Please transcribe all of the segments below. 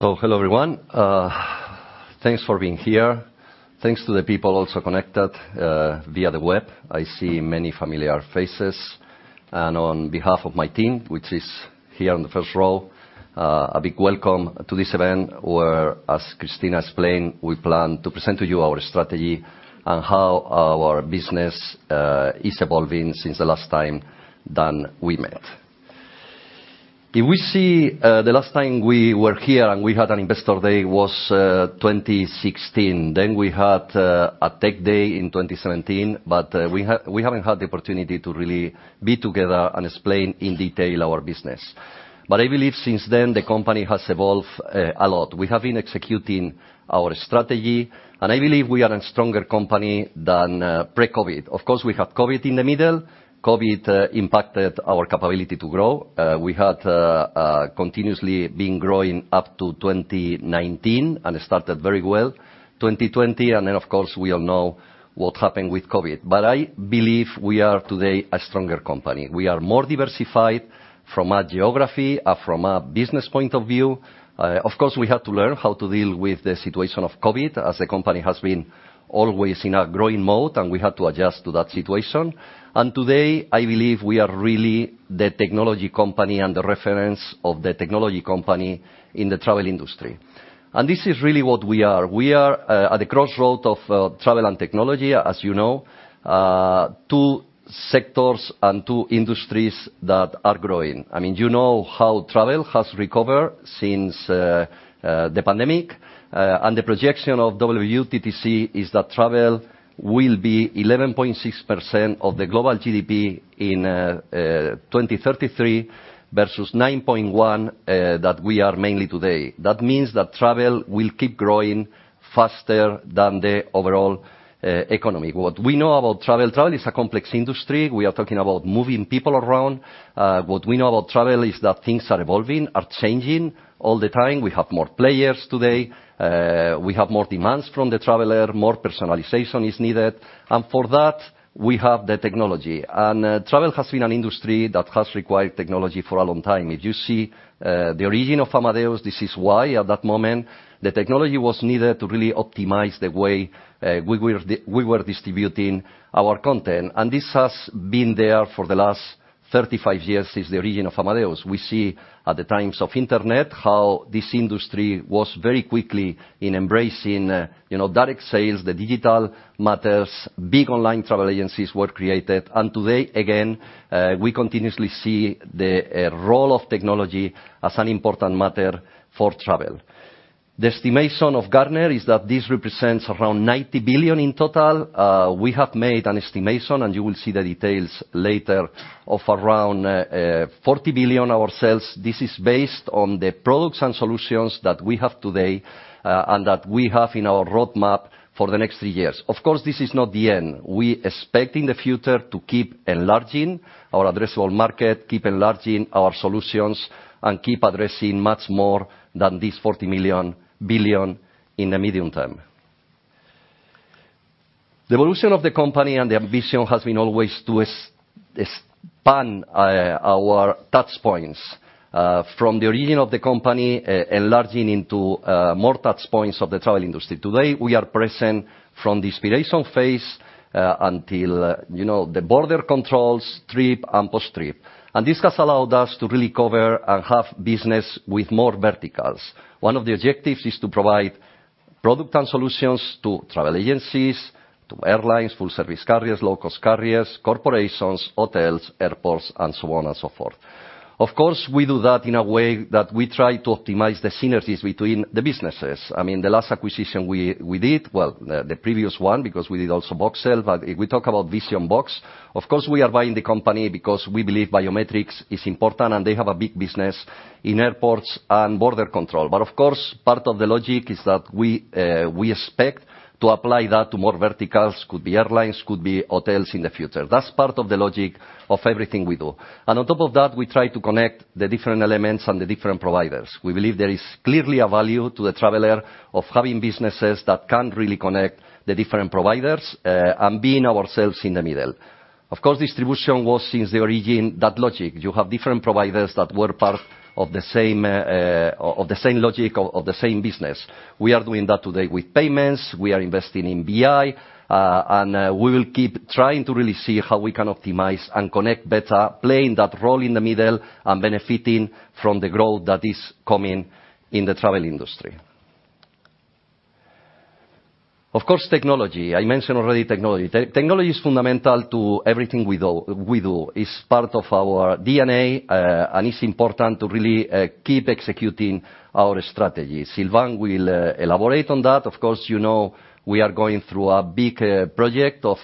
So hello, everyone. Thanks for being here. Thanks to the people also connected via the web. I see many familiar faces, and on behalf of my team, which is here on the first row, a big welcome to this event, where, as Cristina explained, we plan to present to you our strategy and how our business is evolving since the last time that we met. If we see, the last time we were here, and we had an Investor Day, was 2016. Then we had a Tech Day in 2017, but we haven't had the opportunity to really be together and explain in detail our business. But I believe since then, the company has evolved a lot. We have been executing our strategy, and I believe we are a stronger company than pre-COVID. Of course, we had COVID in the middle. COVID impacted our capability to grow. We had continuously been growing up to 2019 and started very well. 2020, and then, of course, we all know what happened with COVID. But I believe we are today a stronger company. We are more diversified from a geography and from a business point of view. Of course, we had to learn how to deal with the situation of COVID, as the company has been always in a growing mode, and we had to adjust to that situation. And today, I believe we are really the technology company and the reference of the technology company in the travel industry. And this is really what we are. We are at the crossroad of travel and technology, as you know, two sectors and two industries that are growing. I mean, you know how travel has recovered since the pandemic, and the projection of WTTC is that travel will be 11.6% of the global GDP in 2033, versus 9.1% that we are mainly today. That means that travel will keep growing faster than the overall economy. What we know about travel, travel is a complex industry. We are talking about moving people around. What we know about travel is that things are evolving, are changing all the time. We have more players today, we have more demands from the traveler, more personalization is needed, and for that, we have the technology. Travel has been an industry that has required technology for a long time. If you see the origin of Amadeus, this is why at that moment, the technology was needed to really optimize the way we were distributing our content. This has been there for the last 35 years, since the origin of Amadeus. We see at the times of internet, how this industry was very quickly in embracing, you know, direct sales, the digital matters, big online travel agencies were created. Today, again, we continuously see the role of technology as an important matter for travel. The estimation of Gartner is that this represents around 90 billion in total. We have made an estimation, and you will see the details later, of around 40 billion ourselves. This is based on the products and solutions that we have today, and that we have in our roadmap for the next 3 years. Of course, this is not the end. We expect in the future to keep enlarging our addressable market, keep enlarging our solutions, and keep addressing much more than this 40 billion in the medium term. The evolution of the company and the ambition has been always to expand our touchpoints. From the origin of the company, enlarging into more touchpoints of the travel industry. Today, we are present from the inspiration phase until, you know, the border controls, trip, and post-trip. And this has allowed us to really cover and have business with more verticals. One of the objectives is to provide product and solutions to travel agencies, to airlines, full-service carriers, low-cost carriers, corporations, hotels, airports, and so on and so forth. Of course, we do that in a way that we try to optimize the synergies between the businesses. I mean, the last acquisition we did, well, the previous one, because we did also Voxel, but if we talk about Vision-Box, of course, we are buying the company because we believe biometrics is important, and they have a big business in airports and border control. But of course, part of the logic is that we expect to apply that to more verticals, could be airlines, could be hotels in the future. That's part of the logic of everything we do. And on top of that, we try to connect the different elements and the different providers. We believe there is clearly a value to the traveler of having businesses that can really connect the different providers, and being ourselves in the middle. Of course, distribution was since the origin, that logic. You have different providers that were part of the same, of the same logic, of the same business. We are doing that today with Payments, we are investing in BI, and we will keep trying to really see how we can optimize and connect better, playing that role in the middle and benefiting from the growth that is coming in the travel industry. Of course, technology. I mentioned already technology. Technology is fundamental to everything we do. It's part of our DNA, and it's important to really keep executing our strategy. Sylvain will elaborate on that. Of course, you know, we are going through a big project of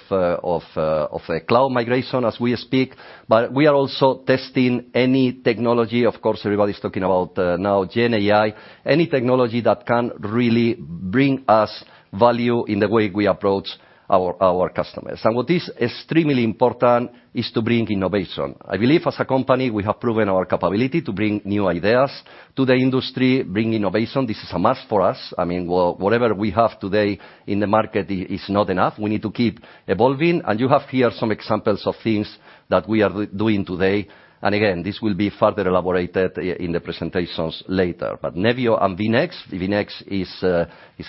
a cloud migration as we speak, but we are also testing any technology. Of course, everybody's talking about now GenAI, any technology that can really bring us value in the way we approach our, our customers. And what is extremely important is to bring innovation. I believe as a company, we have proven our capability to bring new ideas to the industry, bring innovation. This is a must for us. I mean, well, whatever we have today in the market is not enough. We need to keep evolving, and you have here some examples of things that we are doing today. And again, this will be further elaborated in the presentations later. But Nevio and vNext. vNext is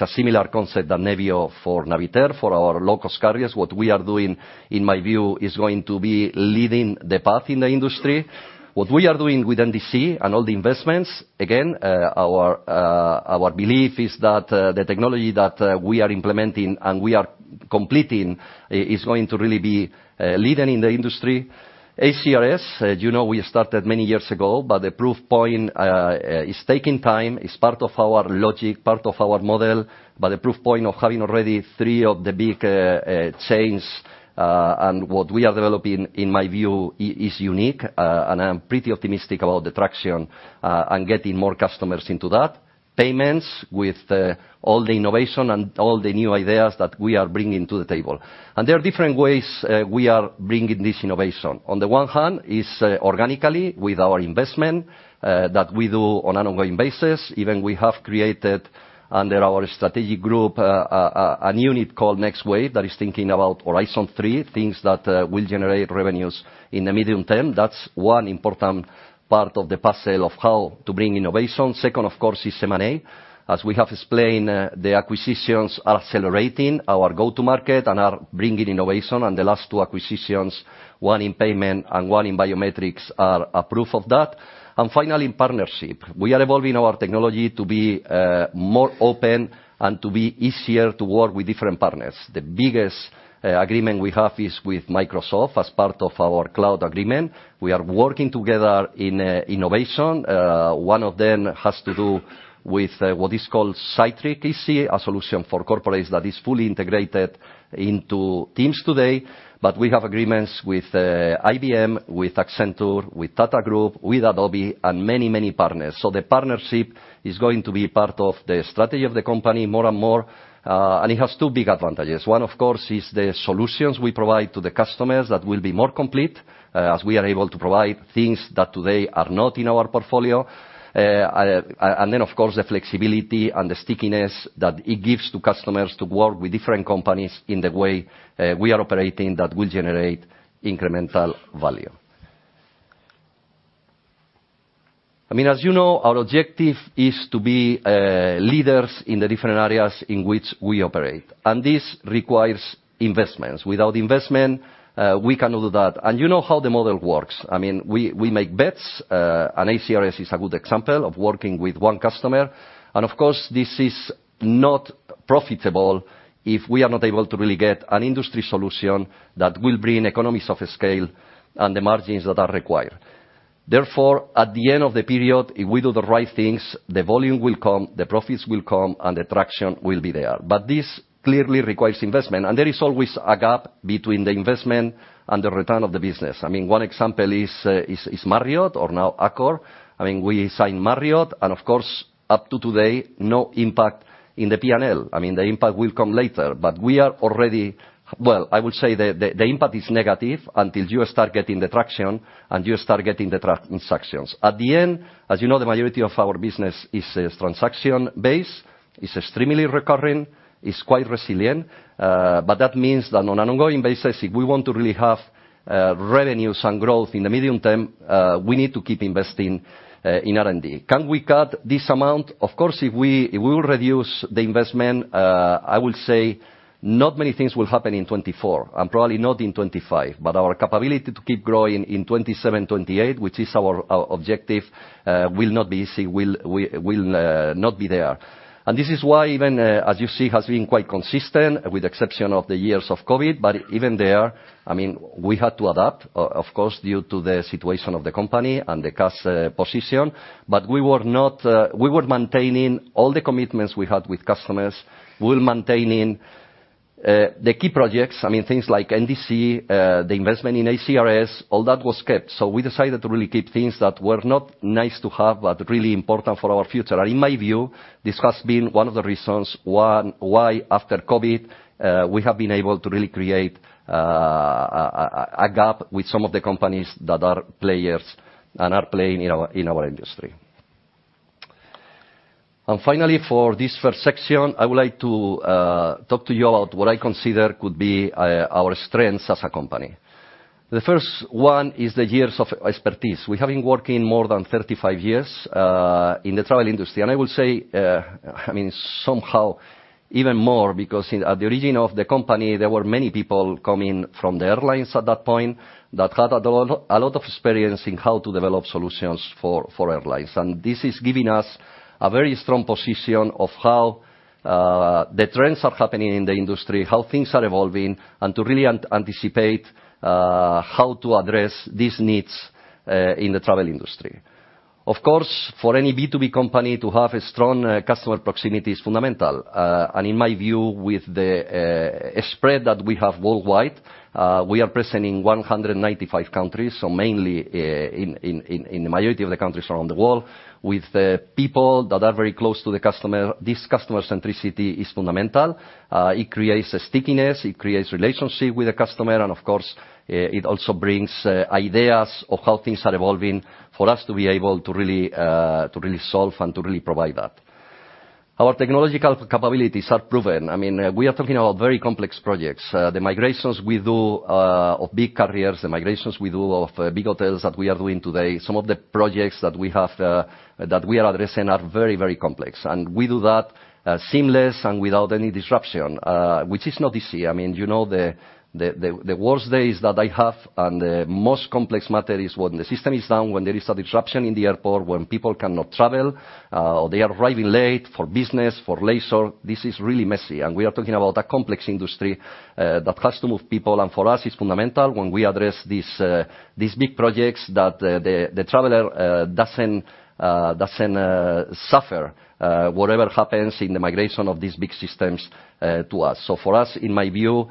a similar concept than Nevio for Navitaire, for our low-cost carriers. What we are doing, in my view, is going to be leading the path in the industry. What we are doing with NDC and all the investments, again, our belief is that, the technology that we are implementing and we are completing is going to really be leading in the industry. ACRS, as you know, we started many years ago, but the proof point is taking time. It's part of our logic, part of our model, but the proof point of having already three of the big chains and what we are developing, in my view, is unique, and I'm pretty optimistic about the traction and getting more customers into that. Payments with all the innovation and all the new ideas that we are bringing to the table. And there are different ways we are bringing this innovation. On the one hand, it's organically with our investment that we do on an ongoing basis. Even we have created, under our strategic group, a unit called Next Wave, that is thinking about Horizon three, things that will generate revenues in the medium term. That's one important part of the puzzle of how to bring innovation. Second, of course, is M&A. As we have explained, the acquisitions are accelerating our go-to-market and are bringing innovation, and the last two acquisitions, one in payment and one in biometrics, are a proof of that. And finally, partnership. We are evolving our technology to be more open and to be easier to work with different partners. The biggest agreement we have is with Microsoft as part of our cloud agreement. We are working together in innovation. One of them has to do with what is called Cytric Easy, a solution for corporates that is fully integrated into Teams today. But we have agreements with IBM, with Accenture, with Tata Group, with Adobe, and many, many partners. So the partnership is going to be part of the strategy of the company more and more, and it has two big advantages. One, of course, is the solutions we provide to the customers that will be more complete, as we are able to provide things that today are not in our portfolio. And then, of course, the flexibility and the stickiness that it gives to customers to work with different companies in the way we are operating that will generate incremental value. I mean, as you know, our objective is to be leaders in the different areas in which we operate, and this requires investments. Without investment, we cannot do that. And you know how the model works. I mean, we make bets, and ACRS is a good example of working with one customer. And of course, this is not profitable if we are not able to really get an industry solution that will bring economies of scale and the margins that are required. Therefore, at the end of the period, if we do the right things, the volume will come, the profits will come, and the traction will be there. But this clearly requires investment, and there is always a gap between the investment and the return of the business. I mean, one example is, is Marriott or now Accor. I mean, we signed Marriott and of course, up to today, no impact in the P&L. I mean, the impact will come later, but we are already... Well, I would say the, the, the impact is negative until you start getting the traction and you start getting the transactions. At the end, as you know, the majority of our business is, is transaction based, is extremely recurring, is quite resilient. But that means that on an ongoing basis, if we want to really have revenues and growth in the medium term, we need to keep investing in R&D. Can we cut this amount? Of course, if we will reduce the investment, I will say not many things will happen in 2024, and probably not in 2025. But our capability to keep growing in 2027, 2028, which is our objective, will not be easy, will not be there. And this is why even as you see, has been quite consistent, with exception of the years of COVID, but even there, I mean, we had to adapt, of course, due to the situation of the company and the cost position. But we were not. We were maintaining all the commitments we had with customers. We were maintaining the key projects, I mean, things like NDC, the investment in ACRS, all that was kept. So we decided to really keep things that were not nice to have, but really important for our future. In my view, this has been one of the reasons why, after COVID, we have been able to really create a gap with some of the companies that are players and are playing in our industry. Finally, for this first section, I would like to talk to you about what I consider could be our strengths as a company. The first one is the years of expertise. We have been working more than 35 years in the travel industry. I will say, I mean, somehow even more, because in, at the origin of the company, there were many people coming from the airlines at that point that had a lot of experience in how to develop solutions for, for airlines. And this is giving us a very strong position of how, the trends are happening in the industry, how things are evolving, and to really anticipate, how to address these needs, in the travel industry. Of course, for any B2B company, to have a strong, customer proximity is fundamental. In my view, with the spread that we have worldwide, we are present in 195 countries, so mainly in the majority of the countries around the world, with the people that are very close to the customer, this customer centricity is fundamental. It creates a stickiness, it creates relationship with the customer, and of course, it also brings ideas of how things are evolving for us to be able to really to really solve and to really provide that.... Our technological capabilities are proven. I mean, we are talking about very complex projects. The migrations we do of big carriers, the migrations we do of big hotels that we are doing today, some of the projects that we have that we are addressing are very, very complex, and we do that seamless and without any disruption, which is not easy. I mean, you know, the worst days that I have and the most complex matter is when the system is down, when there is a disruption in the airport, when people cannot travel, or they are arriving late for business, for leisure. This is really messy, and we are talking about a complex industry that has to move people, and for us, it's fundamental when we address these big projects that the traveler doesn't suffer whatever happens in the migration of these big systems to us. So for us, in my view,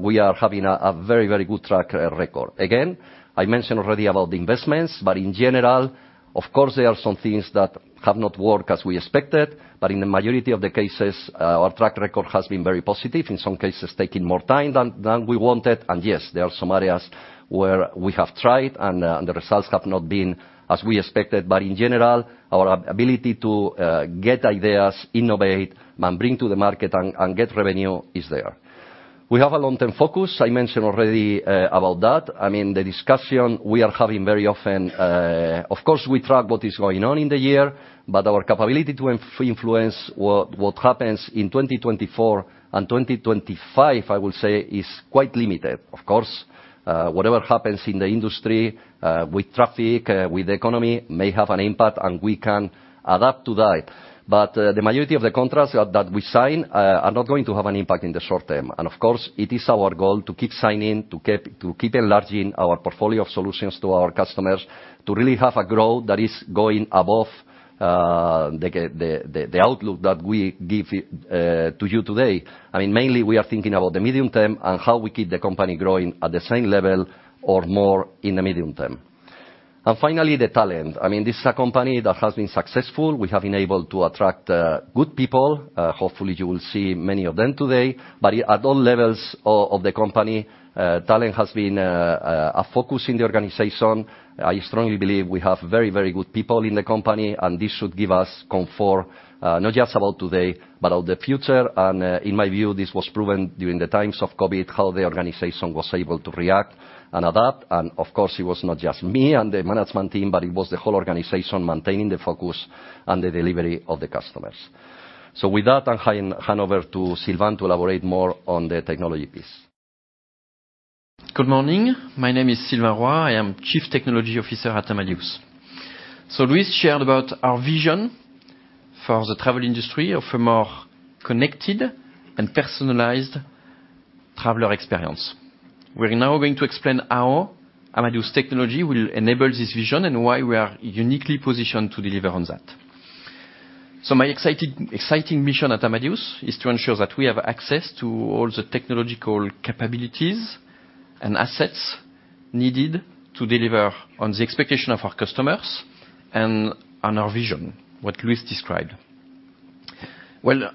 we are having a very, very good track record. Again, I mentioned already about the investments, but in general, of course, there are some things that have not worked as we expected, but in the majority of the cases, our track record has been very positive, in some cases taking more time than we wanted. And yes, there are some areas where we have tried and the results have not been as we expected. But in general, our ability to get ideas, innovate, and bring to the market and get revenue is there. We have a long-term focus. I mentioned already about that. I mean, the discussion we are having very often, of course, we track what is going on in the year, but our capability to influence what happens in 2024 and 2025, I will say, is quite limited. Of course, whatever happens in the industry with traffic with the economy may have an impact, and we can adapt to that. But the majority of the contracts that we sign are not going to have an impact in the short term. Of course, it is our goal to keep signing, to keep enlarging our portfolio of solutions to our customers, to really have a growth that is going above the outlook that we give to you today. I mean, mainly, we are thinking about the medium term and how we keep the company growing at the same level or more in the medium term. Finally, the talent. I mean, this is a company that has been successful. We have been able to attract good people. Hopefully, you will see many of them today. But at all levels of the company, talent has been a focus in the organization. I strongly believe we have very, very good people in the company, and this should give us comfort, not just about today, but about the future. In my view, this was proven during the times of COVID, how the organization was able to react and adapt. Of course, it was not just me and the management team, but it was the whole organization maintaining the focus and the delivery of the customers. So with that, I'm hand over to Sylvain to elaborate more on the technology piece. Good morning. My name is Sylvain Roy. I am Chief Technology Officer at Amadeus. So Luis shared about our vision for the travel industry, of a more connected and personalized traveler experience. We're now going to explain how Amadeus technology will enable this vision and why we are uniquely positioned to deliver on that. So my excited, exciting mission at Amadeus is to ensure that we have access to all the technological capabilities and assets needed to deliver on the expectation of our customers and on our vision, what Luis described. Well,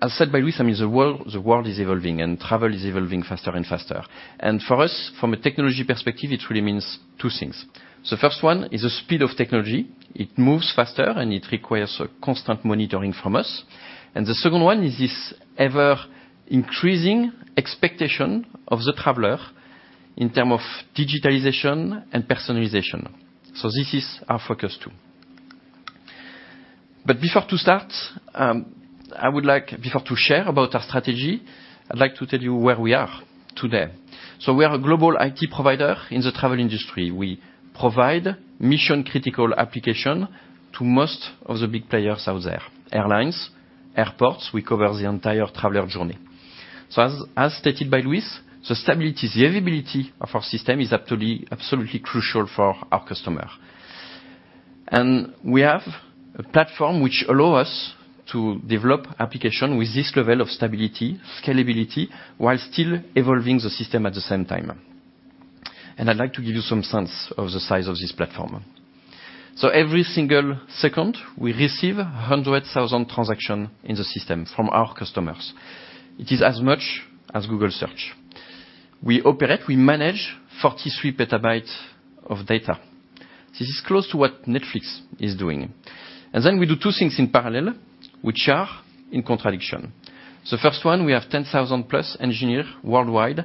as said by Luis, I mean, the world, the world is evolving, and travel is evolving faster and faster. And for us, from a technology perspective, it really means two things. The first one is the speed of technology. It moves faster, and it requires a constant monitoring from us. The second one is this ever-increasing expectation of the traveler in term of digitalization and personalization. So this is our focus, too. But before to start, I would like... Before to share about our strategy, I'd like to tell you where we are today. So we are a global IT provider in the travel industry. We provide mission-critical application to most of the big players out there, airlines, airports. We cover the entire traveler journey. So as stated by Luis, the stability, the availability of our system is actually absolutely crucial for our customer. And we have a platform which allow us to develop application with this level of stability, scalability, while still evolving the system at the same time. And I'd like to give you some sense of the size of this platform. So every single second, we receive 100,000 transactions in the system from our customers. It is as much as Google Search. We operate, we manage 43 PB of data. This is close to what Netflix is doing. And then we do two things in parallel, which are in contradiction. The first one, we have 10,000+ engineers worldwide,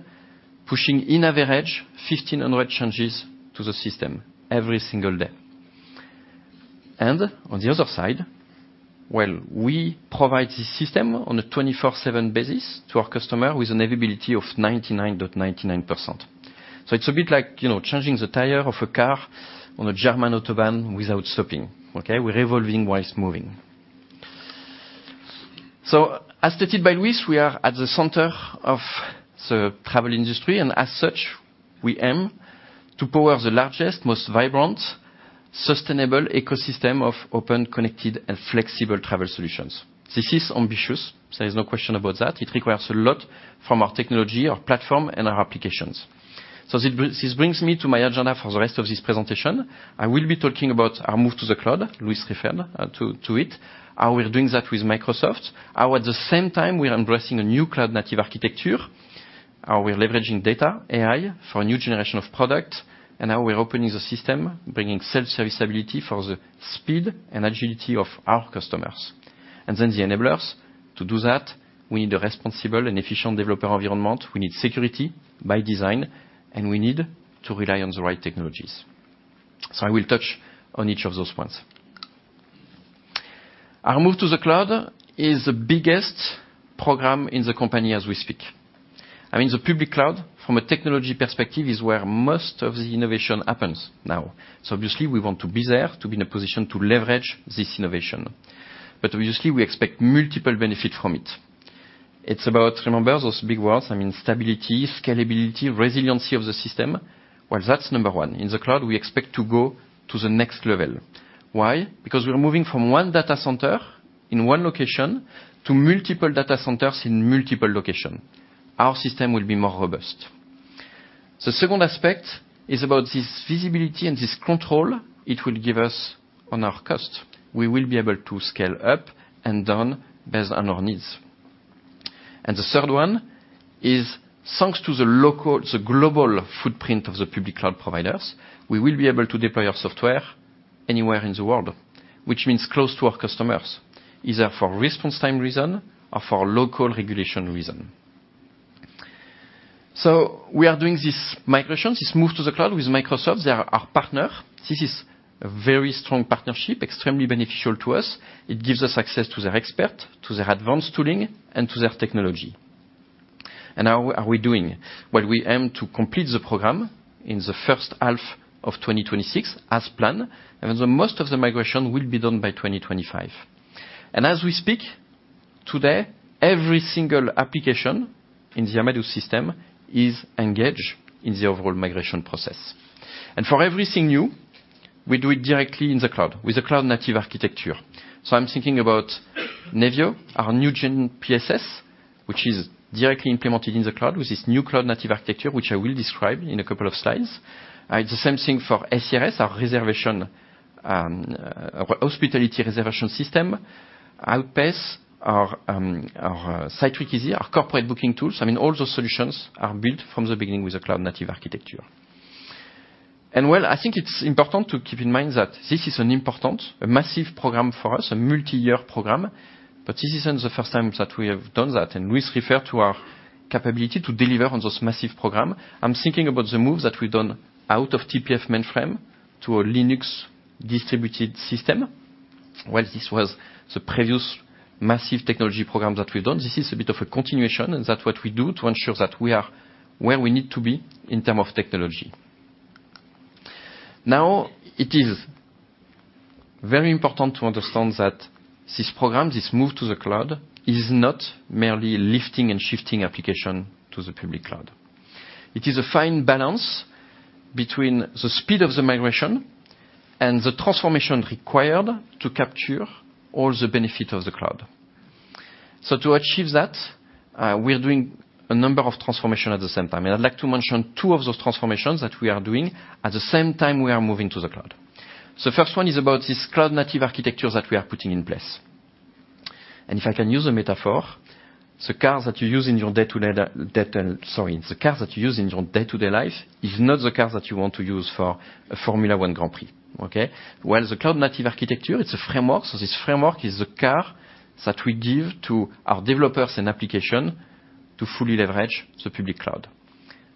pushing, on average, 1,500 changes to the system every single day. And on the other side, well, we provide this system on a 24/7 basis to our customers with an availability of 99.99%. So it's a bit like, you know, changing the tire of a car on a German autobahn without stopping, okay? We're evolving while moving. So as stated by Luis, we are at the center of the travel industry, and as such, we aim to power the largest, most vibrant, sustainable ecosystem of open, connected, and flexible travel solutions. This is ambitious. There is no question about that. It requires a lot from our technology, our platform, and our applications. So this brings me to my agenda for the rest of this presentation. I will be talking about our move to the cloud. Luis referred to it, how we're doing that with Microsoft, how at the same time we are embracing a new cloud-native architecture. How we're leveraging data, AI, for a new generation of product, and how we're opening the system, bringing self-service ability for the speed and agility of our customers. And then the enablers. To do that, we need a responsible and efficient developer environment, we need security by design, and we need to rely on the right technologies. So I will touch on each of those points. Our move to the cloud is the biggest program in the company as we speak. I mean, the public cloud, from a technology perspective, is where most of the innovation happens now. So obviously, we want to be there, to be in a position to leverage this innovation. But obviously, we expect multiple benefit from it. It's about, remember those big words, I mean, stability, scalability, resiliency of the system. Well, that's number one. In the cloud, we expect to go to the next level. Why? Because we're moving from one data center in one location to multiple data centers in multiple location. Our system will be more robust. The second aspect is about this visibility and this control it will give us on our cost. We will be able to scale up and down based on our needs. The third one is, thanks to the global footprint of the public cloud providers, we will be able to deploy our software anywhere in the world, which means close to our customers, either for response time reason or for local regulation reason. We are doing this migration, this move to the cloud, with Microsoft. They are our partner. This is a very strong partnership, extremely beneficial to us. It gives us access to their expert, to their advanced tooling, and to their technology. How are we doing? Well, we aim to complete the program in the first half of 2026, as planned, and the most of the migration will be done by 2025. As we speak today, every single application in the Amadeus system is engaged in the overall migration process. For everything new, we do it directly in the cloud, with the cloud-native architecture. So I'm thinking about Nevio, our new gen PSS, which is directly implemented in the cloud with this new cloud-native architecture, which I will describe in a couple of slides. It's the same thing for ACRS, our reservation, our hospitality reservation system. Outpayce, our Cytric Easy, our corporate booking tools. I mean, all those solutions are built from the beginning with a cloud-native architecture. Well, I think it's important to keep in mind that this is an important, a massive program for us, a multi-year program, but this isn't the first time that we have done that, and Luis referred to our capability to deliver on this massive program. I'm thinking about the move that we've done out of TPF mainframe to a Linux distributed system. Well, this was the previous massive technology program that we've done. This is a bit of a continuation, and that's what we do to ensure that we are where we need to be in terms of technology. Now, it is very important to understand that this program, this move to the cloud, is not merely lifting and shifting applications to the public cloud. It is a fine balance between the speed of the migration and the transformation required to capture all the benefits of the cloud. So to achieve that, we are doing a number of transformations at the same time, and I'd like to mention two of those transformations that we are doing at the same time we are moving to the cloud. The first one is about this cloud-native architecture that we are putting in place. If I can use a metaphor, the cars that you use in your day-to-day life is not the cars that you want to use for a Formula One Grand Prix, okay? Well, the cloud-native architecture, it's a framework. So this framework is the car that we give to our developers and application to fully leverage the public cloud.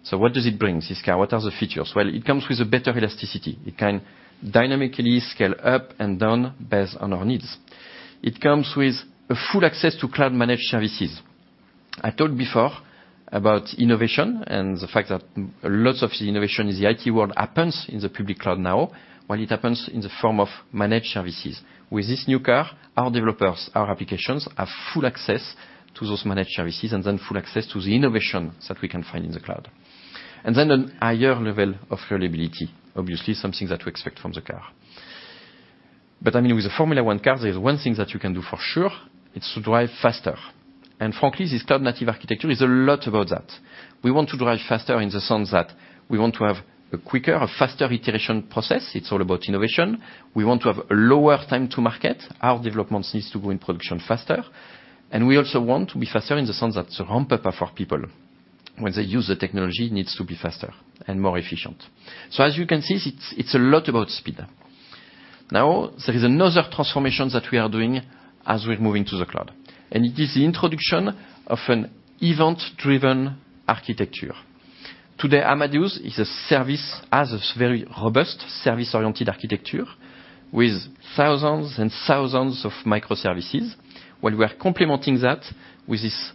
So what does it bring, this car? What are the features? Well, it comes with a better elasticity. It can dynamically scale up and down based on our needs. It comes with a full access to cloud-managed services. I told before about innovation and the fact that lots of the innovation in the IT world happens in the public cloud now. Well, it happens in the form of managed services. With this new car, our developers, our applications, have full access to those managed services, and then full access to the innovation that we can find in the cloud. Then a higher level of reliability, obviously, something that we expect from the car. But, I mean, with the Formula One car, there is one thing that you can do for sure, it's to drive faster. Frankly, this cloud-native architecture is a lot about that. We want to drive faster in the sense that we want to have a quicker, a faster iteration process. It's all about innovation. We want to have a lower time to market. Our developments needs to go in production faster. We also want to be faster in the sense that the ramp-up of our people when they use the technology, needs to be faster and more efficient. So as you can see, it's, it's a lot about speed. Now, there is another transformation that we are doing as we're moving to the cloud, and it is the introduction of an event-driven architecture. Today, Amadeus is a service, as a very robust service-oriented architecture with thousands and thousands of microservices, while we are complementing that with this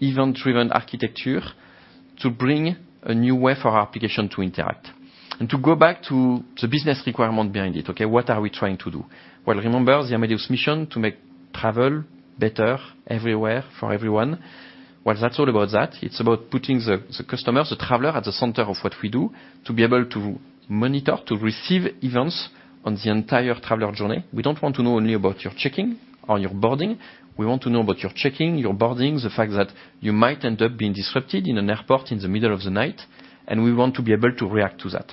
event-driven architecture to bring a new way for our application to interact. To go back to the business requirement behind it, okay, what are we trying to do? Well, remember, the Amadeus mission: to make travel better everywhere for everyone. Well, that's all about that. It's about putting the, the customer, the traveler, at the center of what we do, to be able to monitor, to receive events on the entire traveler journey. We don't want to know only about your checking or your boarding. We want to know about your checking, your boarding, the fact that you might end up being disrupted in an airport in the middle of the night, and we want to be able to react to that....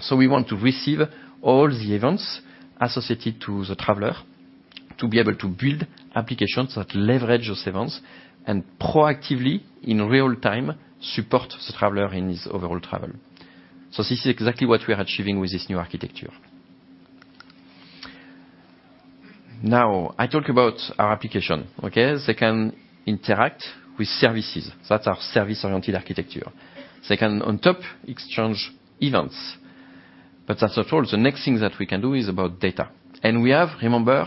So we want to receive all the events associated to the traveler, to be able to build applications that leverage those events and proactively, in real time, support the traveler in his overall travel. So this is exactly what we are achieving with this new architecture. Now, I talk about our application, okay? They can interact with services. That's our service-oriented architecture. They can, on top, exchange events. But that's not all. The next thing that we can do is about data. We have, remember,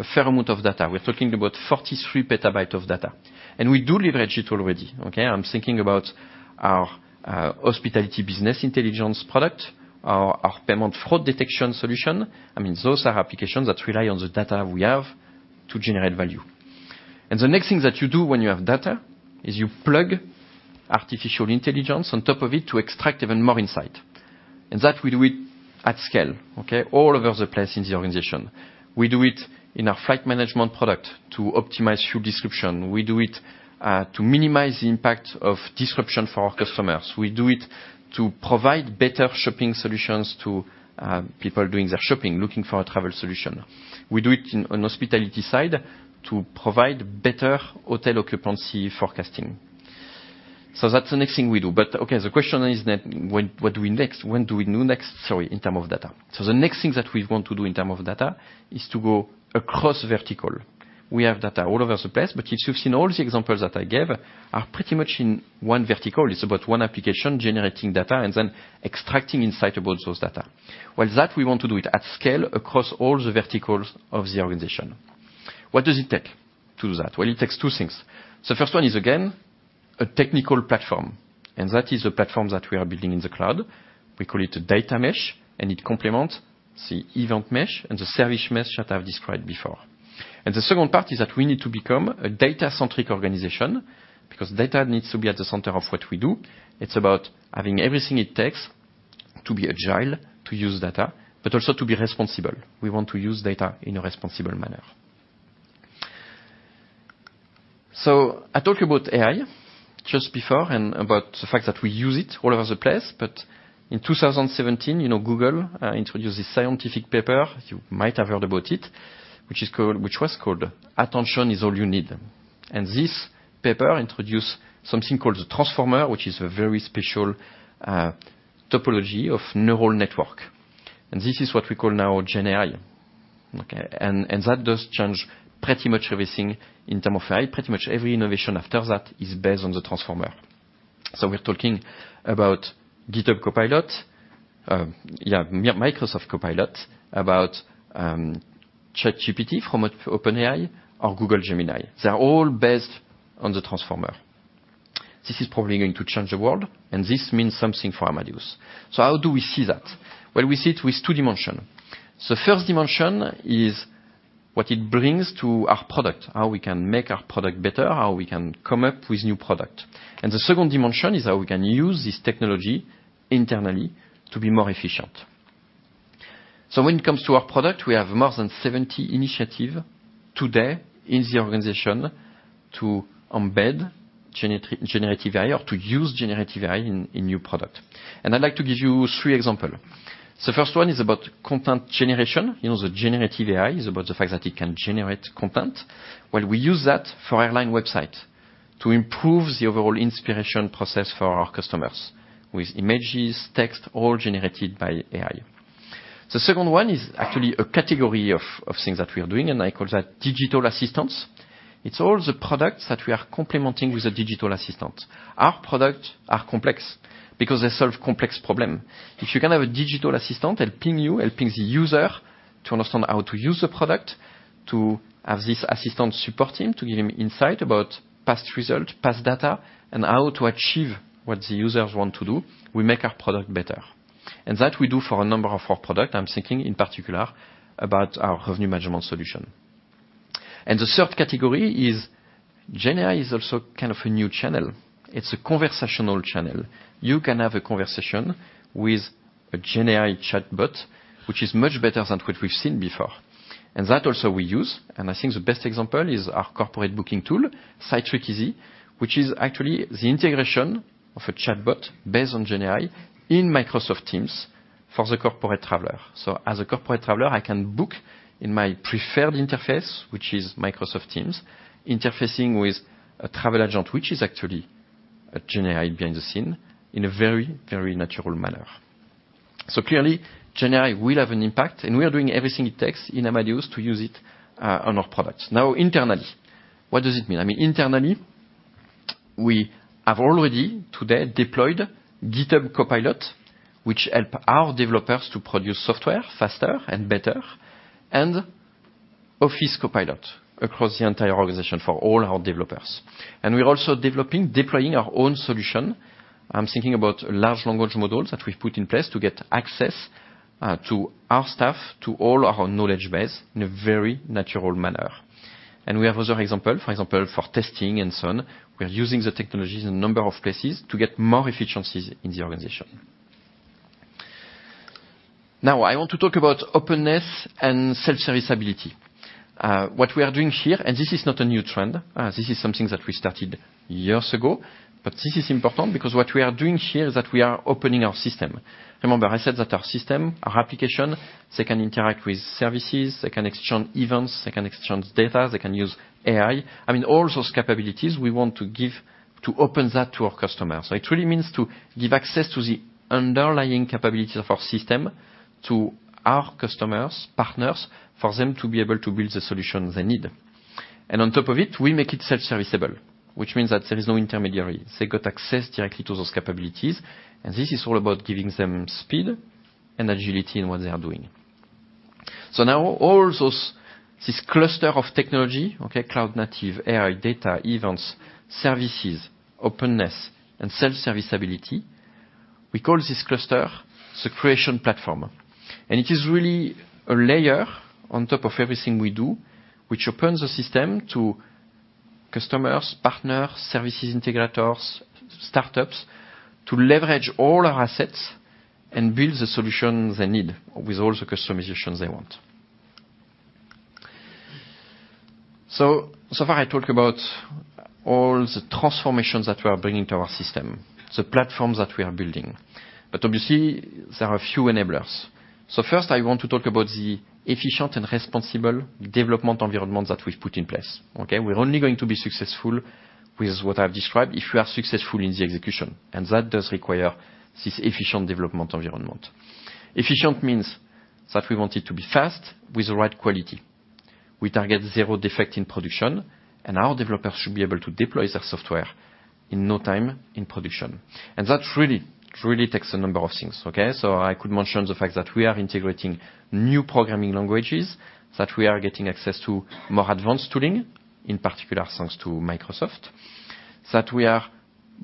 a fair amount of data. We're talking about 43 PB of data, and we do leverage it already, okay? I'm thinking about our, hospitality business intelligence product, our payment fraud detection solution. I mean, those are applications that rely on the data we have to generate value. The next thing that you do when you have data is you plug artificial intelligence on top of it to extract even more insight. And that we do it at scale, okay? All over the place in the organization. We do it in our flight management product to optimize fuel consumption. We do it to minimize the impact of disruption for our customers. We do it to provide better shopping solutions to people doing their shopping, looking for a travel solution. We do it on hospitality side to provide better hotel occupancy forecasting. So that's the next thing we do. Okay, the question is then, what do we do next, sorry, in terms of data? So the next thing that we want to do in terms of data is to go across vertical. We have data all over the place, but as you've seen, all the examples that I gave are pretty much in one vertical. It's about one application, generating data and then extracting insight about those data. Well, that we want to do it at scale across all the verticals of the organization. What does it take to do that? Well, it takes two things. The first one is, again, a technical platform, and that is a platform that we are building in the cloud. We call it a data mesh, and it complements the event mesh and the service mesh that I've described before. The second part is that we need to become a data-centric organization, because data needs to be at the center of what we do. It's about having everything it takes to be agile, to use data, but also to be responsible. We want to use data in a responsible manner. So I talked about AI just before, and about the fact that we use it all over the place, but in 2017, you know, Google introduced this scientific paper, you might have heard about it, which is called—which was called Attention Is All You Need. And this paper introduced something called the Transformer, which is a very special topology of neural network. And this is what we call now GenAI, okay? That does change pretty much everything in terms of AI. Pretty much every innovation after that is based on the Transformer. So we're talking about GitHub Copilot, Microsoft Copilot, ChatGPT from OpenAI or Google Gemini. They're all based on the Transformer. This is probably going to change the world, and this means something for Amadeus. So how do we see that? Well, we see it with two dimensions. The first dimension is what it brings to our product, how we can make our product better, how we can come up with new products. The second dimension is how we can use this technology internally to be more efficient. So when it comes to our product, we have more than 70 initiatives today in the organization to embed generative AI or to use generative AI in new products. I'd like to give you three example. The first one is about content generation. You know, the generative AI is about the fact that it can generate content. Well, we use that for airline website to improve the overall inspiration process for our customers, with images, text, all generated by AI. The second one is actually a category of things that we are doing, and I call that digital assistance. It's all the products that we are complementing with a digital assistant. Our product are complex because they solve complex problem. If you can have a digital assistant helping you, helping the user to understand how to use the product, to have this assistant support him, to give him insight about past result, past data, and how to achieve what the users want to do, we make our product better. And that we do for a number of our product. I'm thinking in particular about our revenue management solution. And the third category is... GenAI is also kind of a new channel. It's a conversational channel. You can have a conversation with a GenAI chatbot, which is much better than what we've seen before. And that also we use, and I think the best example is our corporate booking tool, Cytric Easy, which is actually the integration of a chatbot based on GenAI in Microsoft Teams for the corporate traveler. So as a corporate traveler, I can book in my preferred interface, which is Microsoft Teams, interfacing with a travel agent, which is actually a GenAI behind the scene, in a very, very natural manner. So clearly, GenAI will have an impact, and we are doing everything it takes in Amadeus to use it on our products. Now, internally, what does it mean? I mean, internally, we have already today deployed GitHub Copilot, which help our developers to produce software faster and better, and Office Copilot across the entire organization for all our developers. We're also developing, deploying our own solution. I'm thinking about large language models that we've put in place to get access, to our staff, to all our knowledge base in a very natural manner. We have other example. For example, for testing and so on, we are using the technologies in a number of places to get more efficiencies in the organization. Now I want to talk about openness and self-serviceability. What we are doing here, and this is not a new trend, this is something that we started years ago, but this is important because what we are doing here is that we are opening our system. Remember, I said that our system, our application, they can interact with services, they can exchange events, they can exchange data, they can use AI. I mean, all those capabilities we want to give to open that to our customers. So it really means to give access to the underlying capabilities of our system to our customers, partners, for them to be able to build the solution they need. And on top of it, we make it self-serviceable, which means that there is no intermediary. They got access directly to those capabilities, and this is all about giving them speed and agility in what they are doing. So now, all those, this cluster of technology, okay, cloud native, AI, data, events, services, openness, and self-serviceability, we call this cluster the Aviation Platform. And it is really a layer on top of everything we do, which opens the system to customers, partners, services integrators, startups, to leverage all our assets and build the solutions they need with all the customizations they want. So, so far, I talk about all the transformations that we are bringing to our system, the platforms that we are building, but obviously, there are a few enablers. So first, I want to talk about the efficient and responsible development environment that we've put in place, okay? We're only going to be successful with what I've described if we are successful in the execution, and that does require this efficient development environment. Efficient means that we want it to be fast with the right quality. We target zero defect in production, and our developers should be able to deploy their software in no time in production. That really, really takes a number of things, okay? So I could mention the fact that we are integrating new programming languages, that we are getting access to more advanced tooling, in particular, thanks to Microsoft. That we are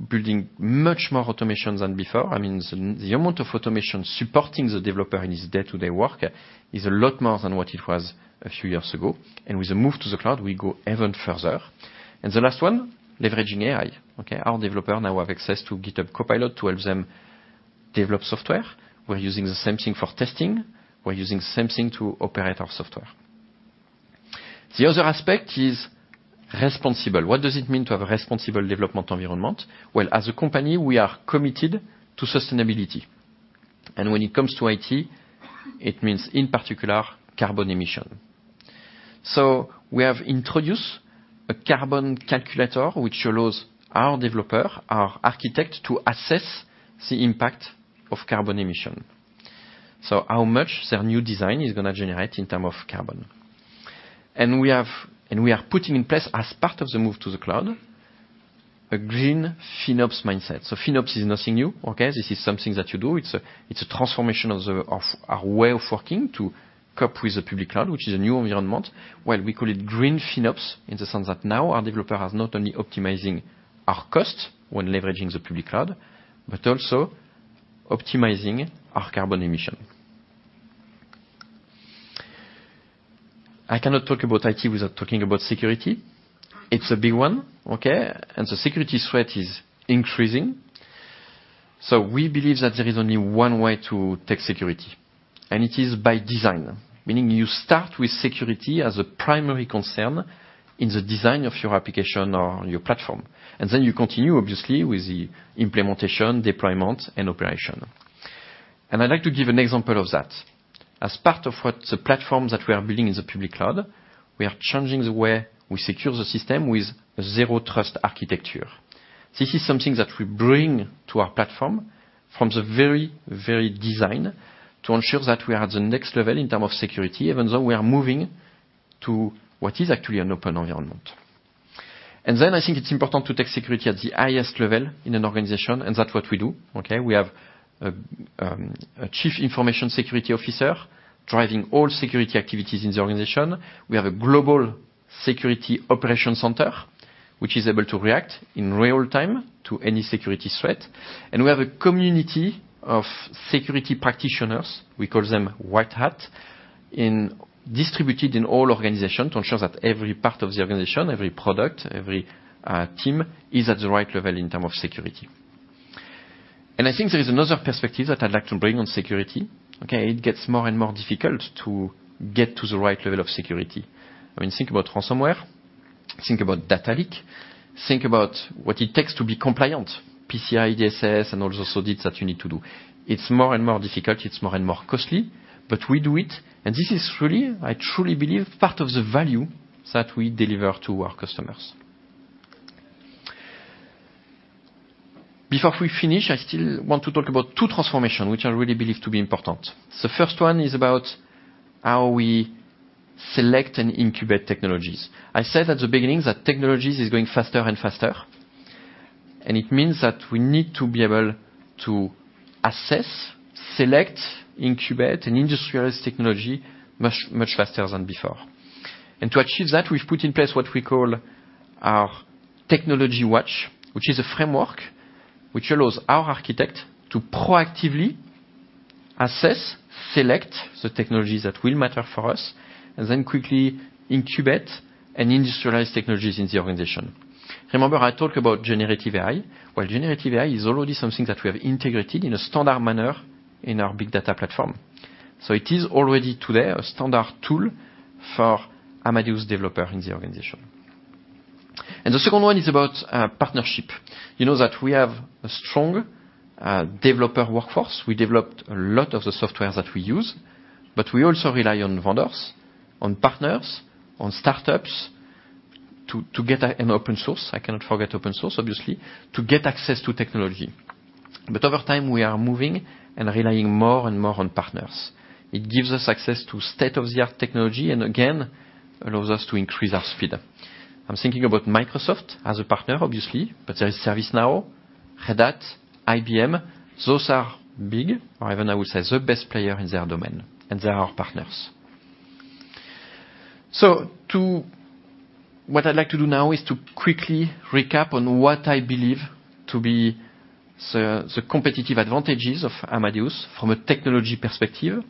building much more automation than before. I mean, the amount of automation supporting the developer in his day-to-day work is a lot more than what it was a few years ago. And with the move to the cloud, we go even further. And the last one, leveraging AI, okay? Our developer now have access to GitHub Copilot to help them develop software. We're using the same thing for testing. We're using the same thing to operate our software. The other aspect is responsible. What does it mean to have a responsible development environment? Well, as a company, we are committed to sustainability, and when it comes to IT, it means, in particular, carbon emission. So we have introduced a carbon calculator, which allows our developer, our architect, to assess the impact of carbon emission. So how much their new design is gonna generate in term of carbon. And we are putting in place, as part of the move to the cloud, a green FinOps mindset. So FinOps is nothing new, okay? This is something that you do. It's a transformation of the of our way of working to cope with the public cloud, which is a new environment. Well, we call it green FinOps, in the sense that now our developer has not only optimizing our cost when leveraging the public cloud, but also optimizing our carbon emission. I cannot talk about IT without talking about security. It's a big one, okay? And the security threat is increasing. So we believe that there is only one way to take security, and it is by design, meaning you start with security as a primary concern in the design of your application or your platform, and then you continue, obviously, with the implementation, deployment, and operation. And I'd like to give an example of that. As part of what the platform that we are building in the public cloud, we are changing the way we secure the system with Zero Trust architecture. This is something that we bring to our platform from the very, very design to ensure that we are at the next level in terms of security, even though we are moving to what is actually an open environment. Then I think it's important to take security at the highest level in an organization, and that's what we do, okay? We have a Chief Information Security Officer driving all security activities in the organization. We have a global security operations center, which is able to react in real time to any security threat. We have a community of security practitioners, we call them White Hat, distributed in all organization to ensure that every part of the organization, every product, every team, is at the right level in term of security. I think there is another perspective that I'd like to bring on security, okay? It gets more and more difficult to get to the right level of security. I mean, think about ransomware, think about data leak, think about what it takes to be compliant, PCI DSS, and all those audits that you need to do. It's more and more difficult, it's more and more costly, but we do it, and this is really, I truly believe, part of the value that we deliver to our customers. Before we finish, I still want to talk about two transformation, which I really believe to be important. The first one is about how we select and incubate technologies. I said at the beginning that technologies is going faster and faster, and it means that we need to be able to assess, select, incubate, and industrialize technology much, much faster than before. To achieve that, we've put in place what we call our Technology Watch, which is a framework which allows our architect to proactively assess, select the technologies that will matter for us, and then quickly incubate and industrialize technologies in the organization. Remember I talk about generative AI? Well, generative AI is already something that we have integrated in a standard manner in our big data platform. So it is already today a standard tool for Amadeus developer in the organization. The second one is about partnership. You know that we have a strong developer workforce. We developed a lot of the software that we use, but we also rely on vendors, on partners, on startups, to get an open source, I cannot forget open source, obviously, to get access to technology. But over time, we are moving and relying more and more on partners. It gives us access to state-of-the-art technology, and again, allows us to increase our speed. I'm thinking about Microsoft as a partner, obviously, but there is ServiceNow, Red Hat, IBM. Those are big, or even I would say, the best player in their domain, and they are our partners. What I'd like to do now is to quickly recap on what I believe to be the competitive advantages of Amadeus from a technology perspective.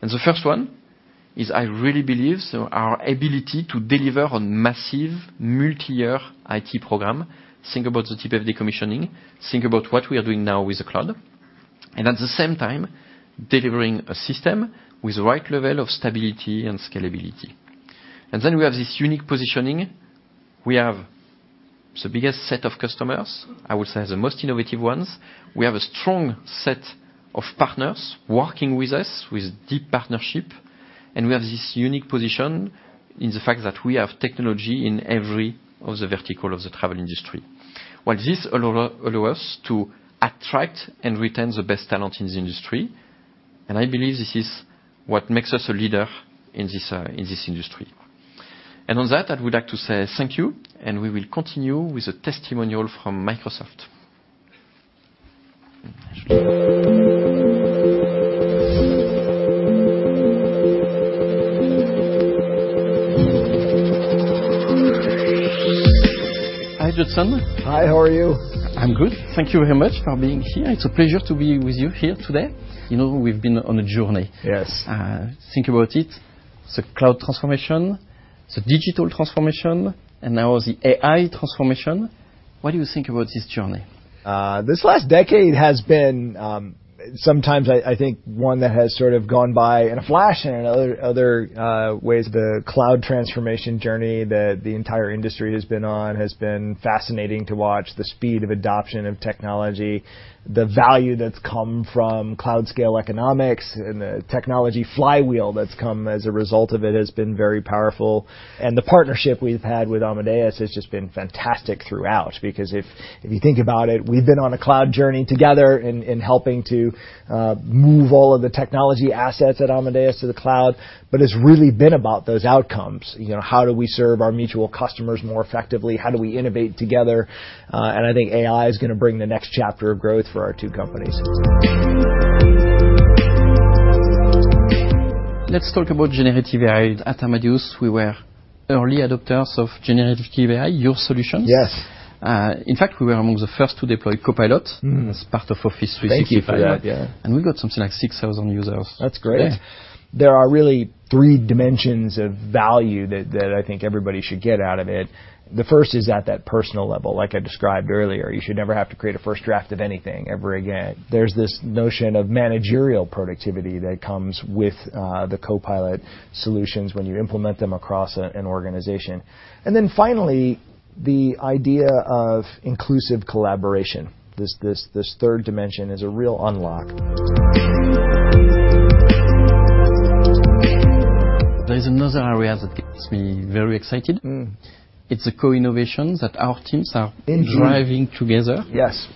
And the first one is I really believe, so our ability to deliver on massive multi-year IT program. Think about the TPF commissioning, think about what we are doing now with the cloud, and at the same time, delivering a system with the right level of stability and scalability. And then we have this unique positioning. We have the biggest set of customers, I would say, the most innovative ones. We have a strong set of partners working with us with deep partnership, and we have this unique position in the fact that we have technology in every of the vertical of the travel industry. Well, this allows us to attract and retain the best talent in the industry, and I believe this is what makes us a leader in this industry. On that, I would like to say thank you, and we will continue with a testimonial from Microsoft. Hi, Judson. Hi, how are you? I'm good. Thank you very much for being here. It's a pleasure to be with you here today. You know, we've been on a journey. Yes. Think about it, the cloud transformation, the digital transformation, and now the AI transformation. What do you think about this journey? This last decade has been, sometimes I think one that has sort of gone by in a flash, and in other ways, the cloud transformation journey that the entire industry has been on has been fascinating to watch. The speed of adoption of technology, the value that's come from cloud-scale economics and the technology flywheel that's come as a result of it has been very powerful. And the partnership we've had with Amadeus has just been fantastic throughout. Because if you think about it, we've been on a cloud journey together in helping to move all of the technology assets at Amadeus to the cloud, but it's really been about those outcomes. You know, how do we serve our mutual customers more effectively? How do we innovate together? I think AI is gonna bring the next chapter of growth for our two companies. Let's talk about generative AI. At Amadeus, we were early adopters of generative AI, your solutions. Yes. In fact, we were among the first to deploy Copilot as part of Office 365. Thank you for that, yeah. We got something like 6,000 users. That's great. Yeah. There are really three dimensions of value that I think everybody should get out of it. The first is at that personal level, like I described earlier. You should never have to create a first draft of anything ever again. There's this notion of managerial productivity that comes with the Copilot solutions when you implement them across an organization. And then finally, the idea of inclusive collaboration. This third dimension is a real unlock. There is another area that gets me very excited. It's a co-innovation that our teams are- Indeed... driving together. Yes.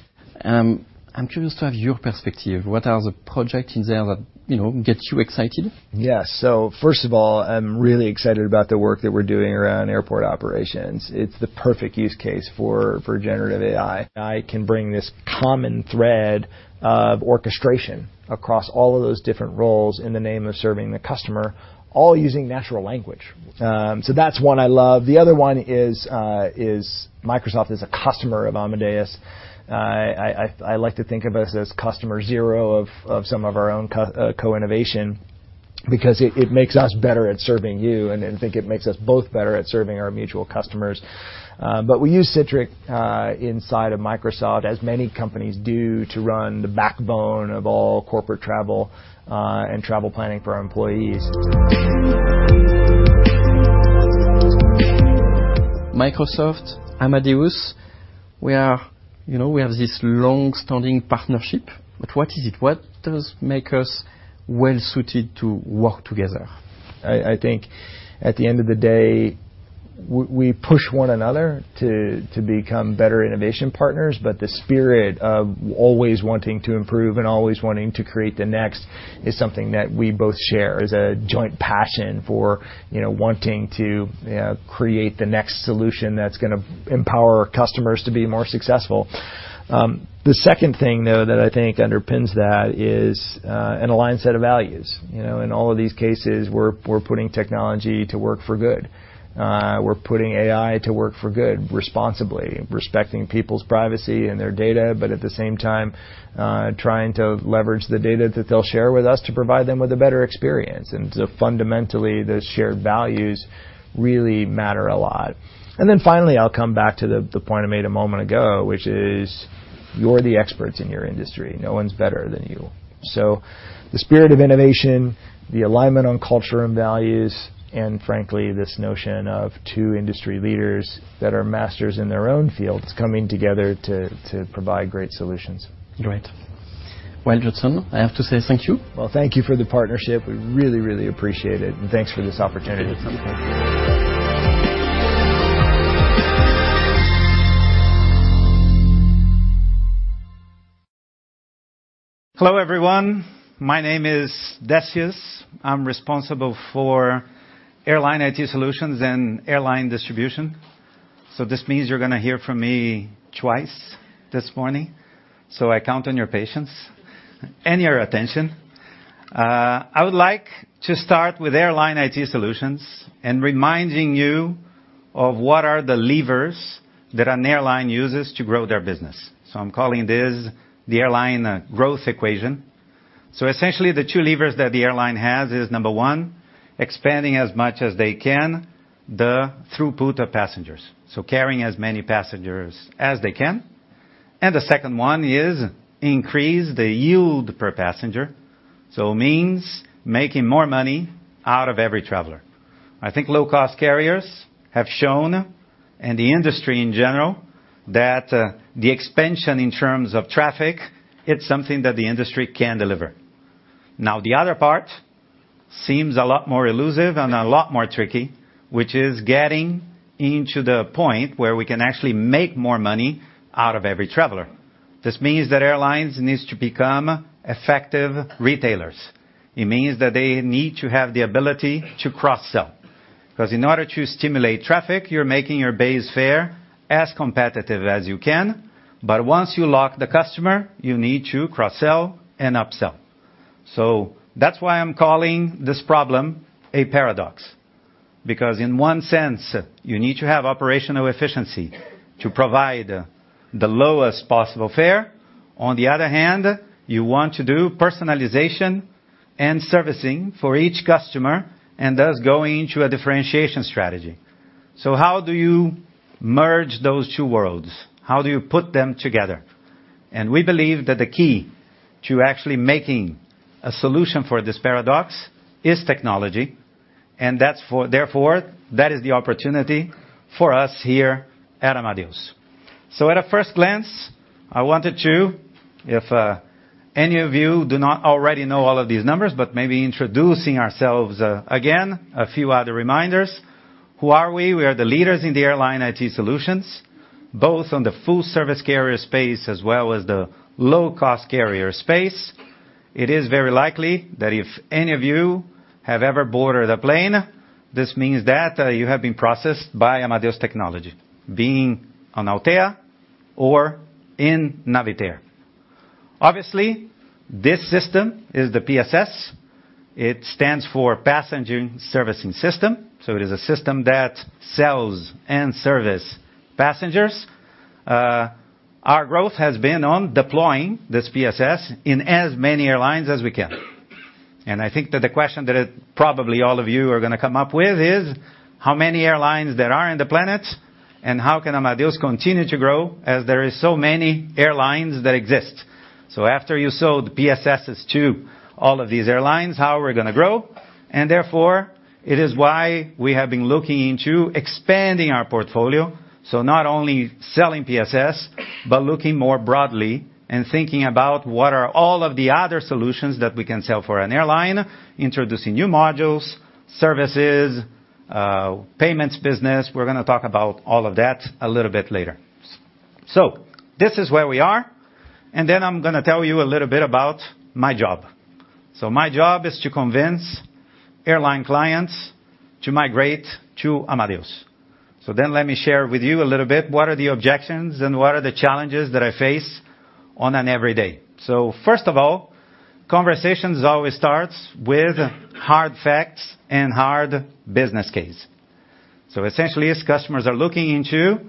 I'm curious to have your perspective. What are the projects in there that, you know, gets you excited? Yes. So first of all, I'm really excited about the work that we're doing around airport operations. It's the perfect use case for generative AI. AI can bring this common thread of orchestration across all of those different roles in the name of serving the customer, all using natural language. So that's one I love. The other one is Microsoft is a customer of Amadeus. I like to think of us as Customer Zero of some of our own co-innovation, because it makes us better at serving you and think it makes us both better at serving our mutual customers. But we use Cytric inside of Microsoft, as many companies do, to run the backbone of all corporate travel and travel planning for our employees. Microsoft, Amadeus, we are... You know, we have this long-standing partnership, but what is it? What does make us well suited to work together? I think at the end of the day, we push one another to become better innovation partners, but the spirit of always wanting to improve and always wanting to create the next is something that we both share. It is a joint passion for, you know, wanting to create the next solution that's gonna empower our customers to be more successful. The second thing, though, that I think underpins that is an aligned set of values. You know, in all of these cases, we're putting technology to work for good. We're putting AI to work for good, responsibly, respecting people's privacy and their data, but at the same time, trying to leverage the data that they'll share with us to provide them with a better experience. And so fundamentally, those shared values really matter a lot. And then finally, I'll come back to the point I made a moment ago, which is, you're the experts in your industry. No one's better than you. So the spirit of innovation, the alignment on culture and values, and frankly, this notion of two industry leaders that are masters in their own fields, coming together to provide great solutions. Great. Well, Judson, I have to say thank you. Well, thank you for the partnership. We really, really appreciate it, and thanks for this opportunity. Hello, everyone. My name is Decius. I'm responsible for Airline IT Solutions and Airline Distribution. So this means you're gonna hear from me twice this morning, so I count on your patience and your attention. I would like to start with Airline IT Solutions and reminding you of what are the levers that an airline uses to grow their business. So I'm calling this the airline growth equation. So essentially, the two levers that the airline has is, number one, expanding as much as they can, the throughput of passengers, so carrying as many passengers as they can. And the second one is increase the yield per passenger, so means making more money out of every traveler. I think low-cost carriers have shown, and the industry in general, that, the expansion in terms of traffic, it's something that the industry can deliver. Now, the other part seems a lot more elusive and a lot more tricky, which is getting into the point where we can actually make more money out of every traveler. This means that airlines needs to become effective retailers. It means that they need to have the ability to cross-sell, 'cause in order to stimulate traffic, you're making your base fare as competitive as you can, but once you lock the customer, you need to cross-sell and upsell. So that's why I'm calling this problem a paradox, because in one sense, you need to have operational efficiency to provide the lowest possible fare. On the other hand, you want to do personalization and servicing for each customer, and thus going into a differentiation strategy. So how do you merge those two worlds? How do you put them together? We believe that the key to actually making a solution for this paradox is technology, and therefore, that is the opportunity for us here at Amadeus. So at a first glance, I wanted to, if any of you do not already know all of these numbers, but maybe introducing ourselves, again, a few other reminders. Who are we? We are the leaders in the Airline IT Solutions, both on the full service carrier space as well as the low-cost carrier space. It is very likely that if any of you have ever boarded a plane, this means that you have been processed by Amadeus technology, being on Altéa or in Navitaire. Obviously, this system is the PSS. It stands for Passenger Servicing System, so it is a system that sells and service passengers. Our growth has been on deploying this PSS in as many airlines as we can. I think that the question that probably all of you are gonna come up with is, how many airlines there are in the planet, and how can Amadeus continue to grow as there is so many airlines that exist? After you sold PSSes to all of these airlines, how are we gonna grow? Therefore, it is why we have been looking into expanding our portfolio, so not only selling PSS, but looking more broadly and thinking about what are all of the other solutions that we can sell for an airline, introducing new modules, services, payments business. We're gonna talk about all of that a little bit later. This is where we are, and then I'm gonna tell you a little bit about my job. So my job is to convince airline clients to migrate to Amadeus. So then let me share with you a little bit, what are the objections and what are the challenges that I face on an every day? So first of all, conversations always starts with hard facts and hard business case. So essentially, as customers are looking into,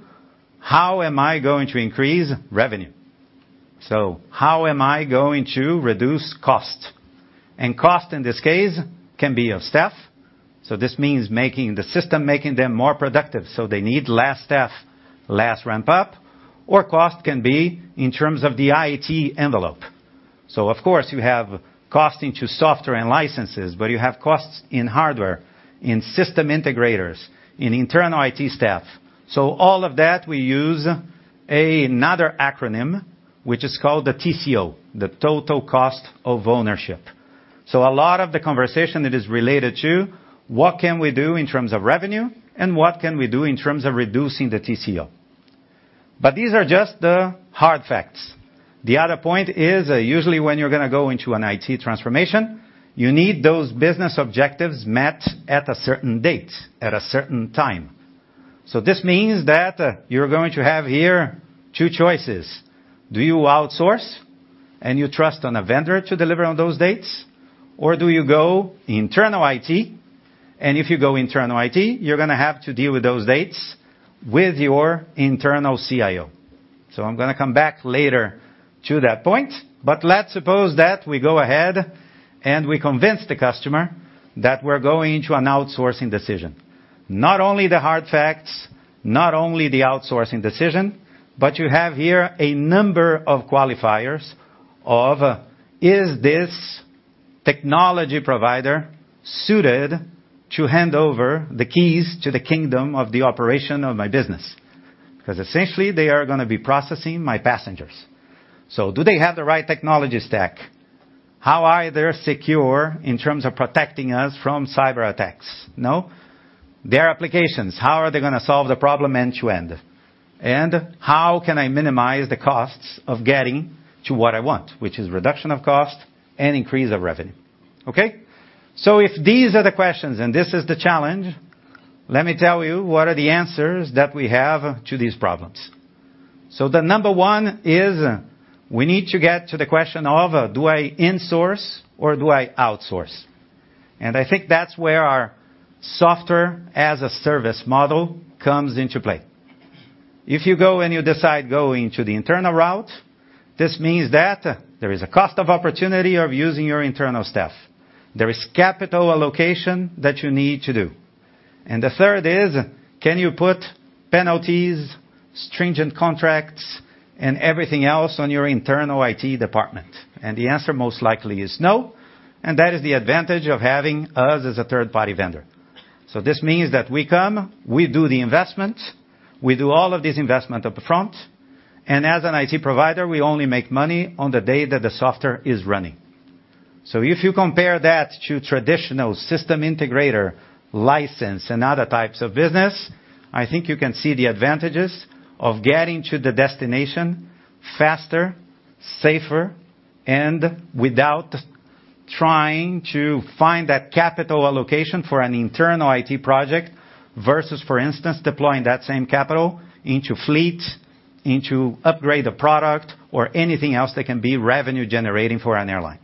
how am I going to increase revenue? So how am I going to reduce cost? And cost, in this case, can be of staff. So this means making the system, making them more productive, so they need less staff, less ramp up, or cost can be in terms of the IT envelope. So of course, you have cost into software and licenses, but you have costs in hardware, in system integrators, in internal IT staff. So all of that, we use another acronym, which is called the TCO, the total cost of ownership. So a lot of the conversation it is related to, what can we do in terms of revenue and what can we do in terms of reducing the TCO? But these are just the hard facts. The other point is, usually when you're gonna go into an IT transformation, you need those business objectives met at a certain date, at a certain time. So this means that you're going to have here two choices: Do you outsource, and you trust on a vendor to deliver on those dates? Or do you go internal IT, and if you go internal IT, you're gonna have to deal with those dates with your internal CIO. So I'm gonna come back later to that point, but let's suppose that we go ahead and we convince the customer that we're going into an outsourcing decision. Not only the hard facts, not only the outsourcing decision, but you have here a number of qualifiers of, is this technology provider suited to hand over the keys to the kingdom of the operation of my business? Because essentially, they are gonna be processing my passengers. So do they have the right technology stack? How are they secure in terms of protecting us from cyberattacks, no? Their applications, how are they gonna solve the problem end to end? And how can I minimize the costs of getting to what I want, which is reduction of cost and increase of revenue. Okay? So if these are the questions and this is the challenge, let me tell you what are the answers that we have to these problems. So the number one is, we need to get to the question of, do I insource or do I outsource? And I think that's where our software as a service model comes into play. If you go and you decide go into the internal route, this means that there is a cost of opportunity of using your internal staff. There is capital allocation that you need to do. And the third is, can you put penalties, stringent contracts, and everything else on your internal IT department? And the answer most likely is no, and that is the advantage of having us as a third-party vendor. So this means that we come, we do the investment, we do all of this investment up front, and as an IT provider, we only make money on the day that the software is running. So if you compare that to traditional system integrator, license, and other types of business, I think you can see the advantages of getting to the destination faster, safer, and without trying to find that capital allocation for an internal IT project, versus, for instance, deploying that same capital into fleet, into upgrade a product, or anything else that can be revenue-generating for an airline.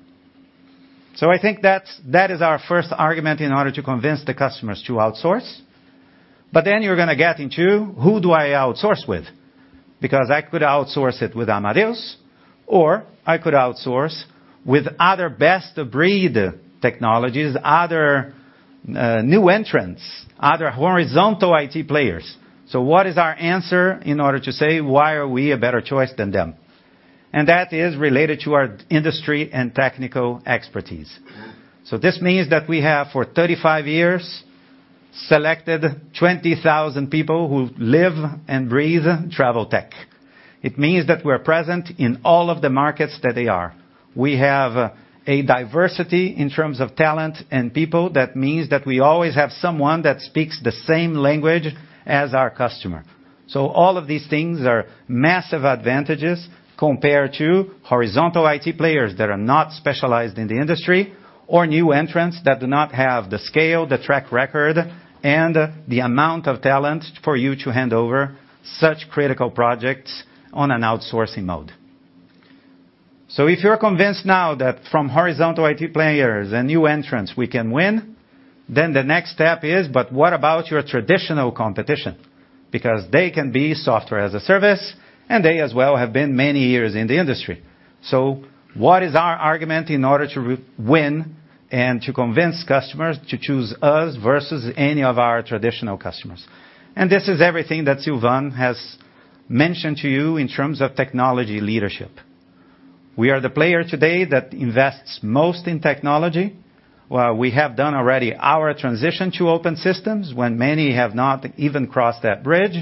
So I think that's--that is our first argument in order to convince the customers to outsource. But then you're gonna get into, who do I outsource with? Because I could outsource it with Amadeus, or I could outsource with other best-of-breed technologies, other, new entrants, other horizontal IT players. So what is our answer in order to say, why are we a better choice than them? And that is related to our industry and technical expertise. So this means that we have, for 35 years, selected 20,000 people who live and breathe travel tech. It means that we're present in all of the markets that they are. We have a diversity in terms of talent and people. That means that we always have someone that speaks the same language as our customer. So all of these things are massive advantages compared to horizontal IT players that are not specialized in the industry, or new entrants that do not have the scale, the track record, and the amount of talent for you to hand over such critical projects on an outsourcing mode. So if you're convinced now that from horizontal IT players and new entrants we can win, then the next step is, but what about your traditional competition? Because they can be software as a service, and they as well have been many years in the industry. So what is our argument in order to win and to convince customers to choose us versus any of our traditional competitors? And this is everything that Sylvain has mentioned to you in terms of technology leadership. We are the player today that invests most in technology, while we have done already our transition to open systems, when many have not even crossed that bridge.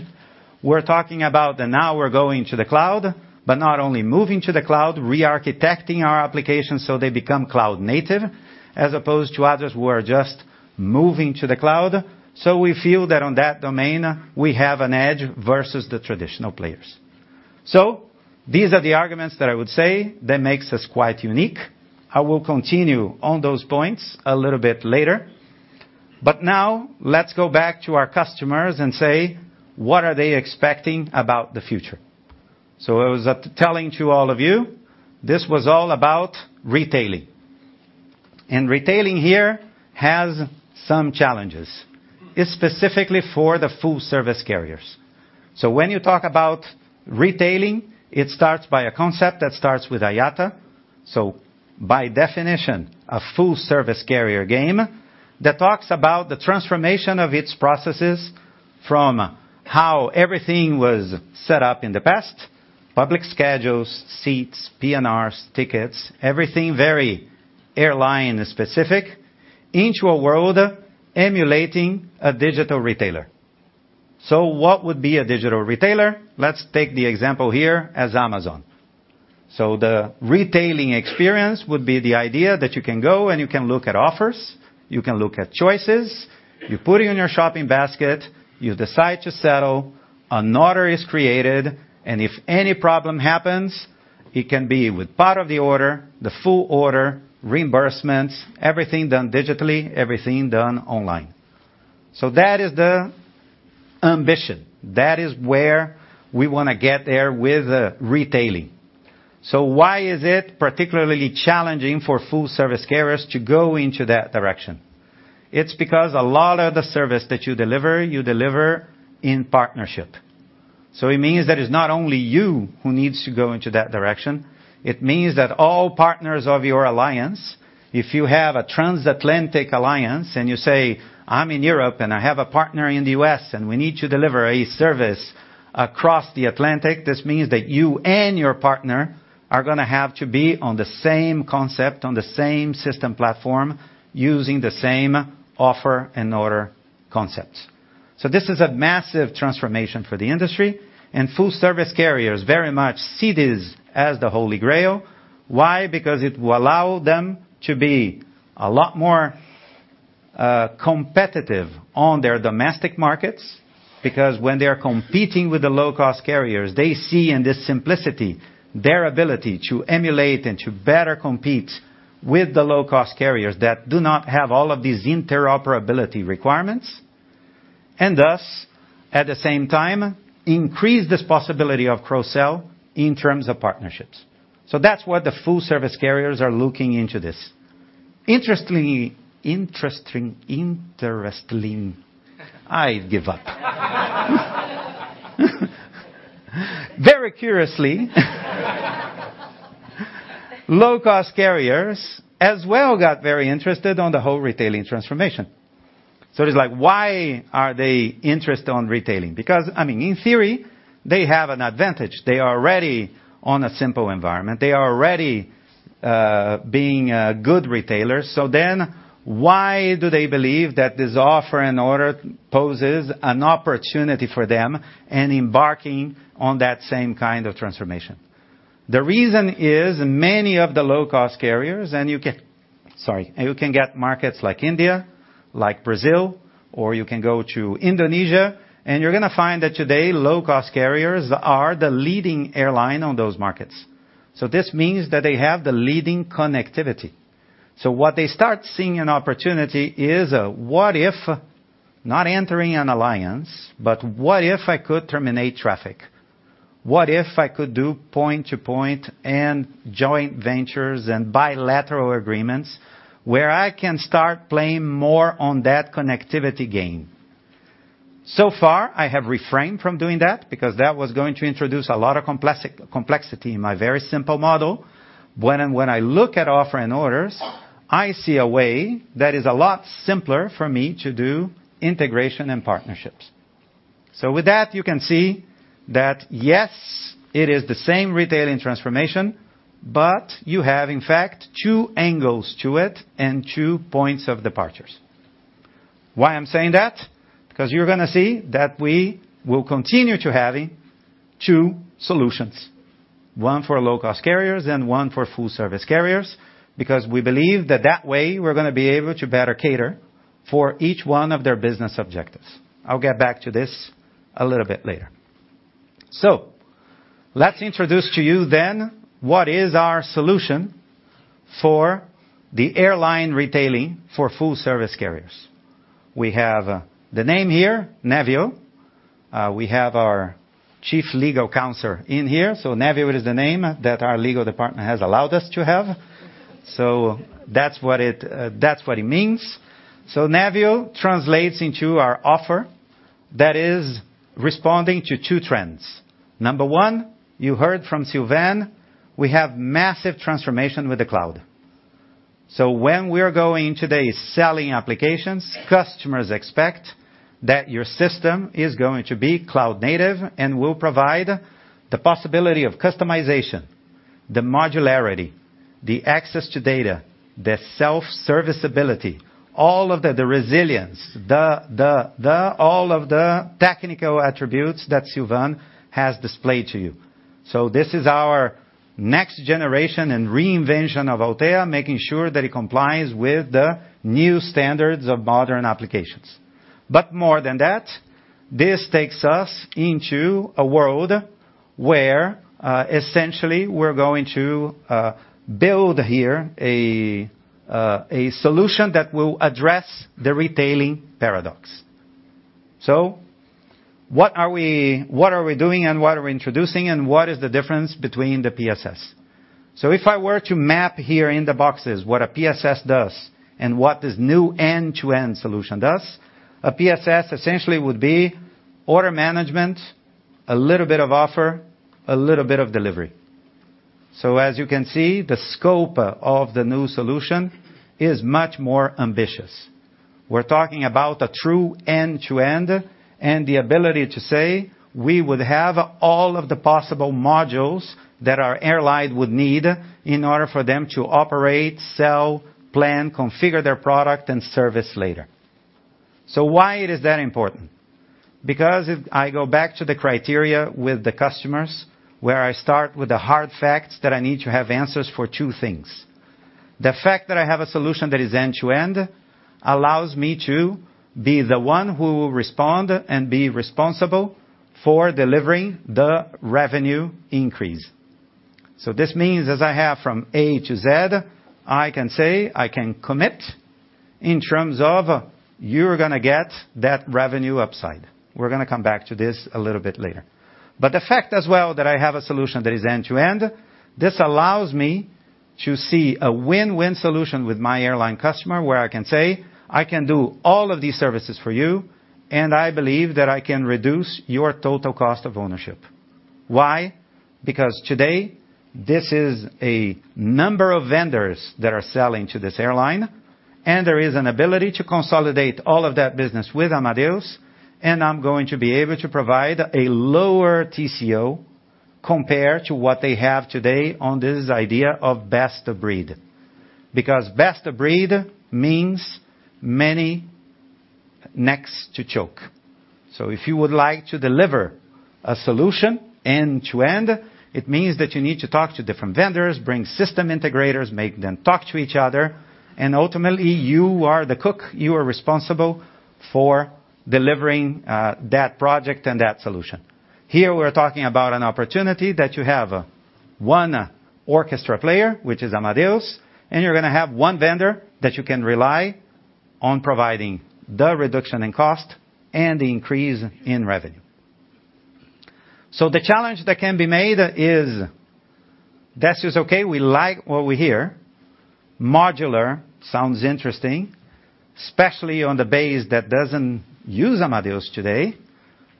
We're talking about that now we're going to the cloud, but not only moving to the cloud, re-architecting our applications so they become cloud native, as opposed to others who are just moving to the cloud. So we feel that on that domain, we have an edge versus the traditional players. So these are the arguments that I would say that makes us quite unique. I will continue on those points a little bit later. But now let's go back to our customers and say, what are they expecting about the future? So I was telling to all of you, this was all about retailing. And retailing here has some challenges. It's specifically for the full service carriers. So when you talk about retailing, it starts by a concept that starts with IATA. By definition, a full service carrier game, that talks about the transformation of its processes from how everything was set up in the past, public schedules, seats, PNRs, tickets, everything very airline-specific, into a world emulating a digital retailer. What would be a digital retailer? Let's take the example here as Amazon. The retailing experience would be the idea that you can go and you can look at offers, you can look at choices, you put it in your shopping basket, you decide to settle, an order is created, and if any problem happens. It can be with part of the order, the full order, reimbursements, everything done digitally, everything done online. That is the ambition. That is where we want to get there with retailing. So why is it particularly challenging for full-service carriers to go into that direction? It's because a lot of the service that you deliver, you deliver in partnership. So it means that it's not only you who needs to go into that direction. It means that all partners of your alliance, if you have a transatlantic alliance and you say, "I'm in Europe, and I have a partner in the US, and we need to deliver a service across the Atlantic," this means that you and your partner are gonna have to be on the same concept, on the same system platform, using the same Offer and Order concepts. So this is a massive transformation for the industry, and full-service carriers very much see this as the Holy Grail. Why? Because it will allow them to be a lot more competitive on their domestic markets, because when they are competing with the low-cost carriers, they see in this simplicity their ability to emulate and to better compete with the low-cost carriers that do not have all of these interoperability requirements, and thus at the same time increase this possibility of cross-sell in terms of partnerships. So that's what the full-service carriers are looking into this. Interestingly, very curiously, low-cost carriers as well got very interested on the whole retailing transformation. So it's like, why are they interested on retailing? Because, I mean, in theory, they have an advantage. They are already on a simple environment. They are already being good retailers. So then, why do they believe that this Offer and Order poses an opportunity for them and embarking on that same kind of transformation? The reason is, many of the low-cost carriers, and you get-- Sorry, you can get markets like India, like Brazil, or you can go to Indonesia, and you're gonna find that today, low-cost carriers are the leading airline on those markets. So this means that they have the leading connectivity. So what they start seeing an opportunity is, what if, not entering an alliance, but what if I could terminate traffic? What if I could do point-to-point and joint ventures and bilateral agreements where I can start playing more on that connectivity gain? So far, I have refrained from doing that because that was going to introduce a lot of complex- complexity in my very simple model. When I look at Offer and Orders, I see a way that is a lot simpler for me to do integration and partnerships. So with that, you can see that, yes, it is the same retailing transformation, but you have, in fact, two angles to it and two points of departures. Why I'm saying that? Because you're gonna see that we will continue to having two solutions, one for low-cost carriers and one for full-service carriers, because we believe that that way, we're gonna be able to better cater for each one of their business objectives. I'll get back to this a little bit later. So let's introduce to you then, what is our solution for the airline retailing for full-service carriers. We have the name here, Nevio. We have our chief legal counselor in here, so Nevio is the name that our legal department has allowed us to have. So that's what it, that's what it means. So Nevio translates into our offer that is responding to 2 trends. 1, you heard from Sylvain, we have massive transformation with the cloud. So when we are going today, selling applications, customers expect that your system is going to be cloud-native and will provide the possibility of customization, the modularity, the access to data, the self-service ability, all of the technical attributes that Sylvain has displayed to you. So this is our next generation and reinvention of Altéa, making sure that it complies with the new standards of modern applications. But more than that, this takes us into a world where, essentially, we're going to build here a solution that will address the retailing paradox. So what are we, what are we doing and what are we introducing, and what is the difference between the PSS? So if I were to map here in the boxes, what a PSS does and what this new end-to-end solution does, a PSS essentially would be order management, a little bit of offer, a little bit of delivery. So as you can see, the scope of the new solution is much more ambitious. We're talking about a true end-to-end, and the ability to say we would have all of the possible modules that our airline would need in order for them to operate, sell, plan, configure their product, and service later. So why it is that important? Because if I go back to the criteria with the customers, where I start with the hard facts, that I need to have answers for two things. The fact that I have a solution that is end-to-end allows me to be the one who will respond and be responsible for delivering the revenue increase. So this means, as I have from A to Z, I can say, I can commit in terms of you're gonna get that revenue upside. We're gonna come back to this a little bit later. But the fact as well, that I have a solution that is end-to-end, this allows me to see a win-win solution with my airline customer, where I can say, "I can do all of these services for you, and I believe that I can reduce your total cost of ownership." Why? Because today, this is a number of vendors that are selling to this airline, and there is an ability to consolidate all of that business with Amadeus, and I'm going to be able to provide a lower TCO compared to what they have today on this idea of best of breed. Because best of breed means many necks to choke. So if you would like to deliver a solution end-to-end, it means that you need to talk to different vendors, bring system integrators, make them talk to each other, and ultimately, you are the cook, you are responsible for delivering that project and that solution. Here we're talking about an opportunity that you have one orchestra player, which is Amadeus, and you're gonna have one vendor that you can rely on providing the reduction in cost and the increase in revenue. So the challenge that can be made is, that's just okay, we like what we hear. Modular sounds interesting, especially on the base that doesn't use Amadeus today.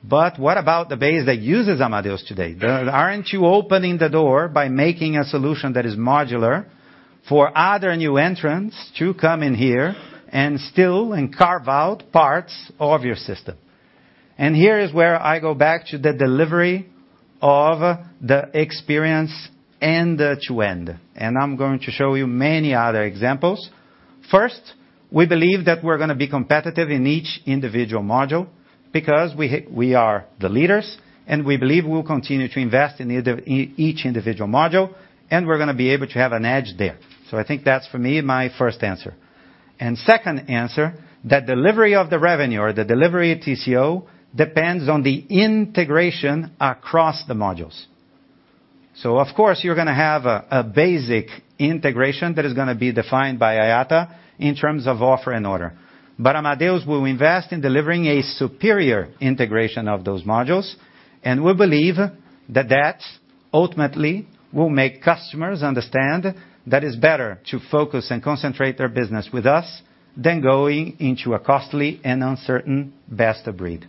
But what about the base that uses Amadeus today? Aren't you opening the door by making a solution that is modular for other new entrants to come in here and carve out parts of your system? And here is where I go back to the delivery of the experience end-to-end, and I'm going to show you many other examples. First, we believe that we're gonna be competitive in each individual module because we are the leaders, and we believe we will continue to invest in each individual module, and we're gonna be able to have an edge there. So I think that's, for me, my first answer. Second answer, that delivery of the revenue or the delivery TCO, depends on the integration across the modules. So of course, you're gonna have a basic integration that is gonna be defined by IATA in terms of Offer and Order. But Amadeus will invest in delivering a superior integration of those modules, and we believe that that ultimately will make customers understand that it's better to focus and concentrate their business with us, than going into a costly and uncertain best of breed.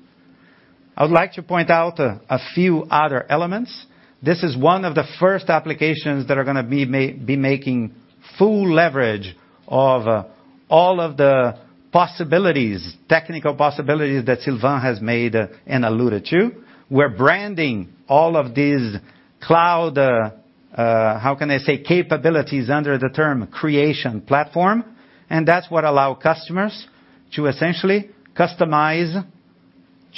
I would like to point out a few other elements. This is one of the first applications that are gonna be making full leverage of all of the possibilities, technical possibilities that Sylvain has made and alluded to. We're branding all of these cloud, how can I say, capabilities under the term Aviation Platform, and that's what allow customers to essentially customize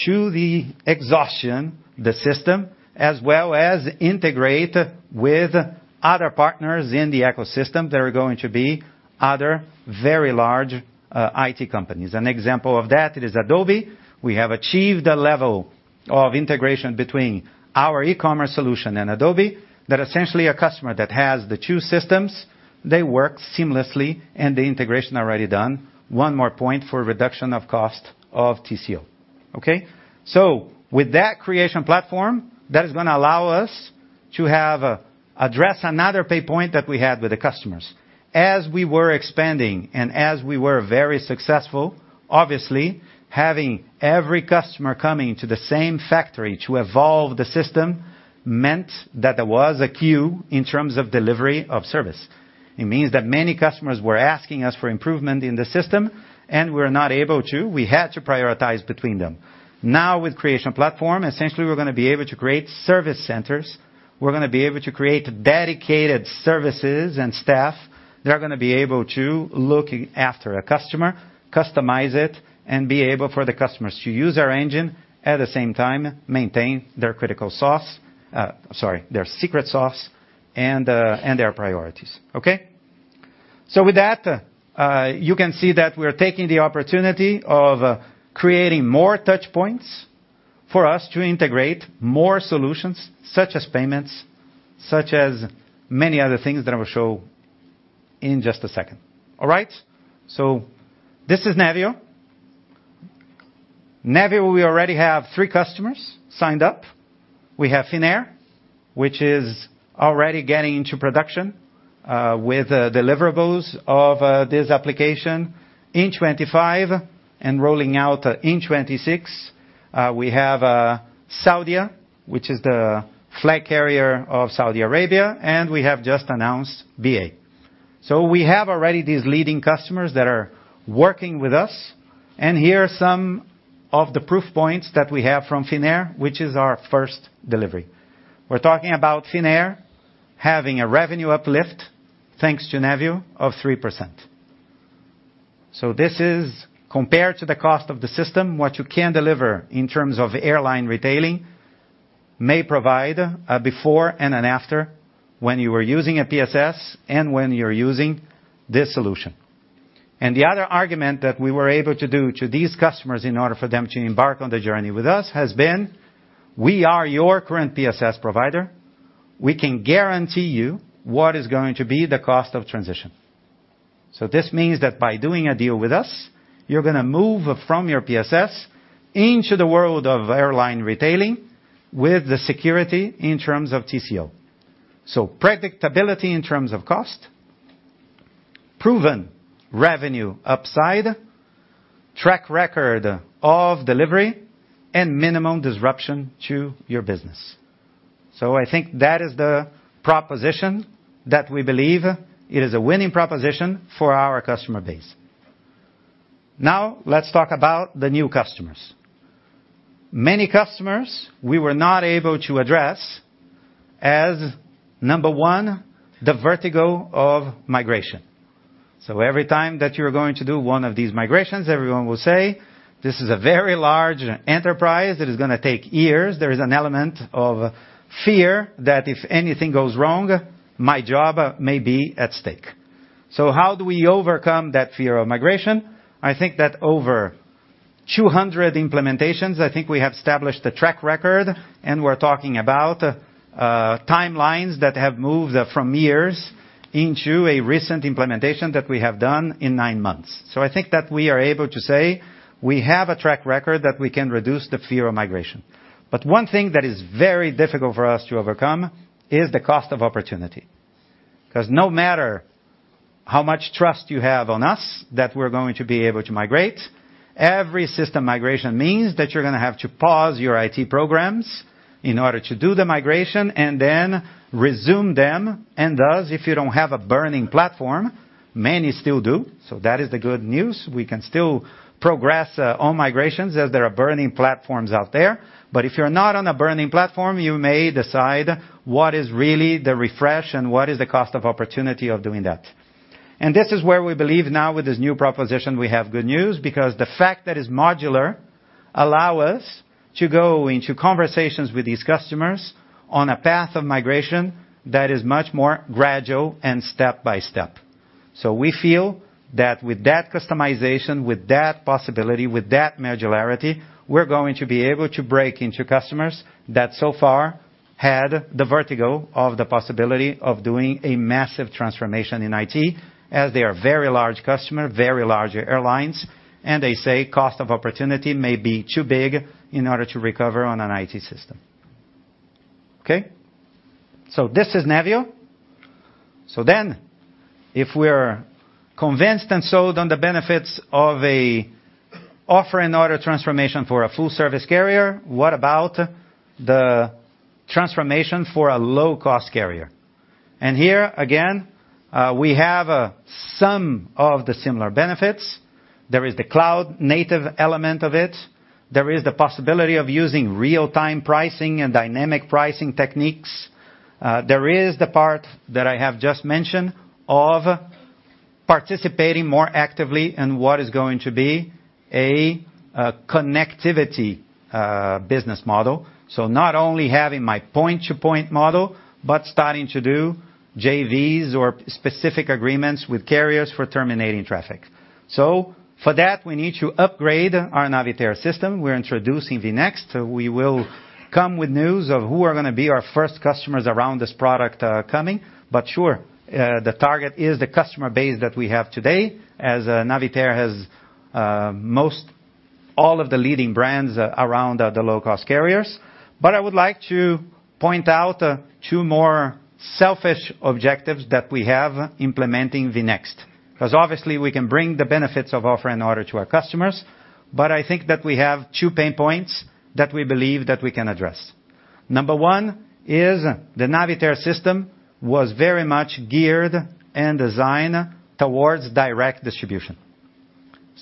to the exhaustion, the system, as well as integrate with other partners in the ecosystem that are going to be other very large, IT companies. An example of that is Adobe. We have achieved a level of integration between our e-commerce solution and Adobe, that essentially a customer that has the two systems, they work seamlessly, and the integration already done. One more point for reduction of cost of TCO, okay? So with that Aviation Platform, that is gonna allow us to Address another pain point that we had with the customers. As we were expanding and as we were very successful, obviously, having every customer coming to the same factory to evolve the system, meant that there was a queue in terms of delivery of service. It means that many customers were asking us for improvement in the system, and we were not able to. We had to prioritize between them. Now, with Aviation Platform, essentially, we're gonna be able to create service centers. We're gonna be able to create dedicated services and staff. They're gonna be able to look after a customer, customize it, and be able for the customers to use our engine, at the same time, maintain their critical sauce, sorry, their secret sauce, and, and their priorities. Okay? So with that, you can see that we're taking the opportunity of creating more touch points for us to integrate more solutions, such as payments, such as many other things that I will show in just a second. All right? So this is Nevio. Nevio, we already have three customers signed up. We have Finnair, which is already getting into production with deliverables of this application in 2025 and rolling out in 2026. We have Saudia, which is the flag carrier of Saudi Arabia, and we have just announced BA. So we have already these leading customers that are working with us, and here are some of the proof points that we have from Finnair, which is our first delivery. We're talking about Finnair having a revenue uplift, thanks to Nevio, of 3%. So this is compared to the cost of the system, what you can deliver in terms of airline retailing, may provide a before and an after when you are using a PSS and when you're using this solution. And the other argument that we were able to do to these customers in order for them to embark on the journey with us, has been, we are your current PSS provider. We can guarantee you what is going to be the cost of transition. So this means that by doing a deal with us, you're gonna move from your PSS into the world of airline retailing with the security in terms of TCO. So predictability in terms of cost, proven revenue upside, track record of delivery, and minimum disruption to your business. So I think that is the proposition that we believe it is a winning proposition for our customer base. Now, let's talk about the new customers. Many customers we were not able to address as, number one, the vertigo of migration. So every time that you're going to do one of these migrations, everyone will say, "This is a very large enterprise. It is gonna take years." There is an element of fear that if anything goes wrong, my job may be at stake. So how do we overcome that fear of migration? I think that over 200 implementations, I think we have established a track record, and we're talking about timelines that have moved from years into a recent implementation that we have done in nine months. So I think that we are able to say we have a track record that we can reduce the fear of migration. But one thing that is very difficult for us to overcome is the cost of opportunity, 'cause no matter how much trust you have on us, that we're going to be able to migrate, every system migration means that you're gonna have to pause your IT programs in order to do the migration and then resume them, and thus, if you don't have a burning platform, many still do. So that is the good news. We can still progress on migrations as there are burning platforms out there. But if you're not on a burning platform, you may decide what is really the refresh and what is the cost of opportunity of doing that. This is where we believe now with this new proposition, we have good news, because the fact that it's modular allow us to go into conversations with these customers on a path of migration that is much more gradual and step-by-step. So we feel that with that customization, with that possibility, with that modularity, we're going to be able to break into customers that so far had the vertigo of the possibility of doing a massive transformation in IT, as they are very large customer, very large airlines, and they say cost of opportunity may be too big in order to recover on an IT system. Okay? So this is Nevio. So then, if we're convinced and sold on the benefits of a Offer and Order transformation for a full service carrier, what about the transformation for a low-cost carrier? Here, again, we have some of the similar benefits. There is the cloud native element of it. There is the possibility of using real-time pricing and dynamic pricing techniques. There is the part that I have just mentioned of participating more actively in what is going to be a connectivity business model. So not only having my point-to-point model, but starting to do JVs or specific agreements with carriers for terminating traffic. So for that, we need to upgrade our Navitaire system. We're introducing vNext. We will come with news of who are gonna be our first customers around this product coming. But sure, the target is the customer base that we have today, as Navitaire has most all of the leading brands around the low-cost carriers. But I would like to point out, two more selfish objectives that we have implementing vNext, 'cause obviously, we can bring the benefits of Offer and Order to our customers, but I think that we have two pain points that we believe that we can address. Number one is the Navitaire system was very much geared and designed towards direct distribution.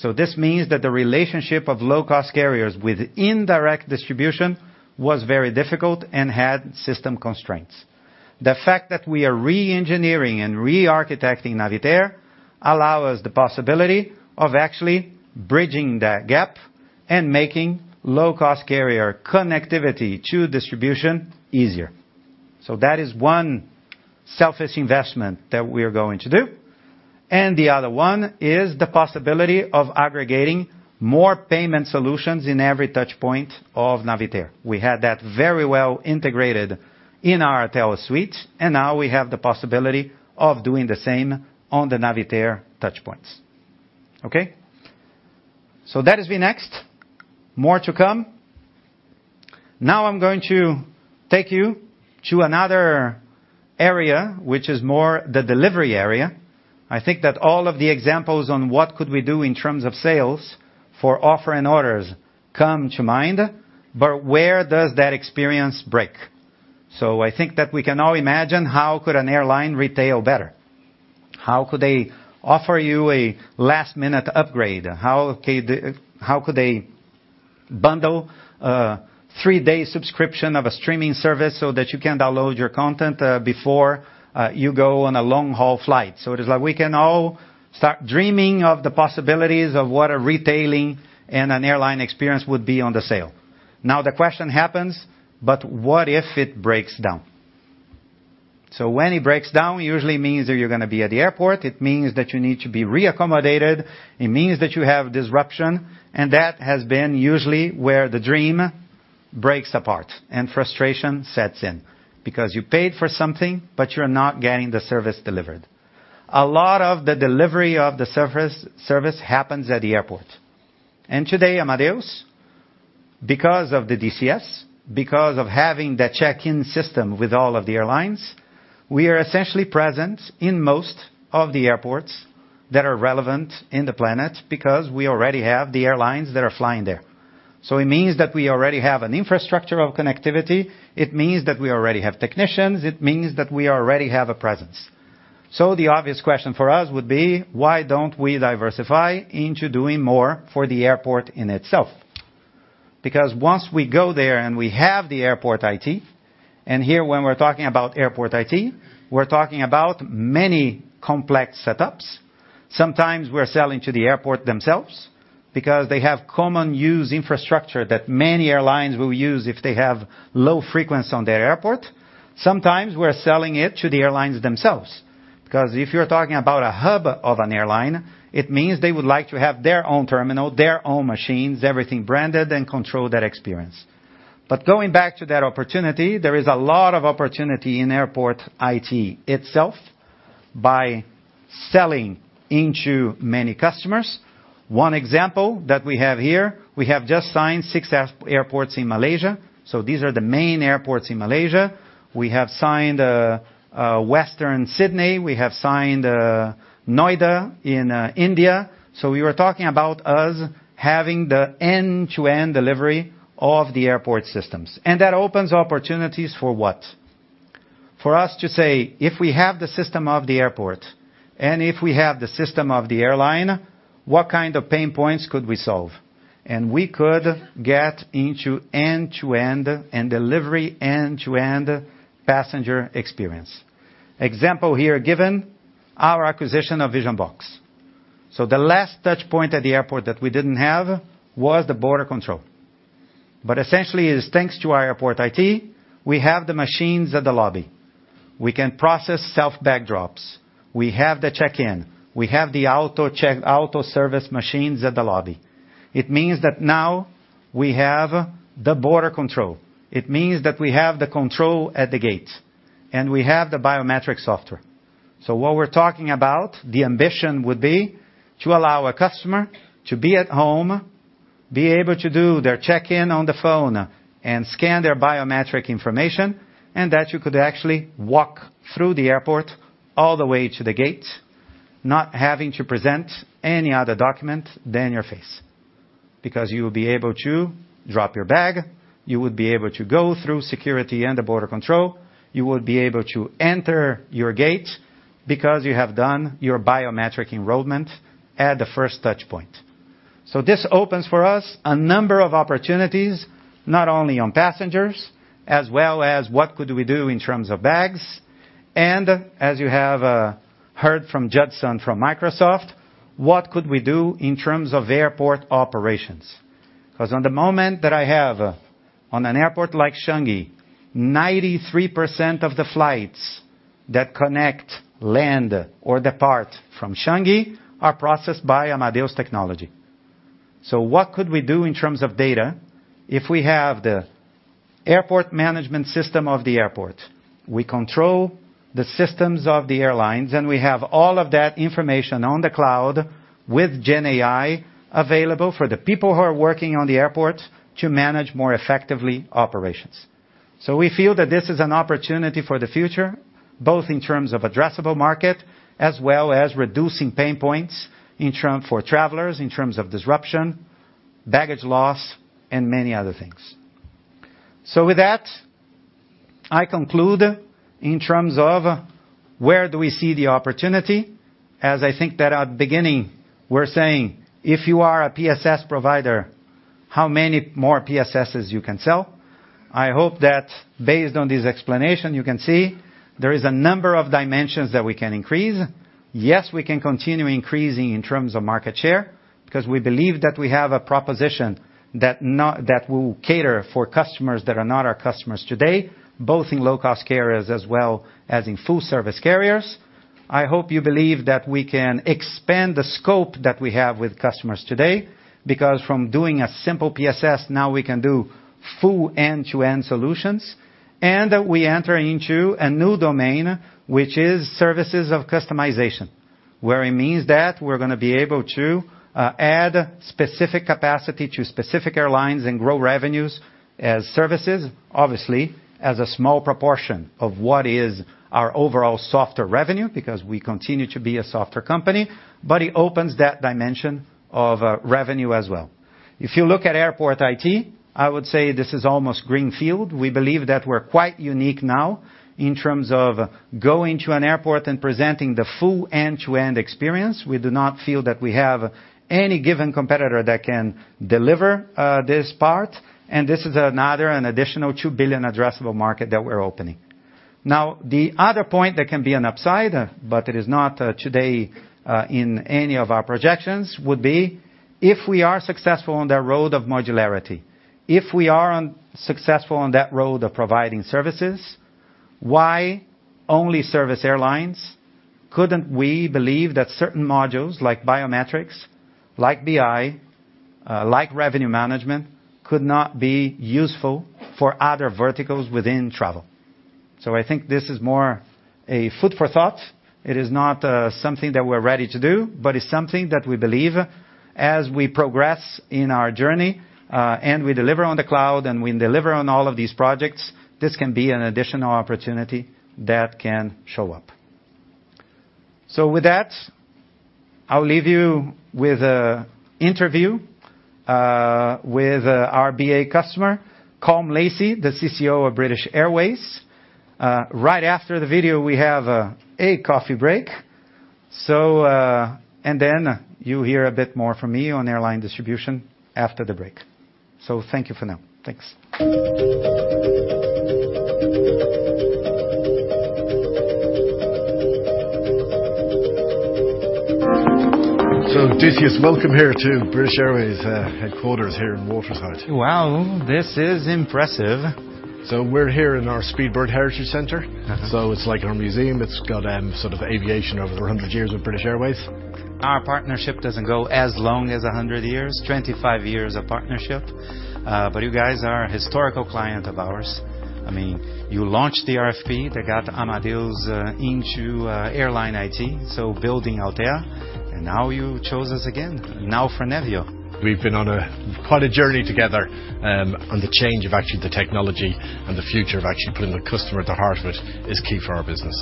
So this means that the relationship of low-cost carriers with indirect distribution was very difficult and had system constraints. The fact that we are reengineering and re-architecting Navitaire, allow us the possibility of actually bridging that gap and making low-cost carrier connectivity to distribution easier. So that is one selfish investment that we are going to do, and the other one is the possibility of aggregating more payment solutions in every touch point of Navitaire. We had that very well integrated in our Altéa suite, and now we have the possibility of doing the same on the Navitaire touchpoints. Okay? So that is vNext. More to come. Now I'm going to take you to another area, which is more the delivery area. I think that all of the examples on what could we do in terms of sales for Offer and Orders come to mind, but where does that experience break? So I think that we can all imagine how could an airline retail better? How could they offer you a last-minute upgrade? How could they bundle three-day subscription of a streaming service so that you can download your content before you go on a long-haul flight. So it is like we can all start dreaming of the possibilities of what a retailing and an airline experience would be on the sale. Now, the question happens, but what if it breaks down? So when it breaks down, it usually means that you're gonna be at the airport. It means that you need to be re-accommodated. It means that you have disruption, and that has usually been where the dream breaks apart and frustration sets in, because you paid for something, but you're not getting the service delivered. A lot of the delivery of the service, service happens at the airport. And today, Amadeus, because of the DCS, because of having the check-in system with all of the airlines, we are essentially present in most of the airports that are relevant in the planet because we already have the airlines that are flying there. So it means that we already have an infrastructure of connectivity. It means that we already have technicians. It means that we already have a presence. So the obvious question for us would be: why don't we diversify into doing more for the airport in itself? Because once we go there and we have the Airport IT, and here, when we're talking about Airport IT, we're talking about many complex setups. Sometimes we're selling to the airport themselves, because they have common use infrastructure that many airlines will use if they have low frequency on their airport. Sometimes we're selling it to the airlines themselves, because if you're talking about a hub of an airline, it means they would like to have their own terminal, their own machines, everything branded and control that experience. But going back to that opportunity, there is a lot of opportunity in Airport IT itself by selling into many customers. One example that we have here, we have just signed six airports in Malaysia, so these are the main airports in Malaysia. We have signed Western Sydney, we have signed Noida in India. So we were talking about us having the end-to-end delivery of the airport systems. And that opens opportunities for what? For us to say, if we have the system of the airport, and if we have the system of the airline, what kind of pain points could we solve? And we could get into end-to-end and delivery end-to-end passenger experience. Example here, given our acquisition of Vision-Box. So the last touchpoint at the airport that we didn't have was the border control. But essentially, it's thanks to our Airport IT, we have the machines at the lobby. We can process self bag drops, we have the check-in, we have the auto check-in auto service machines at the lobby. It means that now we have the border control, it means that we have the control at the gate, and we have the biometric software. So what we're talking about, the ambition would be to allow a customer to be at home, be able to do their check-in on the phone and scan their biometric information, and that you could actually walk through the airport all the way to the gate, not having to present any other document than your face. Because you will be able to drop your bag, you would be able to go through security and the border control, you would be able to enter your gate because you have done your biometric enrollment at the first touch point. So this opens for us a number of opportunities, not only on passengers, as well as what could we do in terms of bags, and as you have heard from Judson from Microsoft, what could we do in terms of airport operations? Because at the moment that I have at an airport like Changi, 93% of the flights that connect, land, or depart from Changi are processed by Amadeus technology. So what could we do in terms of data if we have the airport management system of the airport? We control the systems of the airlines, and we have all of that information on the cloud with GenAI available for the people who are working on the airports to manage more effectively operations. So we feel that this is an opportunity for the future, both in terms of addressable market, as well as reducing pain points in terms for travelers, in terms of disruption, baggage loss, and many other things. So with that, I conclude in terms of where do we see the opportunity, as I think that at beginning, we're saying, if you are a PSS provider, how many more PSSs you can sell? I hope that based on this explanation, you can see there is a number of dimensions that we can increase. Yes, we can continue increasing in terms of market share, because we believe that we have a proposition that will cater for customers that are not our customers today, both in low-cost carriers as well as in full service carriers. I hope you believe that we can expand the scope that we have with customers today, because from doing a simple PSS, now we can do full end-to-end solutions, and we enter into a new domain, which is services of customization. Where it means that we're gonna be able to add specific capacity to specific airlines and grow revenues as services, obviously, as a small proportion of what is our overall software revenue, because we continue to be a software company, but it opens that dimension of revenue as well. If you look at airport IT, I would say this is almost greenfield. We believe that we're quite unique now in terms of going to an airport and presenting the full end-to-end experience. We do not feel that we have any given competitor that can deliver this part, and this is another, an additional 2 billion addressable market that we're opening. Now, the other point that can be an upside, but it is not today in any of our projections, would be if we are successful on the road of modularity, if we are on successful on that road of providing services, why only service airlines? Couldn't we believe that certain modules like biometrics, like BI, like revenue management, could not be useful for other verticals within travel? So I think this is more a food for thought. It is not something that we're ready to do, but it's something that we believe as we progress in our journey, and we deliver on the cloud, and we deliver on all of these projects, this can be an additional opportunity that can show up. So with that, I'll leave you with an interview with our BA customer, Colm Lacy, the CCO of British Airways. Right after the video, we have a coffee break. So. Then you'll hear a bit more from me on airline distribution after the break. So thank you for now. Thanks. Decius, welcome here to British Airways headquarters here in Waterside. Wow, this is impressive! We're here in our Speedbird Heritage Centre. So it's like our museum. It's got sort of aviation over the 100 years of British Airways. Our partnership doesn't go as long as 100 years, 25 years of partnership. But you guys are a historical client of ours. I mean, you launched the RFP that got Amadeus into airline IT, so building Altéa, and now you chose us again, now for Nevio. We've been on quite a journey together, and the change of actually the technology and the future of actually putting the customer at the heart of it is key for our business.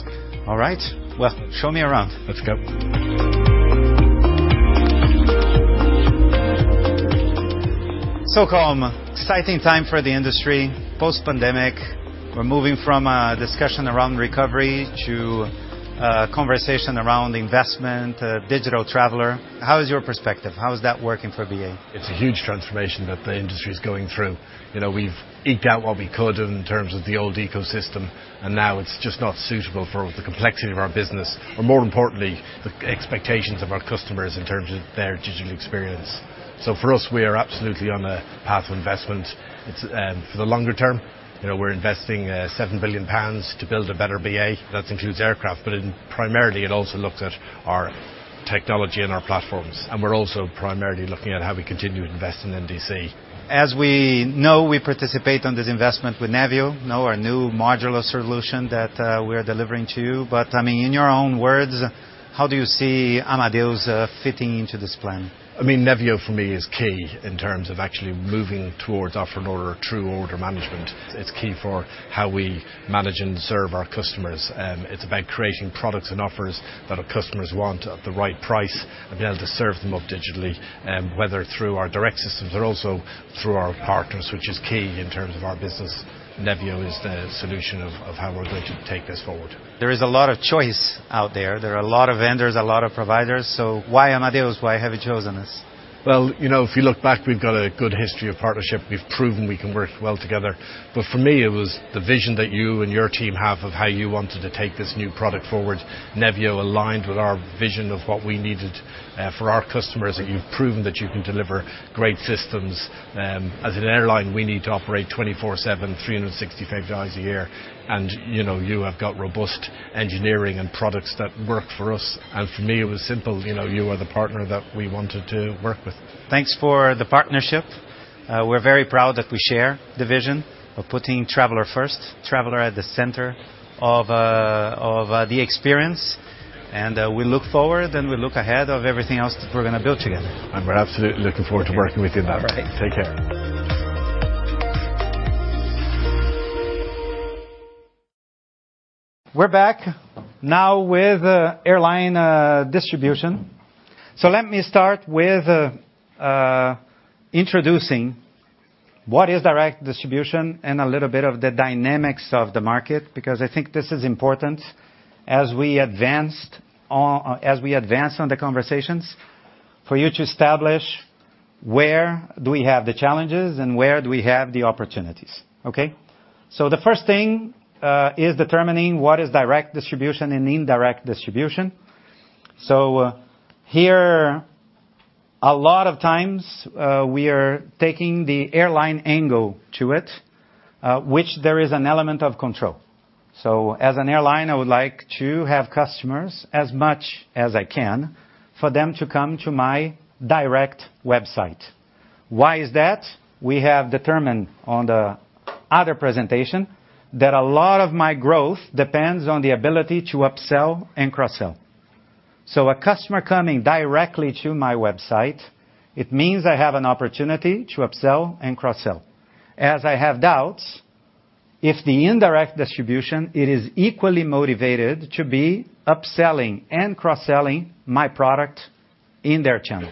All right. Well, show me around. Let's go. So, Colm, exciting time for the industry, post-pandemic. We're moving from a discussion around recovery to a conversation around investment, digital traveler. How is your perspective? How is that working for BA? It's a huge transformation that the industry is going through. You know, we've eked out what we could in terms of the old ecosystem, and now it's just not suitable for the complexity of our business, or more importantly, the expectations of our customers in terms of their digital experience. So for us, we are absolutely on a path of investment. It's for the longer term, you know, we're investing 7 billion pounds to build a better BA. That includes aircraft, but primarily, it also looks at our technology and our platforms, and we're also primarily looking at how we continue to invest in NDC. As we know, we participate on this investment with Nevio, now our new modular solution that we are delivering to you. But, I mean, in your own words, how do you see Amadeus fitting into this plan? I mean, Nevio, for me, is key in terms of actually moving towards Offer and Order, true order management. It's key for how we manage and serve our customers. It's about creating products and offers that our customers want at the right price, and be able to serve them up digitally, whether through our direct systems, but also through our partners, which is key in terms of our business. Nevio is the solution of how we're going to take this forward. There is a lot of choice out there. There are a lot of vendors, a lot of providers. So why Amadeus? Why have you chosen us? Well, you know, if you look back, we've got a good history of partnership. We've proven we can work well together. But for me, it was the vision that you and your team have of how you wanted to take this new product forward. Nevio aligned with our vision of what we needed for our customers, and you've proven that you can deliver great systems. As an airline, we need to operate 24/7, 365 days a year, and, you know, you have got robust engineering and products that work for us. For me, it was simple, you know, you are the partner that we wanted to work with. Thanks for the partnership. We're very proud that we share the vision of putting traveler first, traveler at the center of the experience, and we look forward, and we look ahead of everything else that we're going to build together. We're absolutely looking forward to working with you. All right. Take care. We're back now with airline distribution. So let me start with introducing what is direct distribution and a little bit of the dynamics of the market, because I think this is important as we advance on the conversations, for you to establish where do we have the challenges and where do we have the opportunities. Okay? So the first thing is determining what is direct distribution and indirect distribution. So here, a lot of times, we are taking the airline angle to it, which there is an element of control. So as an airline, I would like to have customers as much as I can, for them to come to my direct website. Why is that? We have determined on the other presentation, that a lot of my growth depends on the ability to upsell and cross-sell. So a customer coming directly to my website, it means I have an opportunity to upsell and cross-sell. As I have doubts, if the indirect distribution, it is equally motivated to be upselling and cross-selling my product in their channel.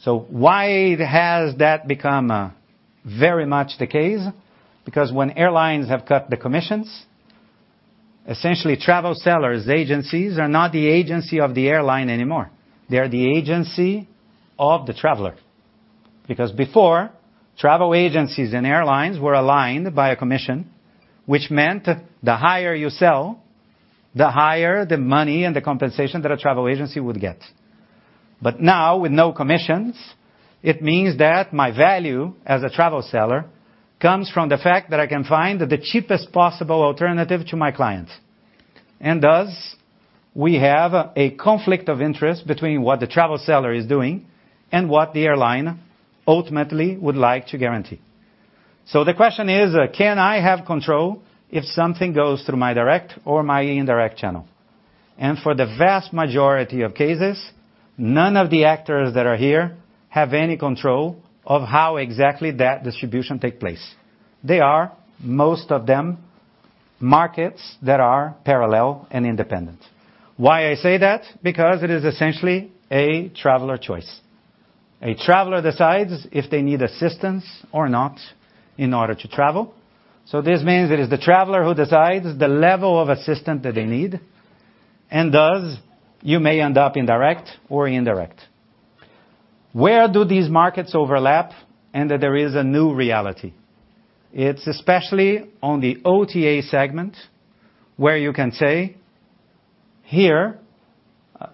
So why has that become very much the case? Because when airlines have cut the commissions, essentially, travel sellers, agencies, are not the agency of the airline anymore. They are the agency of the traveler.... Because before, travel agencies and airlines were aligned by a commission, which meant the higher you sell, the higher the money and the compensation that a travel agency would get. But now, with no commissions, it means that my value as a travel seller comes from the fact that I can find the cheapest possible alternative to my clients. Thus, we have a conflict of interest between what the travel seller is doing and what the airline ultimately would like to guarantee. The question is, can I have control if something goes through my direct or my indirect channel? For the vast majority of cases, none of the actors that are here have any control of how exactly that distribution takes place. They are, most of them, markets that are parallel and independent. Why I say that? Because it is essentially a traveler choice. A traveler decides if they need assistance or not in order to travel. This means it is the traveler who decides the level of assistance that they need, and thus you may end up in direct or indirect. Where do these markets overlap and that there is a new reality? It's especially on the OTA segment, where you can say, here,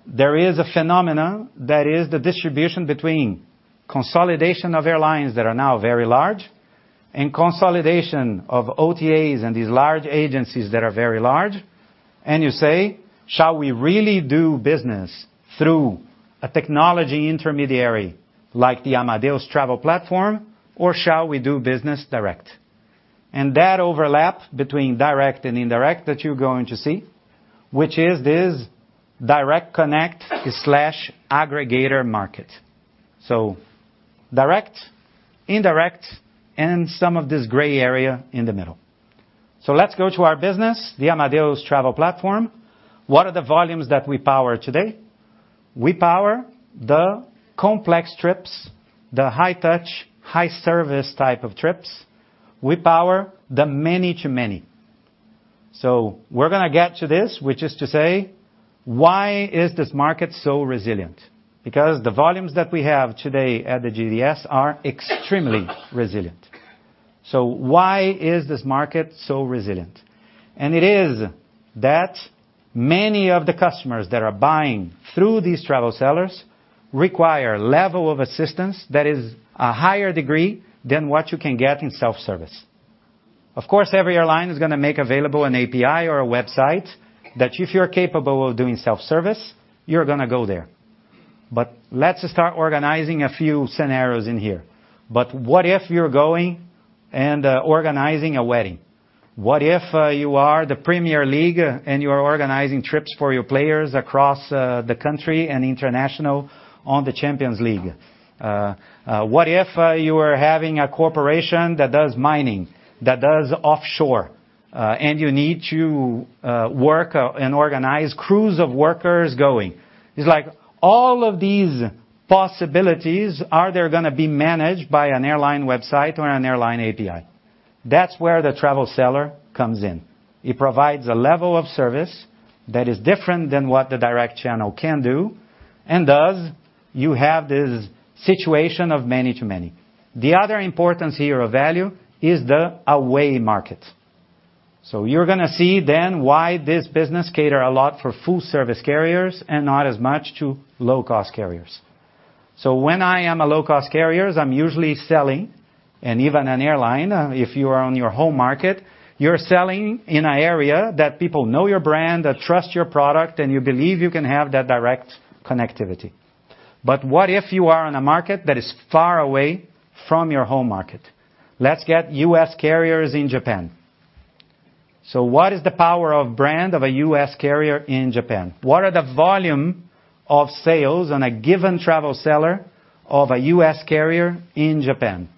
there is a phenomenon that is the distribution between consolidation of airlines that are now very large, and consolidation of OTAs and these large agencies that are very large. And you say, shall we really do business through a technology intermediary like the Amadeus Travel Platform, or shall we do business direct? And that overlap between direct and indirect that you're going to see, which is this direct connect/aggregator market. So direct, indirect, and some of this gray area in the middle. So let's go to our business, the Amadeus Travel Platform. What are the volumes that we power today? We power the complex trips, the high touch, high service type of trips. We power the many to many. So we're going to get to this, which is to say, why is this market so resilient? Because the volumes that we have today at the GDS are extremely resilient. So why is this market so resilient? And it is that many of the customers that are buying through these travel sellers require level of assistance that is a higher degree than what you can get in self-service. Of course, every airline is going to make available an API or a website, that if you're capable of doing self-service, you're going to go there. But let's start organizing a few scenarios in here. But what if you're going and organizing a wedding? What if you are the Premier League and you are organizing trips for your players across the country and international on the Champions League? What if you are having a corporation that does mining, that does offshore, and you need to work and organize crews of workers going? It's like all of these possibilities. Are they going to be managed by an airline website or an airline API? That's where the travel seller comes in. It provides a level of service that is different than what the direct channel can do, and thus, you have this situation of many to many. The other importance here of value is the away market. So you're going to see then why this business caters a lot for full service carriers and not as much to low-cost carriers. So when I am a low-cost carrier, I'm usually selling, and even an airline, if you are on your home market, you're selling in an area that people know your brand, that trust your product, and you believe you can have that direct connectivity. But what if you are in a market that is far away from your home market? Let's get U.S. carriers in Japan. So what is the power of brand of a U.S. carrier in Japan? What are the volume of sales on a given travel seller of a U.S. carrier in Japan?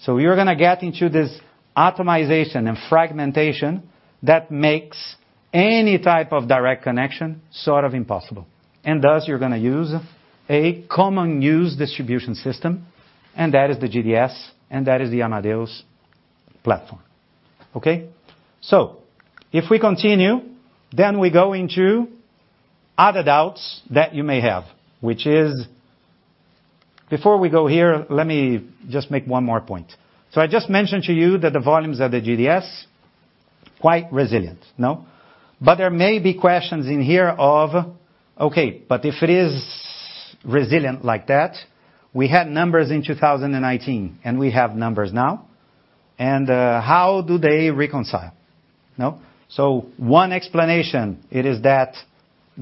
So you're going to get into this atomization and fragmentation that makes any type of direct connection sort of impossible. And thus, you're going to use a common use distribution system, and that is the GDS, and that is the Amadeus platform. Okay? So if we continue, then we go into other doubts that you may have, which is... Before we go here, let me just make one more point. So I just mentioned to you that the volumes of the GDS, quite resilient, no? But there may be questions in here of, okay, but if it is resilient like that, we had numbers in 2018, and we have numbers now, and how do they reconcile? No. So one explanation, it is that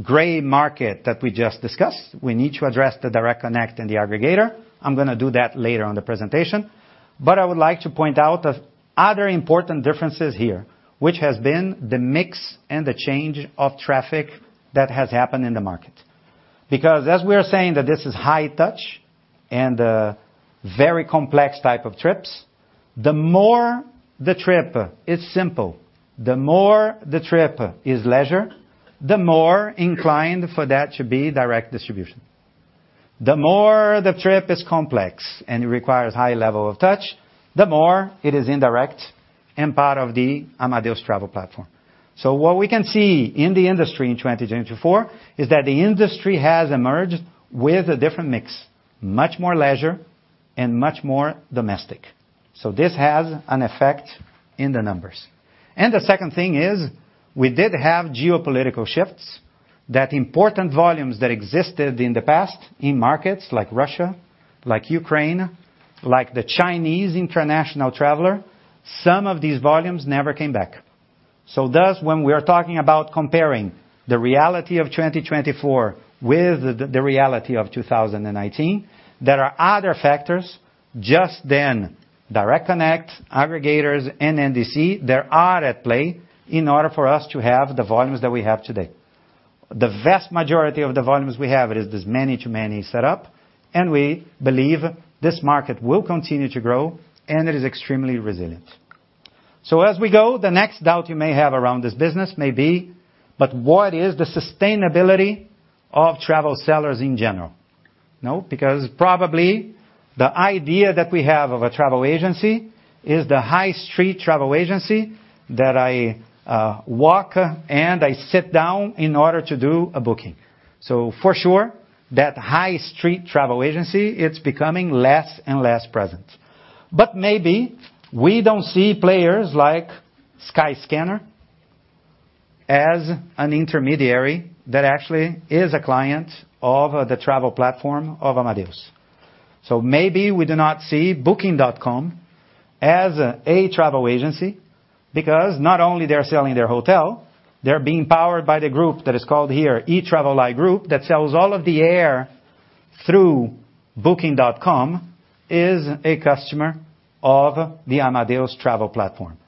gray market that we just discussed. We need to address the direct connect and the aggregator. I'm going to do that later on the presentation. But I would like to point out the other important differences here, which has been the mix and the change of traffic that has happened in the market. Because as we are saying that this is high touch and very complex type of trips, the more the trip is simple, the more the trip is leisure, the more inclined for that to be direct distribution. The more the trip is complex and requires high level of touch, the more it is indirect and part of the Amadeus Travel Platform. So what we can see in the industry in 2024 is that the industry has emerged with a different mix, much more leisure and much more domestic. So this has an effect in the numbers. And the second thing is, we did have geopolitical shifts, that important volumes that existed in the past in markets like Russia, like Ukraine, like the Chinese international traveler, some of these volumes never came back. So thus, when we are talking about comparing the reality of 2024 with the reality of 2019, there are other factors, just then, direct connect, aggregators, and NDC, there are at play in order for us to have the volumes that we have today. The vast majority of the volumes we have, it is this many to many setup, and we believe this market will continue to grow, and it is extremely resilient. So as we go, the next doubt you may have around this business may be: but what is the sustainability of travel sellers in general? No, because probably the idea that we have of a travel agency, is the high street travel agency that I walk and I sit down in order to do a booking. So for sure, that high street travel agency, it's becoming less and less present. But maybe we don't see players like Skyscanner as an intermediary that actually is a client of the travel platform of Amadeus. So maybe we do not see Booking.com as a travel agency, because not only they are selling their hotel, they're being powered by the group that is called here, Etraveli Group, that sells all of the air through Booking.com, is a customer of the Amadeus Travel Platform.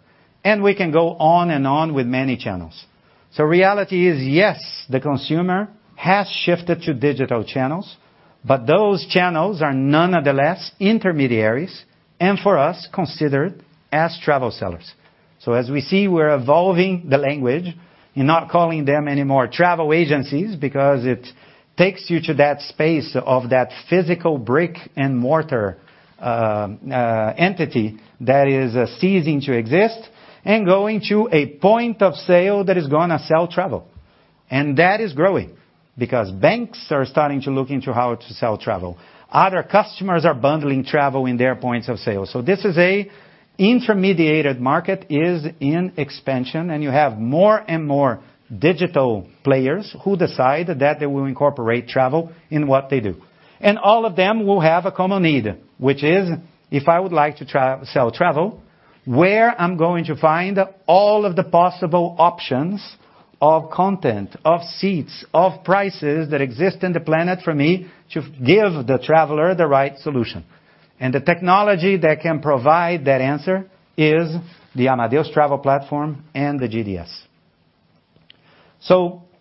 And we can go on and on with many channels. So reality is, yes, the consumer has shifted to digital channels, but those channels are none of the less intermediaries, and for us, considered as travel sellers. So as we see, we're evolving the language and not calling them anymore travel agencies, because it takes you to that space of that physical brick-and-mortar entity that is ceasing to exist, and going to a point of sale that is gonna sell travel. And that is growing, because banks are starting to look into how to sell travel. Other customers are bundling travel in their points of sale. So this is an intermediated market, is in expansion, and you have more and more digital players who decide that they will incorporate travel in what they do. And all of them will have a common need, which is, if I would like to sell travel, where I'm going to find all of the possible options of content, of seats, of prices that exist in the planet for me to give the traveler the right solution? The technology that can provide that answer is the Amadeus Travel Platform and the GDS.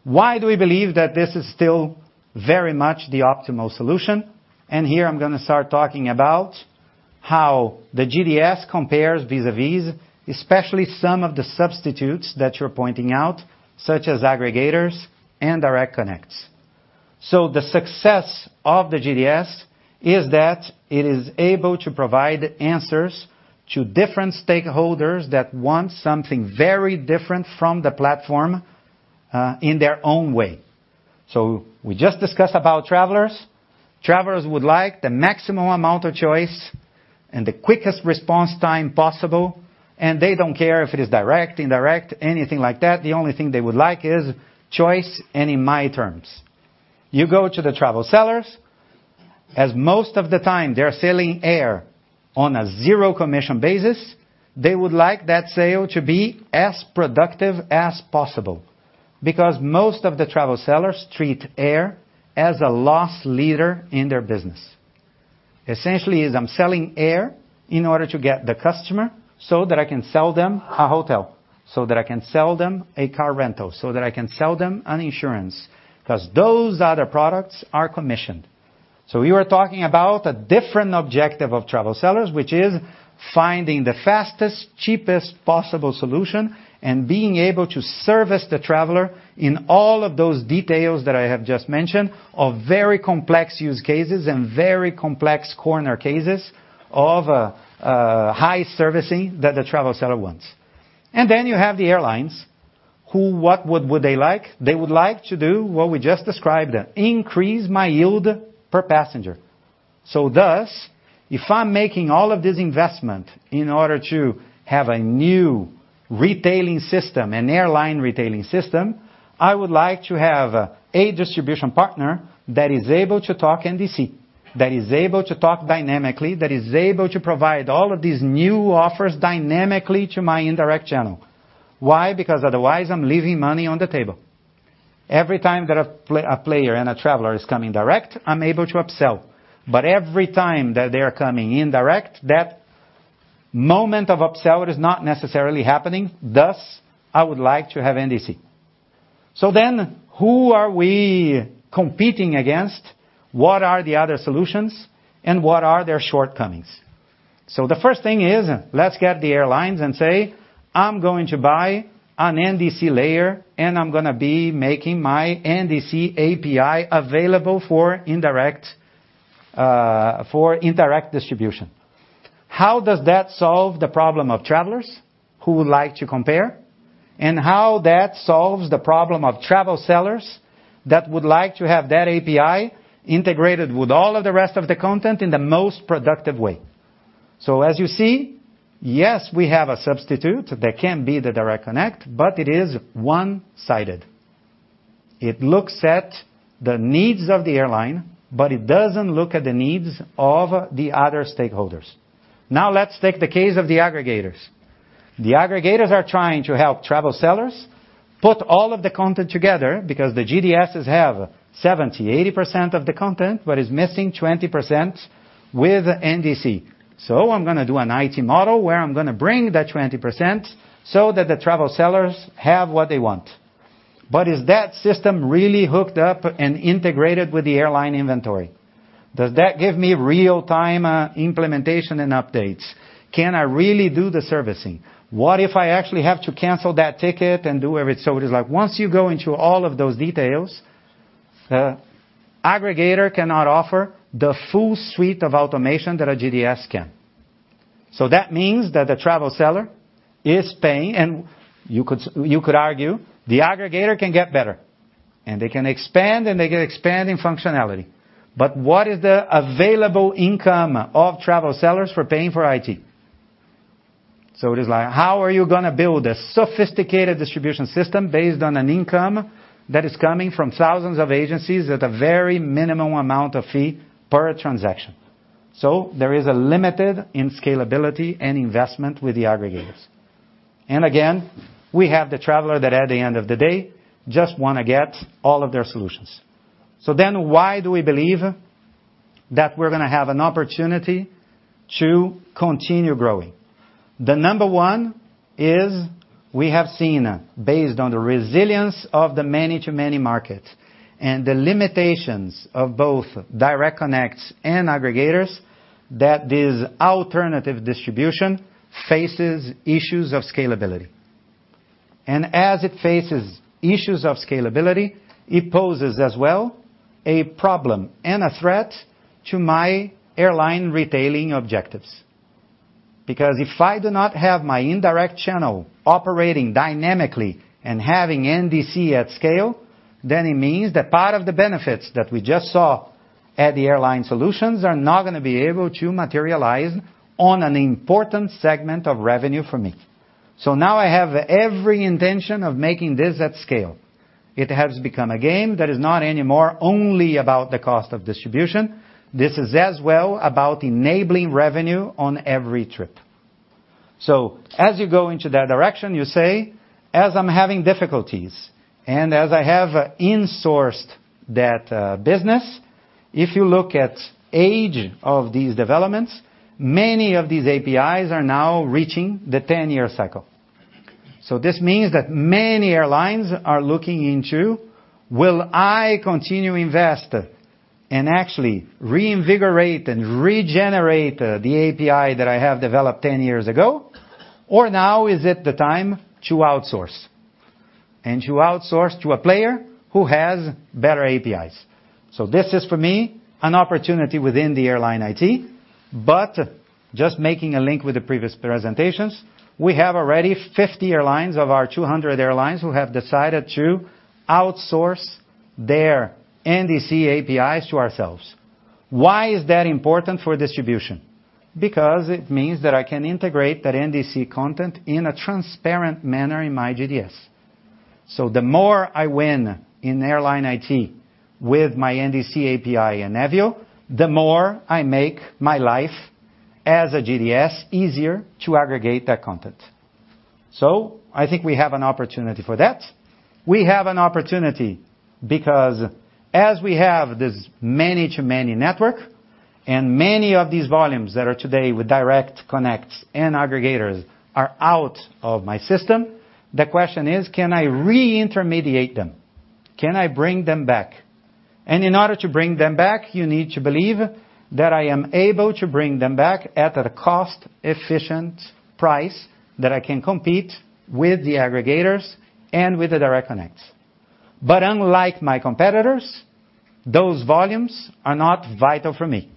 Why do we believe that this is still very much the optimal solution? Here, I'm gonna start talking about how the GDS compares vis-a-vis, especially some of the substitutes that you're pointing out, such as aggregators and direct connects. The success of the GDS is that it is able to provide answers to different stakeholders that want something very different from the platform, in their own way. We just discussed about travelers. Travelers would like the maximum amount of choice and the quickest response time possible, and they don't care if it is direct, indirect, anything like that. The only thing they would like is choice, and in my terms. You go to the travel sellers, as most of the time they're selling air on a zero commission basis, they would like that sale to be as productive as possible, because most of the travel sellers treat air as a loss leader in their business. Essentially, is I'm selling air in order to get the customer, so that I can sell them a hotel, so that I can sell them a car rental, so that I can sell them an insurance, 'cause those other products are commissioned. So we were talking about a different objective of travel sellers, which is finding the fastest, cheapest possible solution and being able to service the traveler in all of those details that I have just mentioned, of very complex use cases and very complex corner cases of high servicing that the travel seller wants. And then you have the airlines, who—what would they like? They would like to do what we just described, increase my yield per passenger. So thus, if I'm making all of this investment in order to have a new retailing system, an airline retailing system, I would like to have a distribution partner that is able to talk NDC, that is able to talk dynamically, that is able to provide all of these new offers dynamically to my indirect channel. Why? Because otherwise, I'm leaving money on the table. Every time that a player and a traveler is coming direct, I'm able to upsell. But every time that they are coming in direct, that moment of upsell is not necessarily happening. Thus, I would like to have NDC. So then, who are we competing against? What are the other solutions? And what are their shortcomings? So the first thing is, let's get the airlines and say, "I'm going to buy an NDC layer, and I'm gonna be making my NDC API available for indirect, for indirect distribution." How does that solve the problem of travelers who would like to compare? And how that solves the problem of travel sellers that would like to have that API integrated with all of the rest of the content in the most productive way. So as you see, yes, we have a substitute that can be the direct connect, but it is one-sided. It looks at the needs of the airline, but it doesn't look at the needs of the other stakeholders. Now, let's take the case of the aggregators. The aggregators are trying to help travel sellers put all of the content together because the GDSs have 70, 80% of the content, but is missing 20% with NDC. So I'm gonna do an IT model where I'm gonna bring that 20% so that the travel sellers have what they want. But is that system really hooked up and integrated with the airline inventory? Does that give me real-time implementation and updates? Can I really do the servicing? What if I actually have to cancel that ticket and do whatever? So it is like, once you go into all of those details, aggregator cannot offer the full suite of automation that a GDS can. So that means that the travel seller is paying, and you could, you could argue the aggregator can get better, and they can expand, and they can expand in functionality. But what is the available income of travel sellers for paying for IT? So it is like, how are you gonna build a sophisticated distribution system based on an income that is coming from thousands of agencies at a very minimum amount of fee per transaction? So there is a limit in scalability and investment with the aggregators. And again, we have the traveler that at the end of the day, just wanna get all of their solutions. So then why do we believe that we're gonna have an opportunity to continue growing? The number one is we have seen, based on the resilience of the many to many markets and the limitations of both direct connects and aggregators, that this alternative distribution faces issues of scalability. And as it faces issues of scalability, it poses as well, a problem and a threat to my airline retailing objectives. Because if I do not have my indirect channel operating dynamically and having NDC at scale, then it means that part of the benefits that we just saw at the airline solutions are not gonna be able to materialize on an important segment of revenue for me. So now I have every intention of making this at scale. It has become a game that is not anymore only about the cost of distribution. This is as well about enabling revenue on every trip. So as you go into that direction, you say, "As I'm having difficulties, and as I have in-sourced that, business," if you look at age of these developments, many of these APIs are now reaching the 10-year cycle. So this means that many airlines are looking into, "Will I continue to invest and actually reinvigorate and regenerate the API that I have developed ten years ago? Or now is it the time to outsource, and to outsource to a player who has better APIs?" So this is, for me, an opportunity within the airline IT, but just making a link with the previous presentations, we have already 50 airlines of our 200 airlines who have decided to outsource their NDC APIs to ourselves. Why is that important for distribution? Because it means that I can integrate that NDC content in a transparent manner in my GDS. So the more I win in airline IT with my NDC API and Nevio, the more I make my life as a GDS easier to aggregate that content. So I think we have an opportunity for that. We have an opportunity because as we have this many to many network, and many of these volumes that are today with direct connects and aggregators are out of my system, the question is: Can I re-intermediate them? Can I bring them back? And in order to bring them back, you need to believe that I am able to bring them back at a cost-efficient price, that I can compete with the aggregators and with the direct connects. But unlike my competitors, those volumes are not vital for me.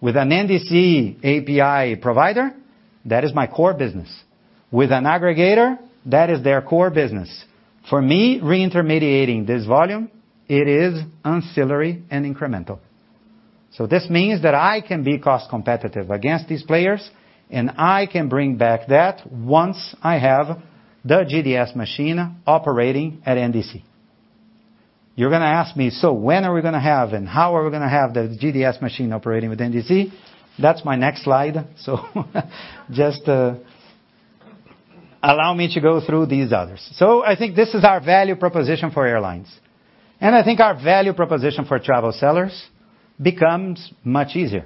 With an NDC API provider, that is my core business. With an aggregator, that is their core business. For me, re-intermediating this volume, it is ancillary and incremental. So this means that I can be cost competitive against these players, and I can bring back that once I have the GDS machine operating at NDC. You're gonna ask me: So when are we gonna have, and how are we gonna have the GDS machine operating with NDC? That's my next slide. So just allow me to go through these others. So I think this is our value proposition for airlines, and I think our value proposition for travel sellers becomes much easier.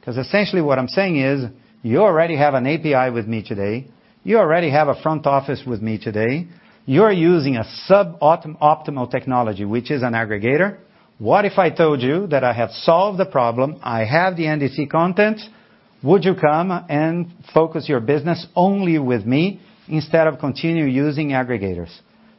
Because essentially what I'm saying is, you already have an API with me today, you already have a front office with me today, you're using a suboptimal technology, which is an aggregator. What if I told you that I have solved the problem? I have the NDC content. Would you come and focus your business only with me instead of continue using aggregators?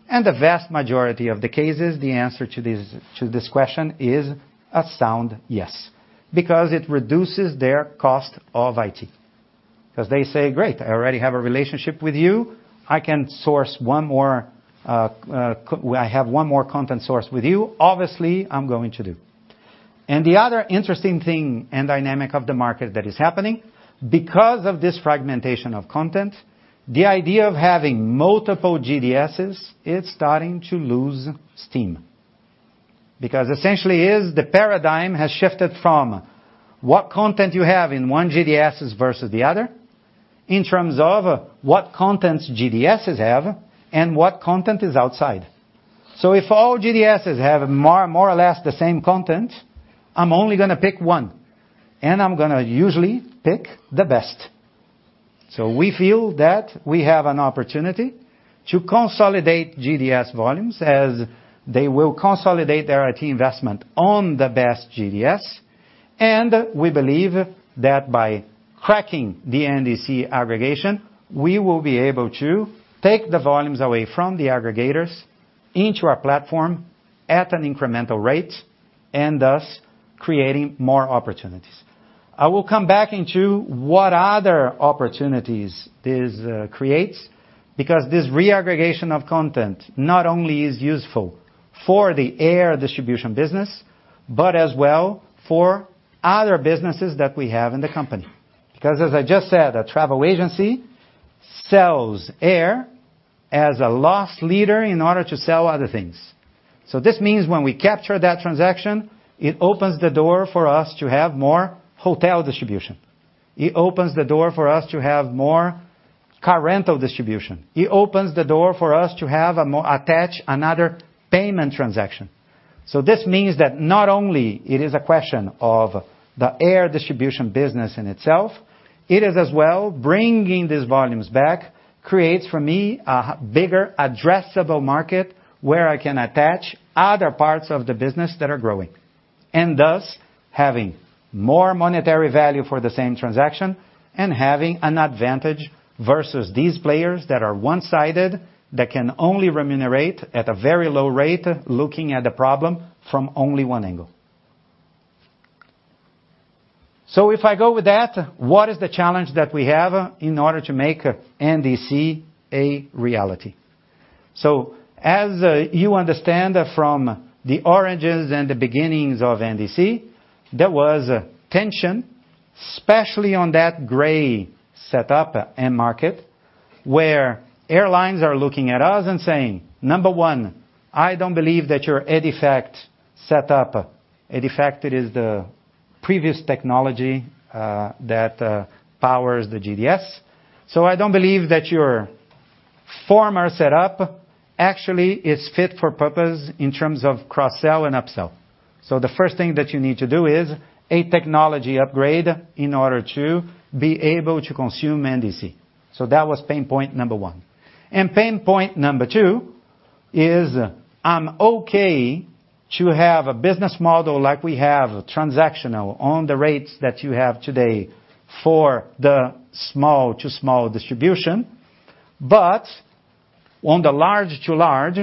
And the vast majority of the cases, the answer to this question is a sound yes, because it reduces their cost of IT. Because they say, "Great, I already have a relationship with you. I can source one more, I have one more content source with you. Obviously, I'm going to do." And the other interesting thing and dynamic of the market that is happening, because of this fragmentation of content, the idea of having multiple GDSs, it's starting to lose steam. Because essentially, is the paradigm has shifted from what content you have in one GDSs versus the other, in terms of what contents GDSs have and what content is outside. So if all GDSs have more, more or less the same content, I'm only gonna pick one, and I'm gonna usually pick the best. So we feel that we have an opportunity to consolidate GDS volumes as they will consolidate their IT investment on the best GDS, and we believe that by cracking the NDC aggregation, we will be able to take the volumes away from the aggregators into our platform at an incremental rate, and thus, creating more opportunities. I will come back into what other opportunities this creates, because this reaggregation of content not only is useful for the Air Distribution business, but as well for other businesses that we have in the company. Because as I just said, a travel agency sells air as a loss leader in order to sell other things. So this means when we capture that transaction, it opens the door for us to have more hotel distribution. It opens the door for us to have more car rental distribution. It opens the door for us to have more to attach another payment transaction. So this means that not only it is a question of the Air Distribution business in itself, it is as well bringing these volumes back creates for me a bigger addressable market where I can attach other parts of the business that are growing, and thus having more monetary value for the same transaction, and having an advantage versus these players that are one-sided that can only remunerate at a very low rate, looking at the problem from only one angle. So if I go with that, what is the challenge that we have in order to make NDC a reality? So as you understand from the origins and the beginnings of NDC, there was tension, especially on that gray setup end market, where airlines are looking at us and saying, "Number one, I don't believe that your EDIFACT set up..." EDIFACT, it is the previous technology, that powers the GDS. "So I don't believe that your former set up actually is fit for purpose in terms of cross-sell and upsell. So the first thing that you need to do is a technology upgrade in order to be able to consume NDC." So that was pain point number one. Pain point number two is: I'm okay to have a business model like we have, transactional on the rates that you have today for the small-to-small distribution, but on the large to large,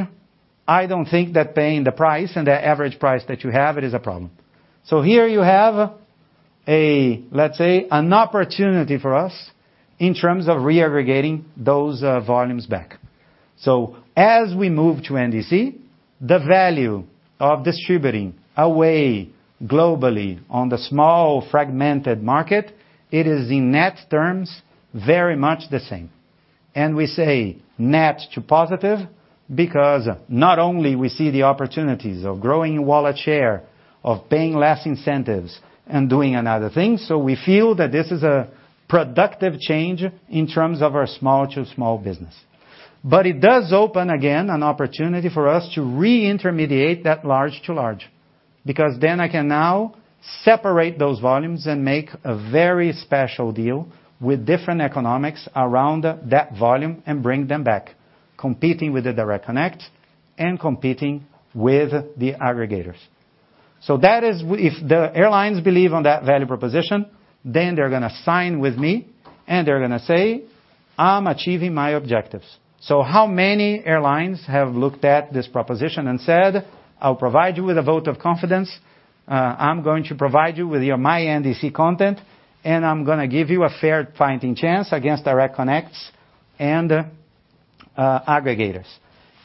I don't think that paying the price and the average price that you have, it is a problem. So here you have a, let's say, an opportunity for us in terms of reaggregating those volumes back. So as we move to NDC, the value of distributing away globally on the small fragmented market, it is in net terms, very much the same. And we say net to positive, because not only we see the opportunities of growing wallet share, of paying less incentives and doing another thing, so we feel that this is a productive change in terms of our small-to-small business. But it does open, again, an opportunity for us to re-intermediate that large to large, because then I can now separate those volumes and make a very special deal with different economics around that volume and bring them back, competing with the direct connect and competing with the aggregators. So that is—if the airlines believe on that value proposition, then they're gonna sign with me, and they're gonna say, "I'm achieving my objectives." So how many airlines have looked at this proposition and said, "I'll provide you with a vote of confidence. I'm going to provide you with my NDC content, and I'm gonna give you a fair fighting chance against direct connects and aggregators"?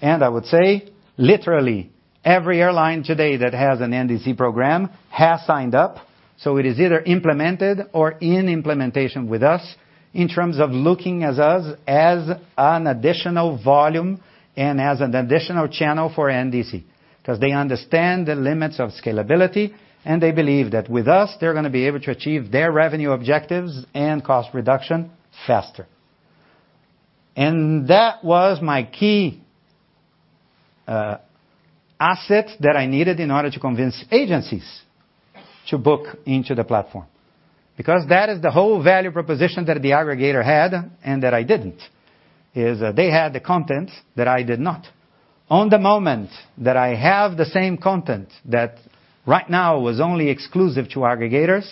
And I would say, literally, every airline today that has an NDC program has signed up, so it is either implemented or in implementation with us in terms of looking at us as an additional volume and as an additional channel for NDC. Because they understand the limits of scalability, and they believe that with us, they're gonna be able to achieve their revenue objectives and cost reduction faster. And that was my key asset that I needed in order to convince agencies to book into the platform, because that is the whole value proposition that the aggregator had and that I didn't, is they had the content that I did not. On the moment that I have the same content. Right now, it was only exclusive to aggregators.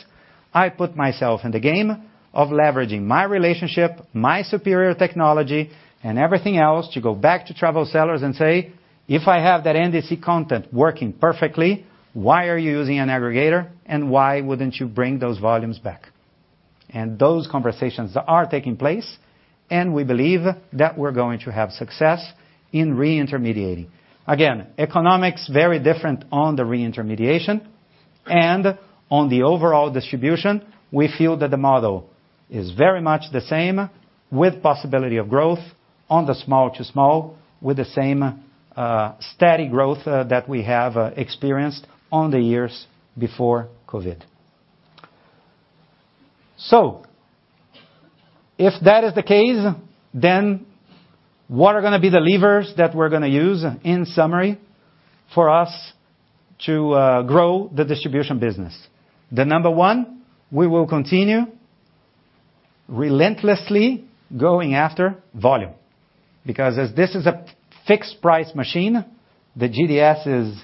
I put myself in the game of leveraging my relationship, my superior technology, and everything else to go back to travel sellers and say, "If I have that NDC content working perfectly, why are you using an aggregator, and why wouldn't you bring those volumes back?" And those conversations are taking place, and we believe that we're going to have success in re-intermediating. Again, economics very different on the re-intermediation and on the overall distribution; we feel that the model is very much the same, with possibility of growth on the small to small, with the same steady growth that we have experienced on the years before COVID. So if that is the case, then what are gonna be the levers that we're gonna use, in summary, for us to grow the distribution business? The number one, we will continue relentlessly going after volume, because as this is a fixed price machine, the GDS is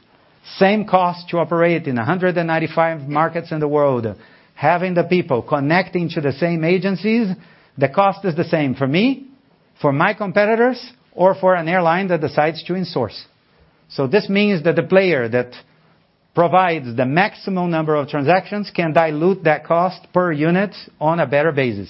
same cost to operate in 195 markets in the world. Having the people connecting to the same agencies, the cost is the same for me, for my competitors, or for an airline that decides to insource. So this means that the player that provides the maximum number of transactions can dilute that cost per unit on a better basis.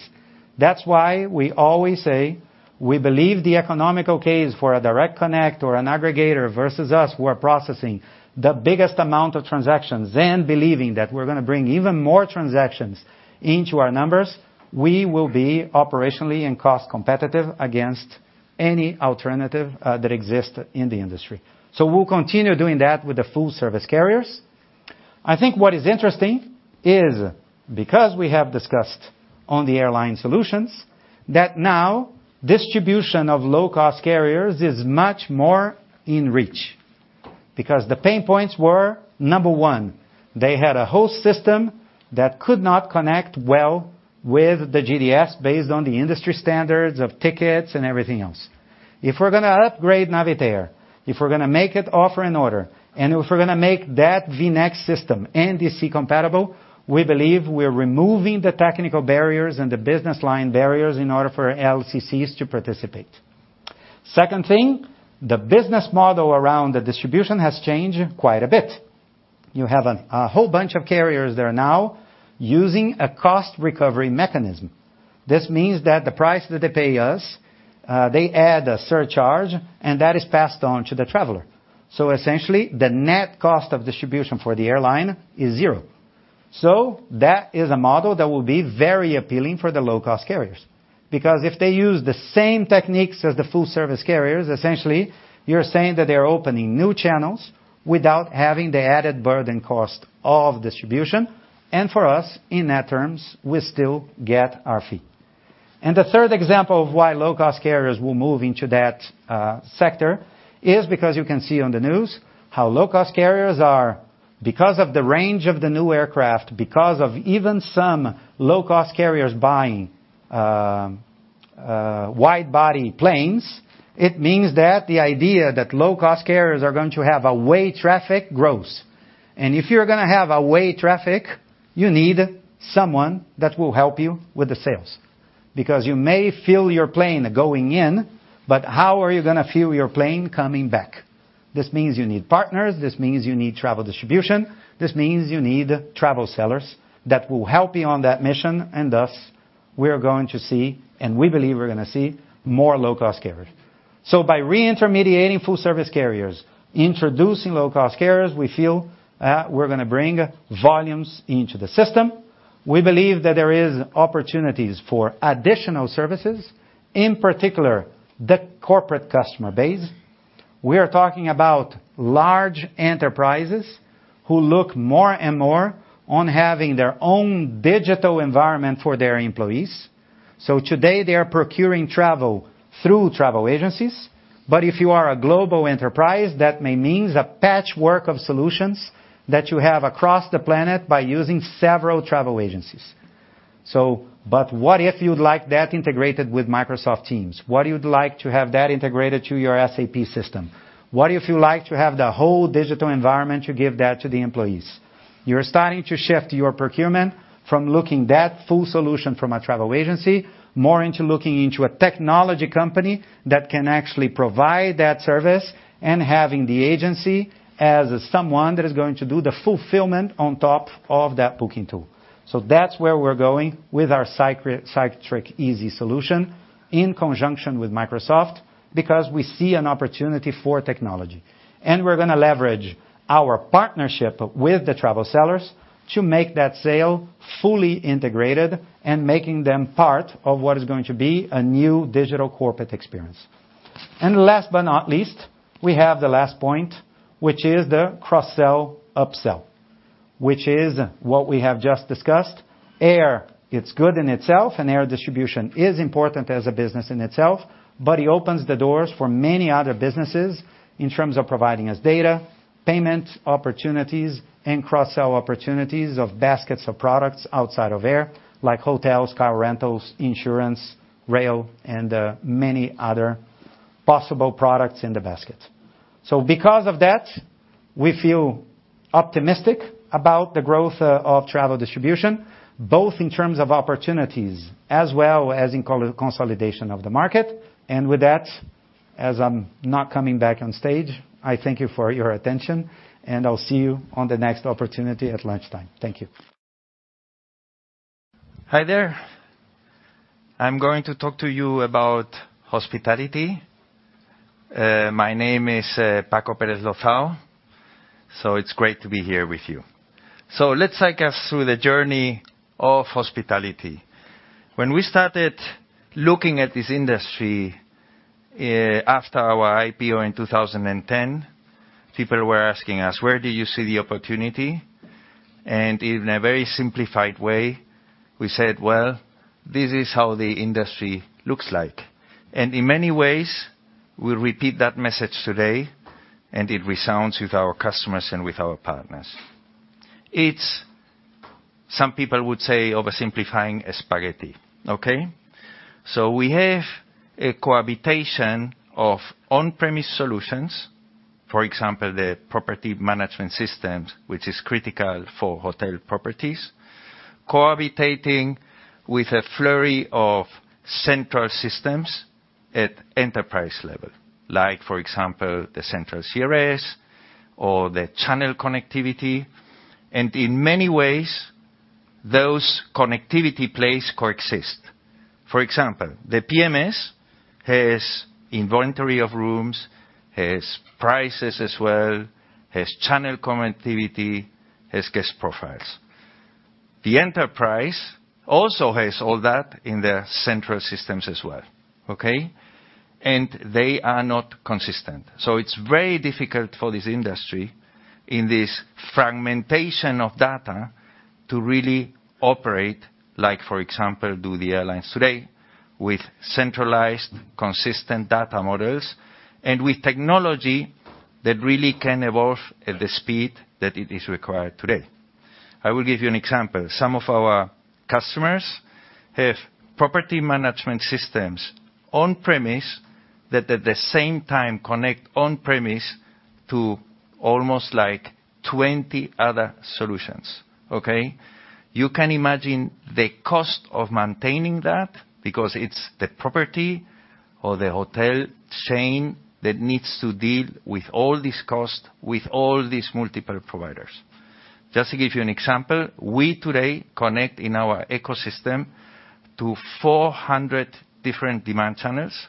That's why we always say, we believe the economical case for a direct connect or an aggregator versus us, we're processing the biggest amount of transactions and believing that we're gonna bring even more transactions into our numbers, we will be operationally and cost competitive against any alternative that exists in the industry. So we'll continue doing that with the full service carriers. I think what is interesting is because we have discussed on the airline solutions, that now distribution of low-cost carriers is much more in reach. Because the pain points were, number one, they had a host system that could not connect well with the GDS based on the industry standards of tickets and everything else. If we're gonna upgrade Navitaire, if we're gonna make it Offer and Order, and if we're gonna make that vNext system NDC compatible, we believe we're removing the technical barriers and the business line barriers in order for LCCs to participate. Second thing, the business model around the distribution has changed quite a bit. You have a whole bunch of carriers there now using a cost recovery mechanism. This means that the price that they pay us, they add a surcharge, and that is passed on to the traveler. So essentially, the net cost of distribution for the airline is zero. So that is a model that will be very appealing for the low-cost carriers, because if they use the same techniques as the full service carriers, essentially, you're saying that they're opening new channels without having the added burden cost of distribution, and for us, in net terms, we still get our fee. And the third example of why low-cost carriers will move into that sector is because you can see on the news how low-cost carriers are, because of the range of the new aircraft, because of even some low-cost carriers buying wide body planes, it means that the idea that low-cost carriers are going to have two-way traffic grows. If you're gonna have two-way traffic, you need someone that will help you with the sales, because you may fill your plane going in, but how are you gonna fill your plane coming back? This means you need partners, this means you need travel distribution, this means you need travel sellers that will help you on that mission, and thus, we're going to see, and we believe we're gonna see more low-cost carriers. By re-intermediating full service carriers, introducing low-cost carriers, we feel, we're gonna bring volumes into the system. We believe that there is opportunities for additional services, in particular, the corporate customer base. We are talking about large enterprises who look more and more on having their own digital environment for their employees. So today, they are procuring travel through travel agencies, but if you are a global enterprise, that may means a patchwork of solutions that you have across the planet by using several travel agencies. But what if you'd like that integrated with Microsoft Teams? What if you'd like to have that integrated to your SAP system? What if you like to have the whole digital environment to give that to the employees? You're starting to shift your procurement from looking that full solution from a travel agency, more into looking into a technology company that can actually provide that service, and having the agency as someone that is going to do the fulfillment on top of that booking tool. So that's where we're going with our Cytric Easy solution in conjunction with Microsoft, because we see an opportunity for technology. We're gonna leverage our partnership with the travel sellers to make that sale fully integrated and making them part of what is going to be a new digital corporate experience. And last but not least, we have the last point, which is the cross-sell/upsell, which is what we have just discussed. Air, it's good in itself, and Air Distribution is important as a business in itself, but it opens the doors for many other businesses in terms of providing us data, payment opportunities, and cross-sell opportunities of baskets of products outside of air, like hotels, car rentals, insurance, rail, and many other possible products in the basket. So because of that, we feel optimistic about the growth of travel distribution, both in terms of opportunities as well as in consolidation of the market. With that, as I'm not coming back on stage, I thank you for your attention, and I'll see you on the next opportunity at lunchtime. Thank you. Hi there. I'm going to talk to you about hospitality. My name is Paco Pérez-Lozao. It's great to be here with you. Let's take us through the journey of hospitality. When we started looking at this industry, after our IPO in 2010, people were asking us: Where do you see the opportunity? In a very simplified way, we said, "Well, this is how the industry looks like." In many ways, we'll repeat that message today, and it resounds with our customers and with our partners. It's, some people would say, oversimplifying a spaghetti, okay? So we have a cohabitation of on-premise solutions, for example, the property management systems, which is critical for hotel properties, cohabitating with a flurry of central systems at enterprise level, like, for example, the central CRS or the channel connectivity, and in many ways, those connectivity plays coexist. For example, the PMS has inventory of rooms, has prices as well, has channel connectivity, has guest profiles. The enterprise also has all that in their central systems as well, okay? And they are not consistent. So it's very difficult for this industry in this fragmentation of data to really operate, like, for example, do the airlines today with centralized, consistent data models and with technology that really can evolve at the speed that it is required today. I will give you an example. Some of our customers have property management systems on premise that at the same time connect on premise to almost, like, 20 other solutions, okay? You can imagine the cost of maintaining that because it's the property or the hotel chain that needs to deal with all this cost, with all these multiple providers. Just to give you an example, we today connect in our ecosystem to 400 different demand channels,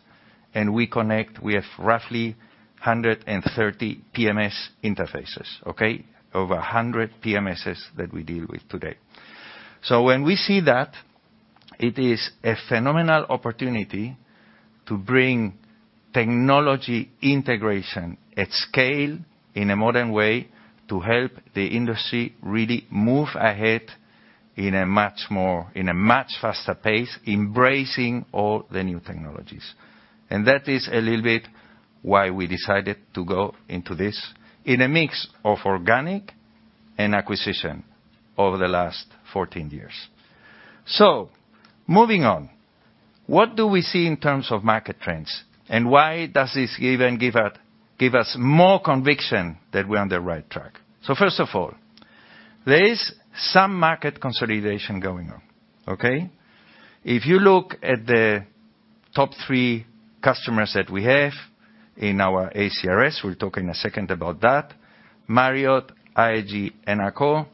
and we connect with roughly 130 PMS interfaces, okay? Over 100 PMSs that we deal with today. So when we see that, it is a phenomenal opportunity to bring technology integration at scale in a modern way to help the industry really move ahead in a much more, in a much faster pace, embracing all the new technologies. That is a little bit why we decided to go into this in a mix of organic and acquisition over the last 14 years. So moving on, what do we see in terms of market trends, and why does this even give us more conviction that we're on the right track? So first of all, there is some market consolidation going on, okay? If you look at the top three customers that we have in our ACRS, we'll talk in a second about that, Marriott, IHG, and Accor.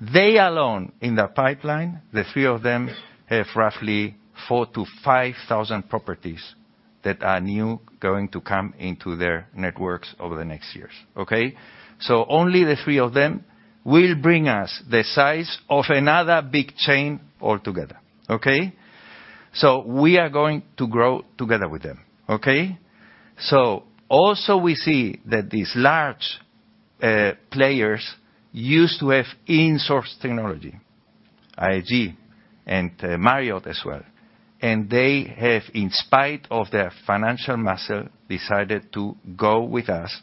They alone in the pipeline, the three of them, have roughly 4,000-5,000 properties that are new, going to come into their networks over the next years, okay? So we are going to grow together with them, okay? So also, we see that these large players used to have in-house technology, IHG and Marriott as well. And they have, in spite of their financial muscle, decided to go with us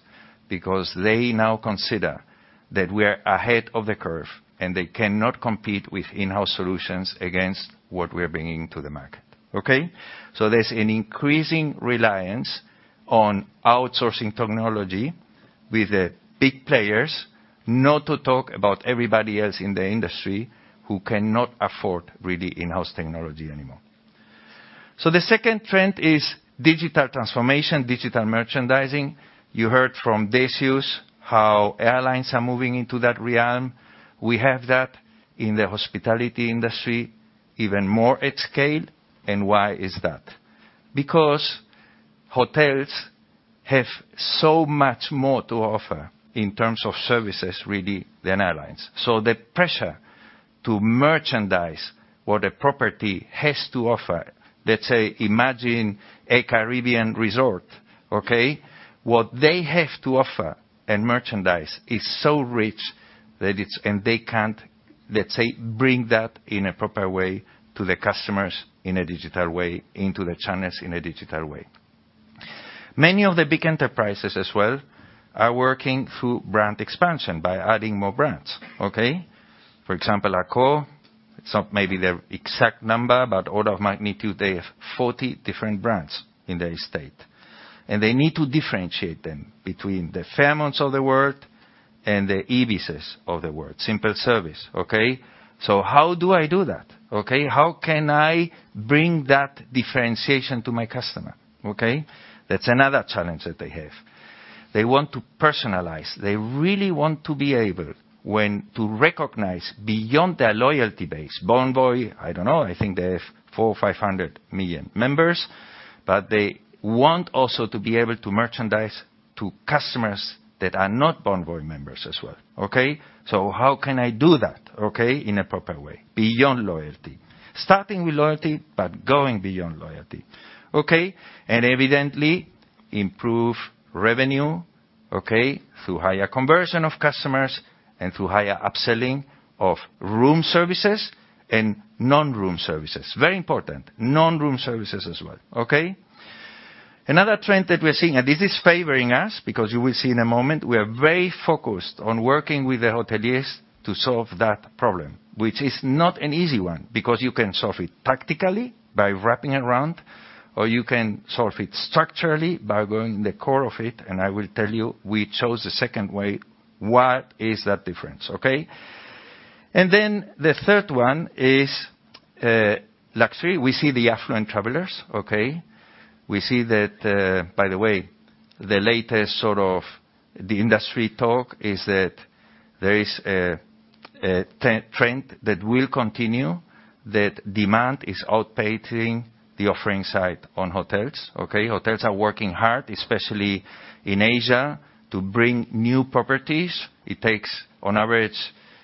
because they now consider that we are ahead of the curve, and they cannot compete with in-house solutions against what we are bringing to the market, okay? So there's an increasing reliance on outsourcing technology with the big players, not to talk about everybody else in the industry who cannot afford, really, in-house technology anymore. So the second trend is digital transformation, digital merchandising. You heard from Decius how airlines are moving into that realm. We have that in the hospitality industry, even more at scale. And why is that? Because hotels have so much more to offer in terms of services, really, than airlines. So the pressure to merchandise what a property has to offer, let's say, imagine a Caribbean resort, okay? What they have to offer and merchandise is so rich that it's and they can't, let's say, bring that in a proper way to the customers in a digital way, into the channels in a digital way. Many of the big enterprises as well are working through brand expansion by adding more brands, okay? For example, Accor. It's not maybe the exact number, but order of magnitude, they have 40 different brands in their estate, and they need to differentiate them between the Fairmonts of the world and the Ibises of the world. Simple service, okay? So how do I do that, okay? How can I bring that differentiation to my customer, okay? That's another challenge that they have. They want to personalize. They really want to be able when to recognize beyond their loyalty base, Bonvoy. I don't know, I think they have 400 or 500 million members, but they want also to be able to merchandise to customers that are not Bonvoy members as well, okay? So how can I do that, okay, in a proper way, beyond loyalty? Starting with loyalty, but going beyond loyalty, okay? And evidently, improve revenue, okay, through higher conversion of customers and through higher upselling of room services and non-room services. Very important, non-room services as well, okay? Another trend that we're seeing, and this is favoring us, because you will see in a moment, we are very focused on working with the hoteliers to solve that problem, which is not an easy one, because you can solve it tactically by wrapping around, or you can solve it structurally by going in the core of it, and I will tell you, we chose the second way. What is that difference, okay? And then the third one is, luxury. We see the affluent travelers, okay? We see that... By the way, the latest sort of the industry talk is that there is a trend that will continue, that demand is outpacing the offering side on hotels, okay? Hotels are working hard, especially in Asia, to bring new properties. It takes, on average,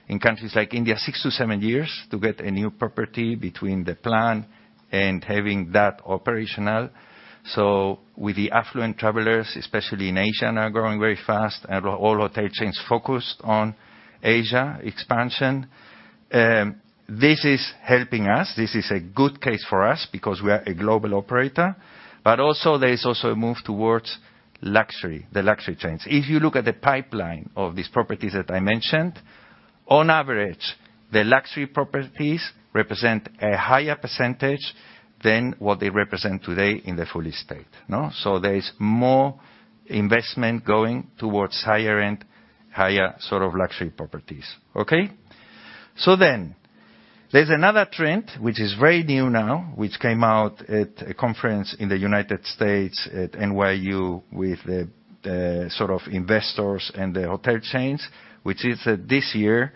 in countries like India, six to seven years to get a new property between the plan and having that operational. So with the affluent travelers, especially in Asia, now growing very fast, and all hotel chains focused on Asia expansion, this is helping us. This is a good case for us because we are a global operator, but also, there is also a move towards luxury, the luxury chains. If you look at the pipeline of these properties that I mentioned, on average, the luxury properties represent a higher percentage than what they represent today in the fully state, no? So there is more investment going towards higher-end, higher sort of luxury properties. Okay? So then, there's another trend, which is very new now, which came out at a conference in the United States at NYU with the sort of investors and the hotel chains, which is that this year,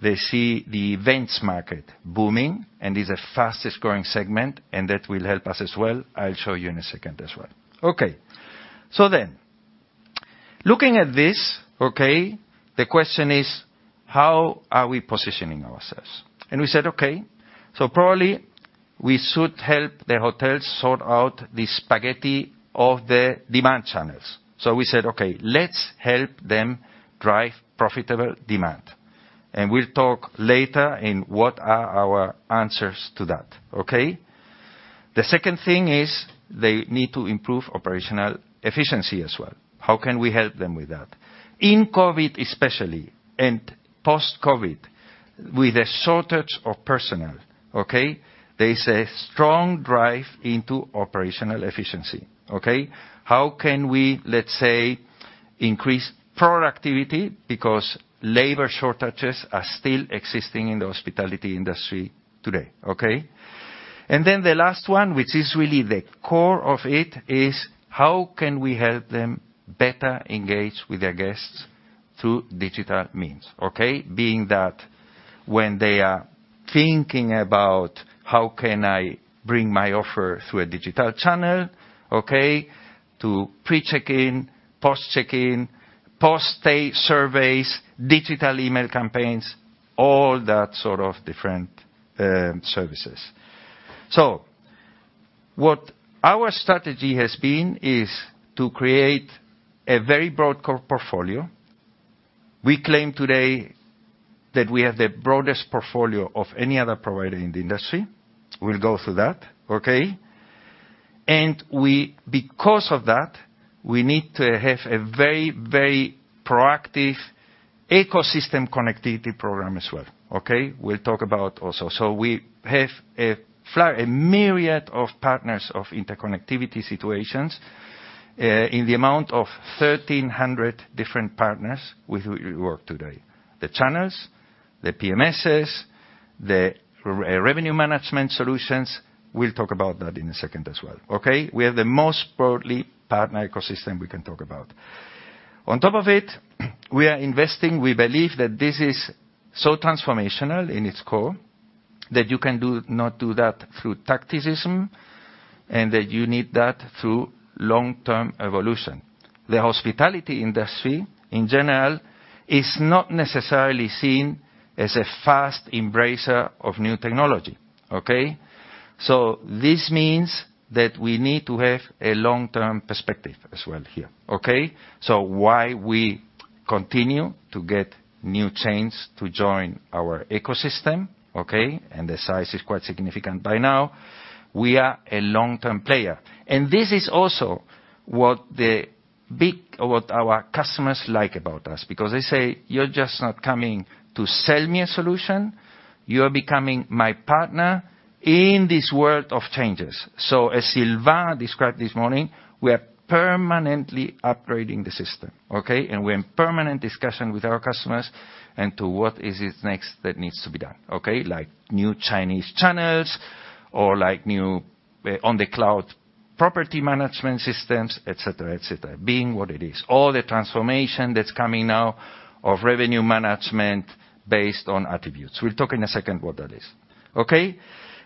they see the events market booming, and is the fastest growing segment, and that will help us as well. I'll show you in a second as well. Okay. So then, looking at this, okay, the question is: How are we positioning ourselves? And we said, okay, so probably we should help the hotels sort out the spaghetti of the demand channels. So we said, "Okay, let's help them drive profitable demand." And we'll talk later in what are our answers to that, okay? The second thing is they need to improve operational efficiency as well. How can we help them with that? In COVID, especially, and post-COVID, with a shortage of personnel, okay, there is a strong drive into operational efficiency, okay? How can we, let's say, increase productivity because labor shortages are still existing in the hospitality industry today, okay? And then the last one, which is really the core of it, is: How can we help them better engage with their guests through digital means, okay? Being that when they are thinking about, how can I bring my offer through a digital channel, okay, to pre-check-in, post-check-in, post-stay surveys, digital email campaigns, all that sort of different services. So what our strategy has been is to create a very broad core portfolio. We claim today that we have the broadest portfolio of any other provider in the industry. We'll go through that, okay? Because of that, we need to have a very, very proactive ecosystem connectivity program as well, okay? We'll talk about also. So we have a myriad of partners of interconnectivity situations, in the amount of 1,300 different partners with who we work today. The channels, the PMSes, the revenue management solutions. We'll talk about that in a second as well, okay? We have the most broadly partner ecosystem we can talk about. On top of it, we are investing. We believe that this is so transformational in its core, that you can do, not do that through tacticism, and that you need that through long-term evolution. The hospitality industry, in general, is not necessarily seen as a fast embracer of new technology, okay? So this means that we need to have a long-term perspective as well here, okay? So while we continue to get new chains to join our ecosystem, okay, and the size is quite significant by now, we are a long-term player. And this is also what the big of what our customers like about us, because they say, "You're just not coming to sell me a solution, you are becoming my partner in this world of changes." So as Sylvain described this morning, we are permanently upgrading the system, okay? And we're in permanent discussion with our customers and to what is it next that needs to be done, okay? Like new Chinese channels or like new, on the cloud, property management systems, et cetera, et cetera, being what it is. All the transformation that's coming now of revenue management based on attributes. We'll talk in a second what that is. Okay?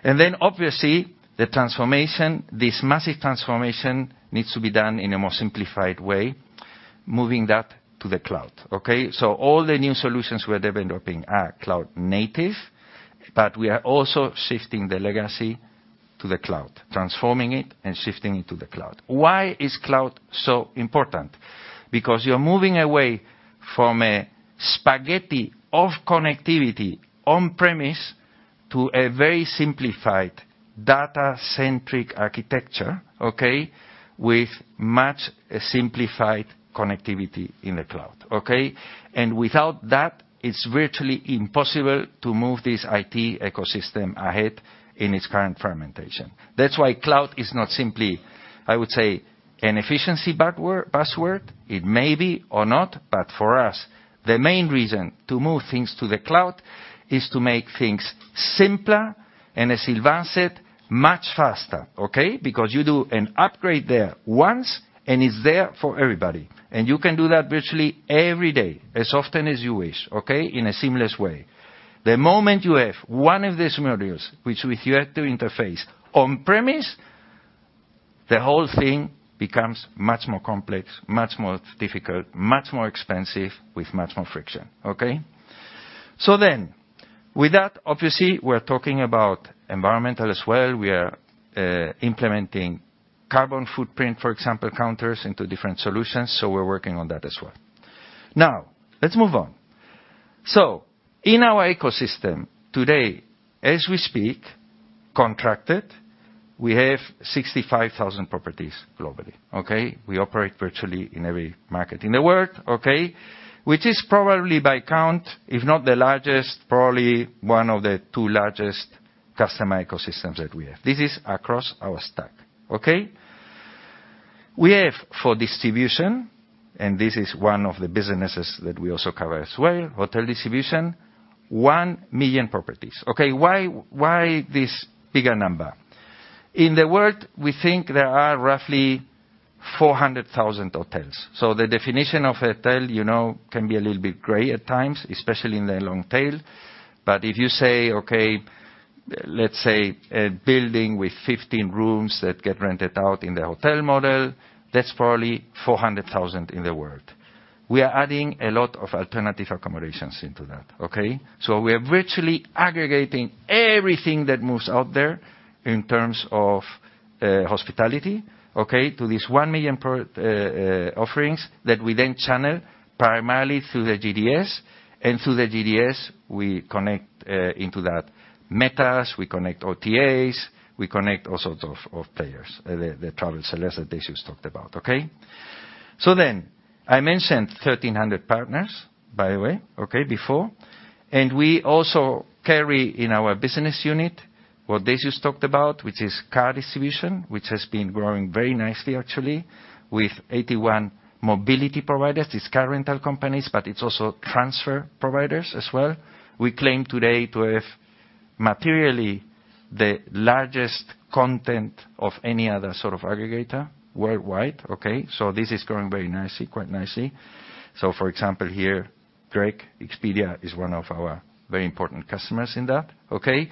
And then, obviously, the transformation, this massive transformation needs to be done in a more simplified way, moving that to the cloud, okay? So all the new solutions we're developing are cloud native, but we are also shifting the legacy to the cloud, transforming it and shifting it to the cloud. Why is cloud so important? Because you're moving away from a spaghetti of connectivity on-premise, to a very simplified data-centric architecture, okay? With much simplified connectivity in the cloud, okay? And without that, it's virtually impossible to move this IT ecosystem ahead in its current fragmentation. That's why cloud is not simply, I would say, an efficiency password. It may be or not, but for us, the main reason to move things to the cloud is to make things simpler, and as Sylvain said, much faster, okay? Because you do an upgrade there once, and it's there for everybody. And you can do that virtually every day, as often as you wish, okay? In a seamless way. The moment you have one of these modules, which with you have to interface on-premise, the whole thing becomes much more complex, much more difficult, much more expensive, with much more friction, okay? So then, with that, obviously, we're talking about environmental as well. We are implementing carbon footprint, for example, counters into different solutions, so we're working on that as well. Now, let's move on. So in our ecosystem today, as we speak, contracted, we have 65,000 properties globally, okay? We operate virtually in every market in the world, okay? Which is probably by count, if not the largest, probably one of the two largest customer ecosystems that we have. This is across our stack, okay? We have, for distribution, and this is one of the businesses that we also cover as well, hotel distribution, 1 million properties. Okay, why, why this bigger number? In the world, we think there are roughly 400,000 hotels. So the definition of a hotel, you know, can be a little bit gray at times, especially in the long tail. But if you say, okay, let's say a building with 15 rooms that get rented out in the hotel model, that's probably 400,000 in the world. We are adding a lot of alternative accommodations into that, okay? So we are virtually aggregating everything that moves out there in terms of hospitality, okay? To these 1 million-plus offerings, that we then channel primarily through the GDS. Through the GDS, we connect into that metas, we connect OTAs, we connect all sorts of players, the travel sellers that Decius talked about, okay? So then, I mentioned 1,300 partners, by the way, okay, before. And we also carry in our business unit what Decius talked about, which is car distribution, which has been growing very nicely, actually, with 81 mobility providers. It's car rental companies, but it's also transfer providers as well. We claim today to have materially the largest content of any other sort of aggregator worldwide, okay? So this is growing very nicely, quite nicely. So for example, here, Greg, Expedia is one of our very important customers in that, okay?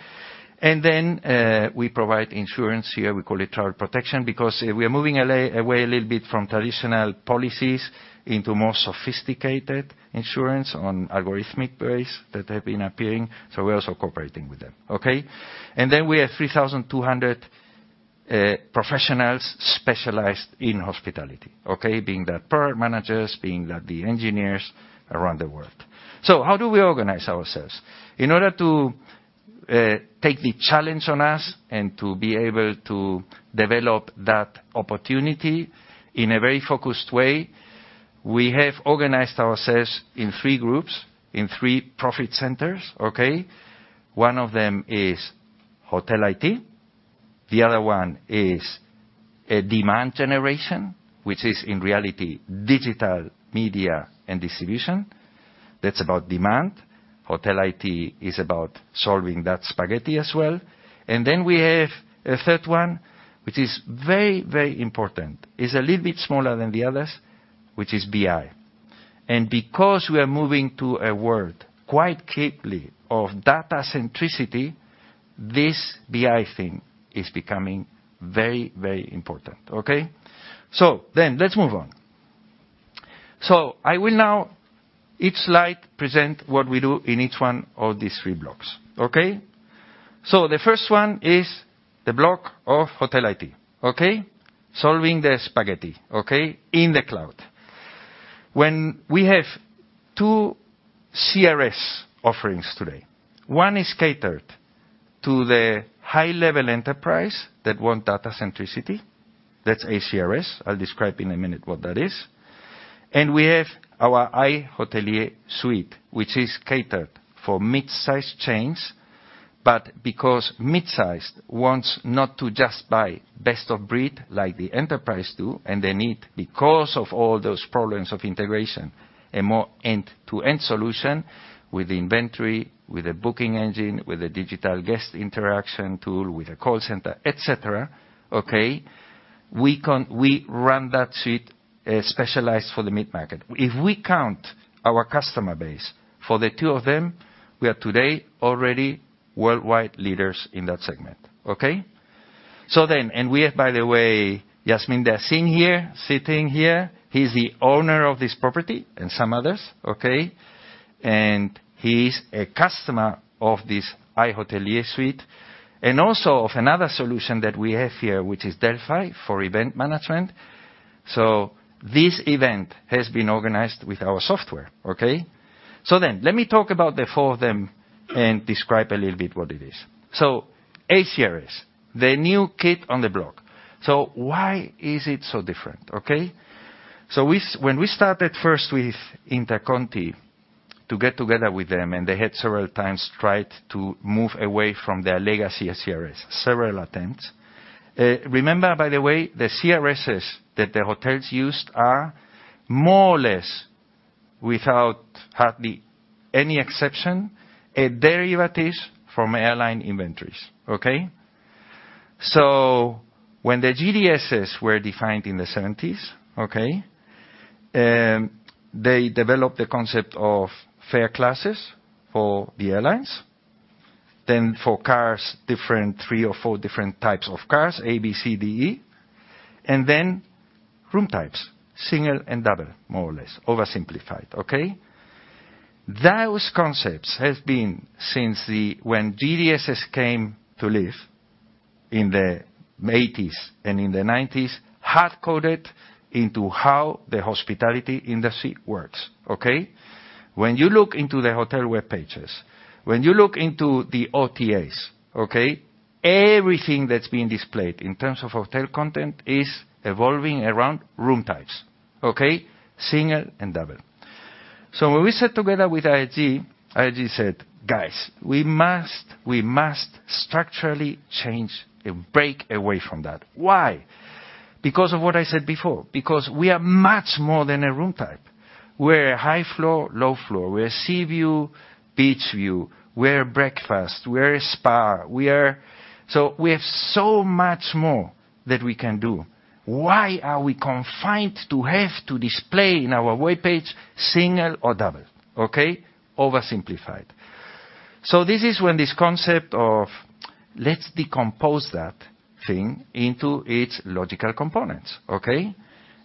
And then, we provide insurance here, we call it Travel Protection, because, we are moving away a little bit from traditional policies into more sophisticated insurance on algorithmic base that have been appearing, so we're also cooperating with them, okay? And then we have 3,200 professionals specialized in hospitality, okay? Being the product managers, being the engineers around the world. So how do we organize ourselves? In order to take the challenge on us and to be able to develop that opportunity in a very focused way, we have organized ourselves in three groups, in three profit centers, okay? One of them is Hotel IT, the other one is a Demand Generation, which is, in reality, digital Media and Distribution. That's about demand. Hotel IT is about solving that spaghetti as well. And then we have a third one, which is very, very important. It's a little bit smaller than the others, which is BI. And because we are moving to a world quite quickly of data centricity, this BI thing is becoming very, very important, okay? So then, let's move on. So I will now, each slide, present what we do in each one of these three blocks, okay? So the first one is the block of Hotel IT, okay? Solving the spaghetti, okay? In the cloud... When we have two CRS offerings today, one is catered to the high-level enterprise that want data centricity, that's ACRS. I'll describe in a minute what that is. We have our iHotelier suite, which is catered for mid-sized chains, but because mid-sized wants not to just buy best of breed like the enterprise do, and they need, because of all those problems of integration, a more end-to-end solution with inventory, with a booking engine, with a digital guest interaction tool, with a call center, et cetera, okay? We run that suite, specialized for the mid-market. If we count our customer base for the two of them, we are today already worldwide leaders in that segment, okay? So then, and we have, by the way, Yassine Dersin here, sitting here. He's the owner of this property and some others, okay? And he's a customer of this iHotelier suite, and also of another solution that we have here, which is Delphi, for event management. So this event has been organized with our software, okay? So then let me talk about the four of them and describe a little bit what it is. So ACRS, the new kid on the block. So why is it so different, okay? When we started first with InterContinental to get together with them, and they had several times tried to move away from their legacy ACRS, several attempts. Remember, by the way, the CRSs that the hotels used are more or less, without hardly any exception, derivatives from airline inventories, okay? When the GDSs were defined in the seventies, okay, they developed the concept of fare classes for the airlines, then for cars, different, three or four different types of cars, A, B, C, D, E, and then room types, single and double, more or less. Oversimplified, okay? Those concepts has been since the, when GDS came to live in the eighties and in the nineties, hard-coded into how the hospitality industry works, okay? When you look into the hotel web pages, when you look into the OTAs, okay, everything that's being displayed in terms of hotel content is evolving around room types, okay? Single and double. So when we sat together with IHG, IHG said, "Guys, we must, we must structurally change and break away from that." Why? Because of what I said before, because we are much more than a room type. We're a high floor, low floor. We're a sea view, beach view. We're breakfast, we're a spa, we are... So we have so much more that we can do. Why are we confined to have to display in our webpage single or double, okay? Oversimplified. So this is when this concept of, let's decompose that thing into its logical components, okay?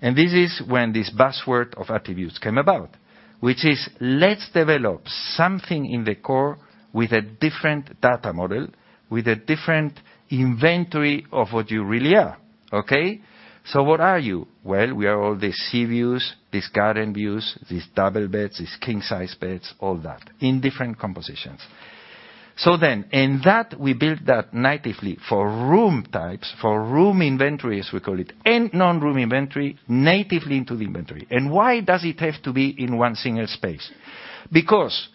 And this is when this buzzword of attributes came about, which is, let's develop something in the core with a different data model, with a different inventory of what you really are, okay? So what are you? Well, we are all these sea views, these garden views, these double beds, these king-size beds, all that, in different compositions. So then, and that, we built that natively for room types, for room inventories, we call it, and non-room inventory, natively into the inventory. And why does it have to be in one single space? Because,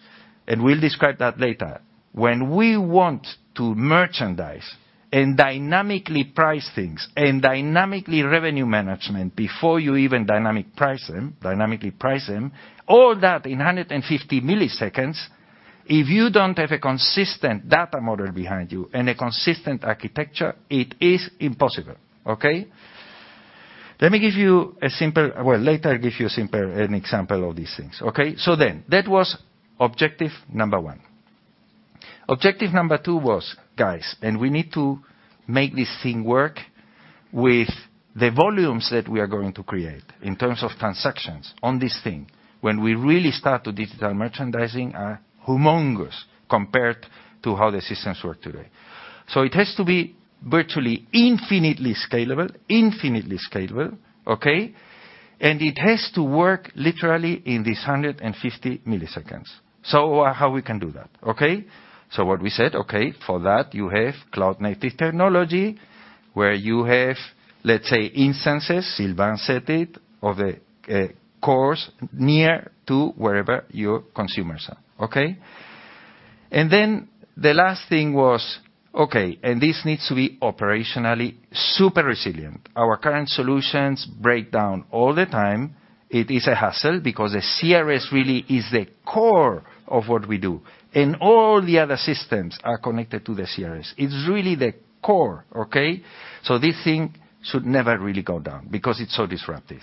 and we'll describe that later, when we want to merchandise and dynamically price things and dynamically revenue management before you even dynamic price them, dynamically price them, all that in 150 milliseconds, if you don't have a consistent data model behind you and a consistent architecture, it is impossible, okay? Let me give you a simple—Well, later, I'll give you a simpler, an example of these things, okay? So then, that was objective number one. Objective number two was, guys, and we need to make this thing work with the volumes that we are going to create in terms of transactions on this thing. When we really start to digital merchandising, humongous compared to how the systems work today. So it has to be virtually infinitely scalable, infinitely scalable, okay? And it has to work literally in these 150 milliseconds. So how we can do that, okay? So what we said, "Okay, for that, you have cloud-native technology, where you have, let's say, instances, Sylvain said it, of course, near to wherever your consumers are, okay?" And then the last thing was: Okay, and this needs to be operationally super resilient. Our current solutions break down all the time. It is a hassle because a CRS really is the core of what we do, and all the other systems are connected to the CRS. It's really the core, okay? So this thing should never really go down because it's so disruptive.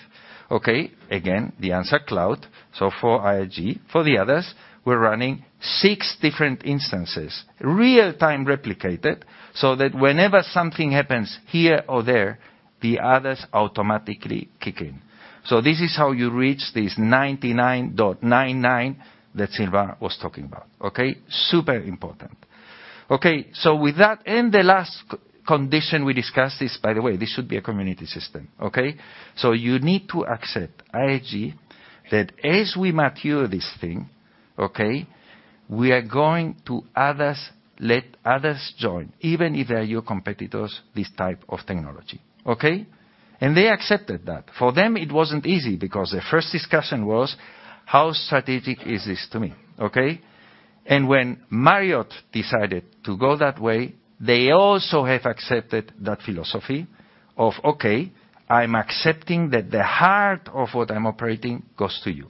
Okay, again, the answer, cloud. So for IHG, for the others, we're running 6 different instances, real-time replicated, so that whenever something happens here or there, the others automatically kick in. So this is how you reach these 99.99% that Sylvain was talking about, okay? Super important. Okay, so with that, and the last condition we discussed is, by the way, this should be a community system, okay? So you need to accept, IHG, that as we mature this thing, okay, we are going to let others join, even if they are your competitors, this type of technology, okay? And they accepted that. For them, it wasn't easy because their first discussion was: how strategic is this to me, okay? And when Marriott decided to go that way, they also have accepted that philosophy of, okay, I'm accepting that the heart of what I'm operating goes to you.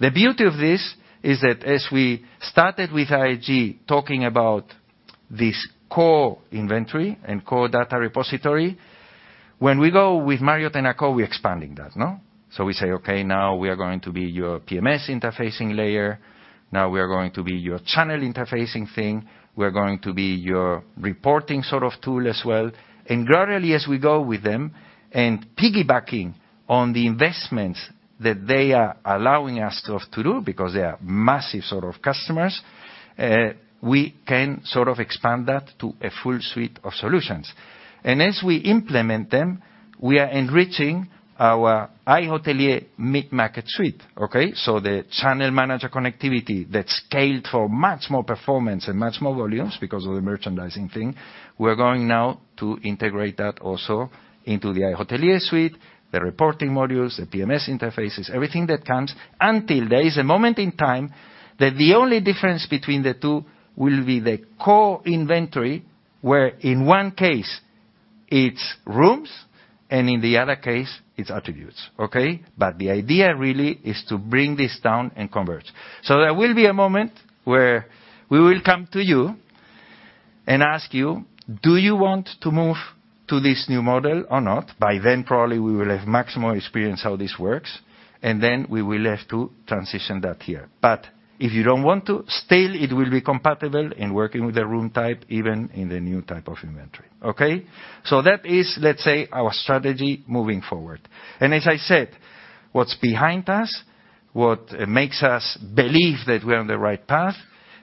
The beauty of this is that as we started with IHG, talking about this core inventory and core data repository, when we go with Marriott and Accor, we're expanding that, no? So we say, "Okay, now we are going to be your PMS interfacing layer. Now we are going to be your channel interfacing thing. We're going to be your reporting sort of tool as well." And gradually, as we go with them, and piggybacking on the investments that they are allowing us to do because they are massive sort of customers, we can sort of expand that to a full suite of solutions. And as we implement them, we are enriching our iHotelier mid-market suite, okay? So the channel manager connectivity that's scaled for much more performance and much more volumes because of the merchandising thing, we're going now to integrate that also into the iHotelier suite, the reporting modules, the PMS interfaces, everything that comes, until there is a moment in time that the only difference between the two will be the core inventory, where in one case, it's rooms, and in the other case, it's attributes, okay? But the idea really is to bring this down and convert. So there will be a moment where we will come to you and ask you, "Do you want to move to this new model or not?" By then, probably, we will have maximum experience how this works, and then we will have to transition that here. But if you don't want to, still, it will be compatible in working with the room type, even in the new type of inventory, okay? So that is, let's say, our strategy moving forward. And as I said, what's behind us, what makes us believe that we're on the right path,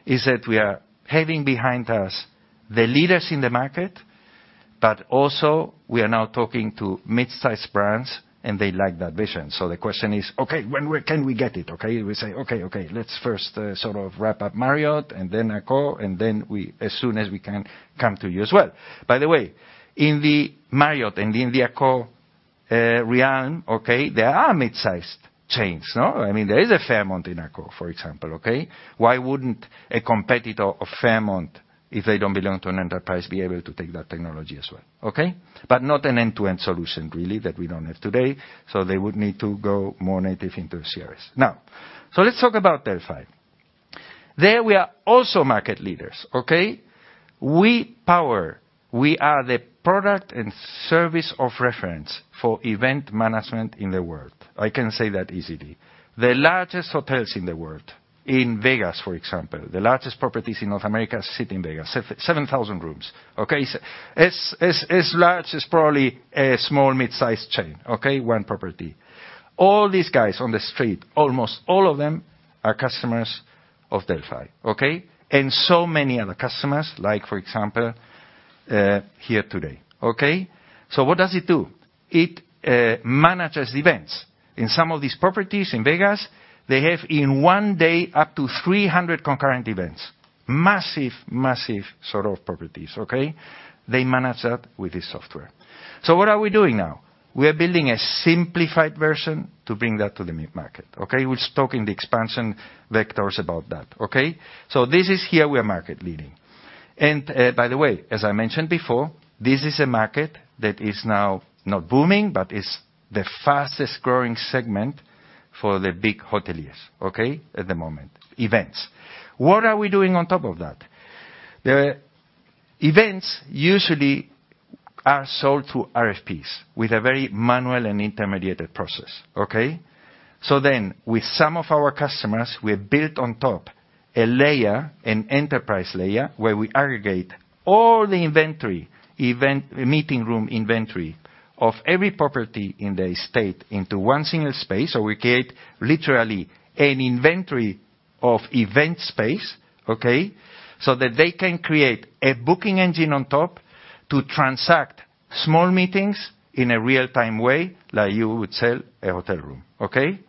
is that we are having behind us the leaders in the market, but also we are now talking to mid-sized brands, and they like that vision. So the question is, "Okay, when we, can we get it?" Okay, we say, "Okay, okay, let's first, sort of wrap up Marriott and then Accor, and then we-- as soon as we can, come to you as well." By the way, in the Marriott and in the Accor realm, okay, there are mid-sized chains, no? I mean, there is a Fairmont in Accor, for example, okay? Why wouldn't a competitor of Fairmont, if they don't belong to an enterprise, be able to take that technology as well, okay? But not an end-to-end solution, really, that we don't have today, so they would need to go more native into CRS. Now, so let's talk about Delphi. There, we are also market leaders, okay? We power, we are the product and service of reference for event management in the world. I can say that easily. The largest hotels in the world, in Vegas, for example, the largest properties in North America, sit in Vegas, 7,000 rooms, okay? As large as probably a small mid-sized chain, okay? One property. All these guys on the street, almost all of them, are customers of Delphi, okay? And so many other customers, like, for example, here today, okay? So what does it do? It manages events. In some of these properties in Vegas, they have, in one day, up to 300 concurrent events. Massive, massive sort of properties, okay? They manage that with this software. So what are we doing now? We are building a simplified version to bring that to the mid-market, okay? We'll talk in the expansion vectors about that, okay? So this is here we are market leading. And, by the way, as I mentioned before, this is a market that is now not booming, but is the fastest-growing segment for the big hoteliers, okay, at the moment. Events. What are we doing on top of that? The events usually are sold through RFPs with a very manual and intermediated process, okay? So then, with some of our customers, we have built on top a layer, an enterprise layer, where we aggregate all the inventory, event... meeting room inventory of every property in the state into one single space. So we create literally an inventory of event space, okay, so that they can create a booking engine on top to transact small meetings in a real-time way, like you would sell a hotel room, okay?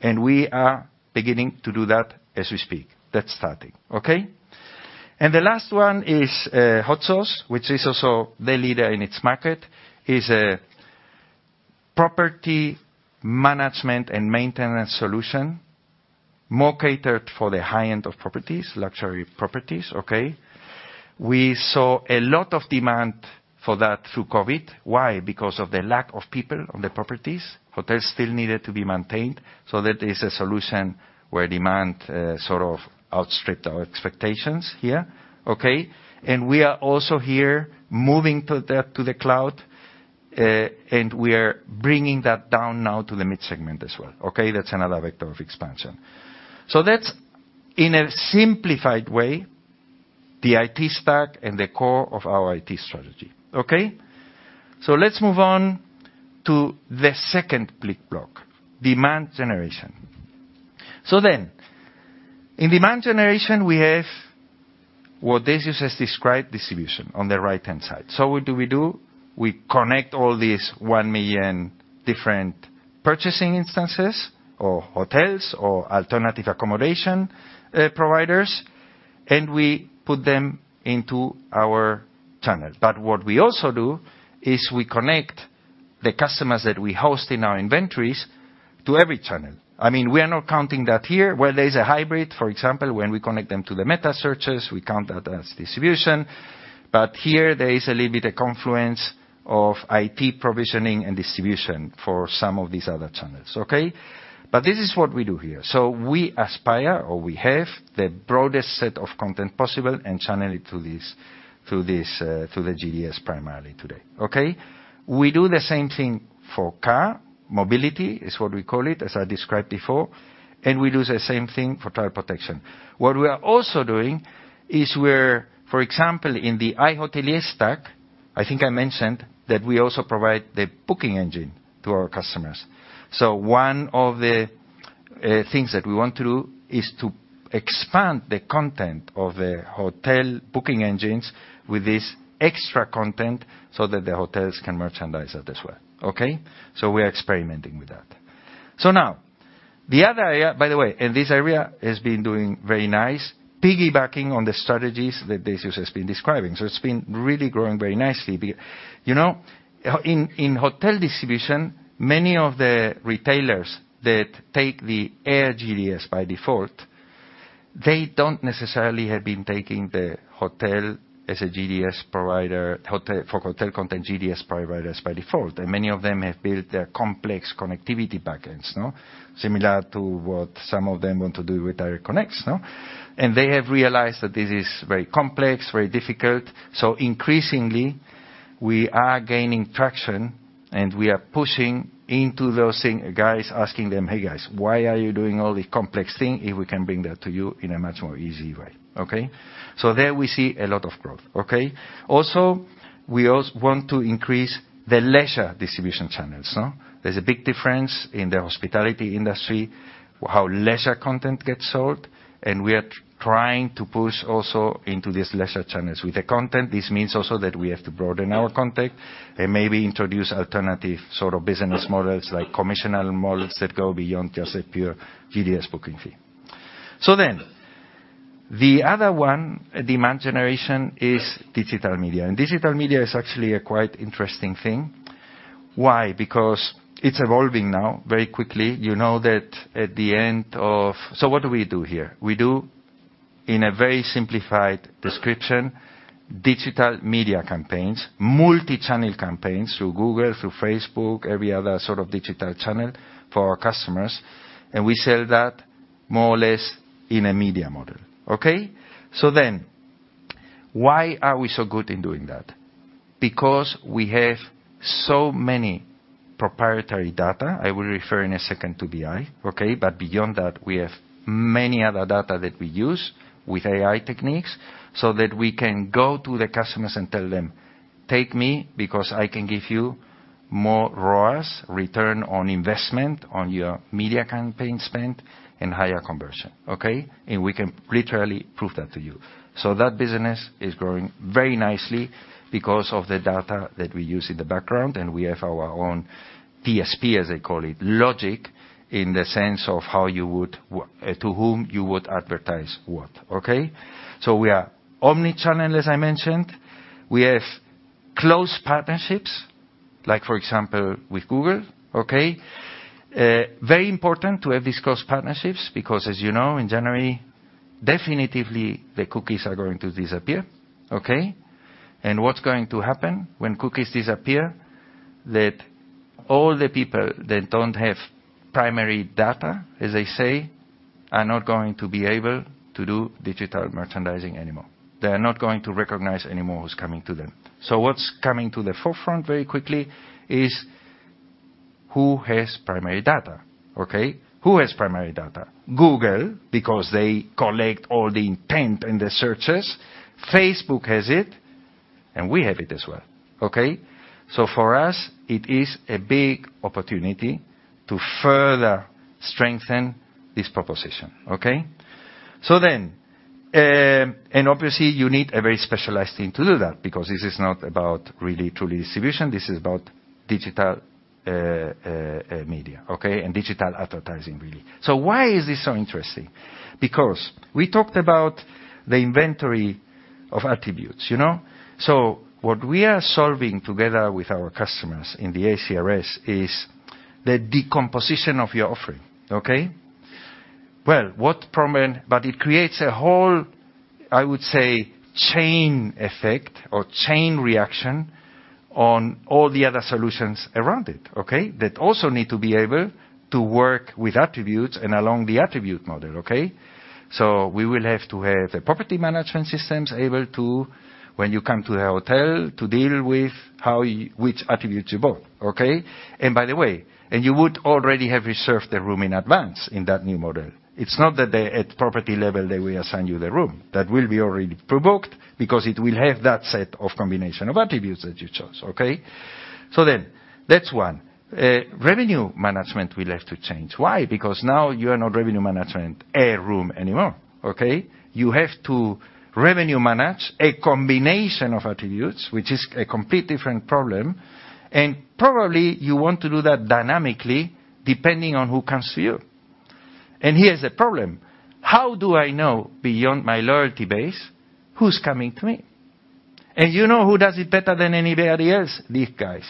And we are beginning to do that as we speak. That's starting, okay? And the last one is, HotSOS, which is also the leader in its market, is a property management and maintenance solution, more catered for the high-end of properties, luxury properties, okay? We saw a lot of demand for that through COVID. Why? Because of the lack of people on the properties. Hotels still needed to be maintained, so that is a solution where demand, sort of outstripped our expectations here, okay? We are also here moving to the cloud, and we are bringing that down now to the mid segment as well, okay? That's another vector of expansion. So that's, in a simplified way, the IT stack and the core of our IT strategy, okay? Let's move on to the second click block, Demand Generation. So then, in Demand Generation, we have what Decius has described, distribution, on the right-hand side. So what do we do? We connect all these 1 million different purchasing instances or hotels or alternative accommodation providers, and we put them into our channel. But what we also do is we connect the customers that we host in our inventories to every channel. I mean, we are not counting that here, where there is a hybrid, for example, when we connect them to the metasearches, we count that as distribution. But here there is a little bit of confluence of IT provisioning and distribution for some of these other channels, okay? But this is what we do here. So we aspire, or we have, the broadest set of content possible and channel it to this, to the GDS primarily today, okay? We do the same thing for car. Mobility, is what we call it, as I described before, and we do the same thing for travel protection. What we are also doing is, for example, in the iHotelier stack, I think I mentioned that we also provide the booking engine to our customers. So one of the things that we want to do is to expand the content of the hotel booking engines with this extra content so that the hotels can merchandise that as well, okay? So we are experimenting with that. So now, the other area. By the way, and this area has been doing very nice, piggybacking on the strategies that Decius has been describing, so it's been really growing very nicely. You know, in hotel distribution, many of the retailers that take the air GDS by default, they don't necessarily have been taking the hotel as a GDS provider, for hotel content, GDS providers by default. And many of them have built their complex connectivity backends, no? Similar to what some of them want to do with Air Canada, no? And they have realized that this is very complex, very difficult. So increasingly, we are gaining traction, and we are pushing into those same guys, asking them, "Hey, guys, why are you doing all this complex thing if we can bring that to you in a much more easy way?" Okay? So there we see a lot of growth, okay? Also, we want to increase the leisure distribution channels. There's a big difference in the hospitality industry, how leisure content gets sold, and we are trying to push also into these leisure channels. With the content, this means also that we have to broaden our content and maybe introduce alternative sort of business models, like commission models that go beyond just a pure GDS booking fee. So then, the other one, Demand Generation, is digital media. And digital media is actually a quite interesting thing. Why? Because it's evolving now very quickly. You know that at the end of... So what do we do here? We do, in a very simplified description, digital media campaigns, multi-channel campaigns, through Google, through Facebook, every other sort of digital channel for our customers, and we sell that more or less in a media model. Okay? So then, why are we so good in doing that? Because we have so many proprietary data. I will refer in a second to the AI, okay? But beyond that, we have many other data that we use with AI techniques so that we can go to the customers and tell them, "Take me, because I can give you more ROIs, return on investment, on your media campaign spend, and higher conversion," okay? And we can literally prove that to you. So that business is growing very nicely because of the data that we use in the background, and we have our own DSP, as they call it, logic, in the sense of how you would to whom you would advertise what. Okay? So we are omnichannel, as I mentioned. We have close partnerships, like, for example, with Google, okay? Very important to have these close partnerships, because, as you know, in January, definitively, the cookies are going to disappear, okay? And what's going to happen when cookies disappear? That all the people that don't have primary data, as they say, are not going to be able to do digital merchandising anymore. They are not going to recognize anymore who's coming to them. So what's coming to the forefront very quickly is who has primary data, okay? Who has primary data? Google, because they collect all the intent and the searches, Facebook has it, and we have it as well, okay? So for us, it is a big opportunity to further strengthen this proposition, okay? So then, and obviously, you need a very specialized team to do that, because this is not about really, truly distribution, this is about digital, media, okay, and digital advertising, really. So why is this so interesting? Because we talked about the inventory of attributes, you know? So what we are solving together with our customers in the ACRS is the decomposition of your offering, okay? Well, what problem... But it creates a whole, I would say, chain effect or chain reaction on all the other solutions around it, okay, that also need to be able to work with attributes and along the attribute model, okay? So we will have to have the property management systems able to, when you come to the hotel, to deal with which attributes you bought, okay? And by the way, and you would already have reserved the room in advance in that new model. It's not that they, at property level, they will assign you the room. That will be already prebooked because it will have that set of combination of attributes that you chose, okay? So then, that's one. Revenue management we'll have to change. Why? Because now you are not revenue management a room anymore, okay? You have to revenue manage a combination of attributes, which is a completely different problem, and probably you want to do that dynamically, depending on who comes to you. And here's the problem: how do I know, beyond my loyalty base, who's coming to me? And you know who does it better than anybody else? These guys.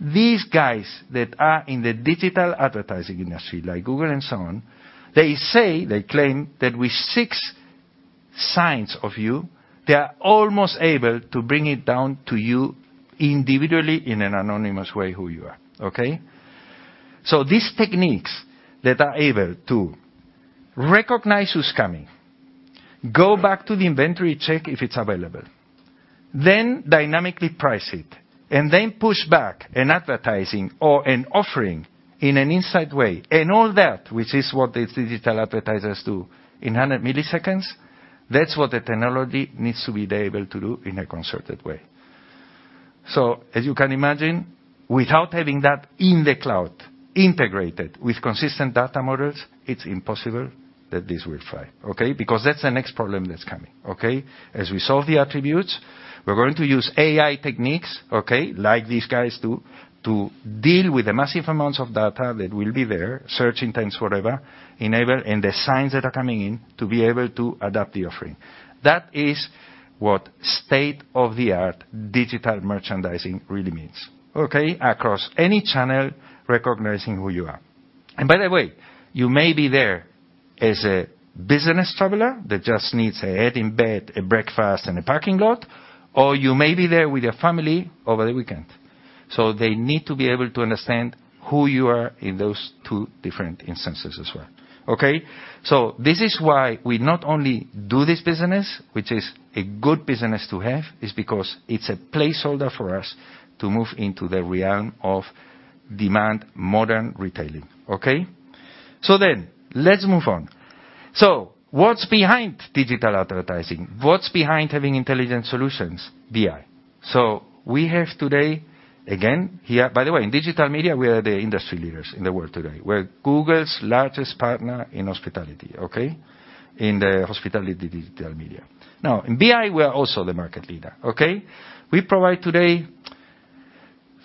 These guys that are in the digital advertising industry, like Google and so on, they say, they claim, that with six signs of you, they are almost able to bring it down to you individually in an anonymous way, who you are, okay? So these techniques that are able to recognize who's coming, go back to the inventory, check if it's available, then dynamically price it, and then push back an advertising or an offering in an insight way, and all that, which is what the digital advertisers do in 100 milliseconds, that's what the technology needs to be able to do in a concerted way. So as you can imagine, without having that in the cloud, integrated with consistent data models, it's impossible that this will fly, okay? Because that's the next problem that's coming, okay? As we solve the attributes, we're going to use AI techniques, okay, like these guys do, to deal with the massive amounts of data that will be there, search intents, whatever, enable, and the signs that are coming in to be able to adapt the offering. That is what state-of-the-art digital merchandising really means, okay? Across any channel, recognizing who you are. And by the way, you may be there as a business traveler that just needs a head and bed, a breakfast, and a parking lot, or you may be there with your family over the weekend. So they need to be able to understand who you are in those two different instances as well, okay? So this is why we not only do this business, which is a good business to have, is because it's a placeholder for us to move into the realm of demand, modern retailing, okay? So then, let's move on. So what's behind digital advertising? What's behind having intelligent solutions? BI. So we have today, again, here. By the way, in digital media, we are the industry leaders in the world today. We're Google's largest partner in hospitality, okay? In the hospitality digital media. Now, in BI, we are also the market leader, okay? We provide today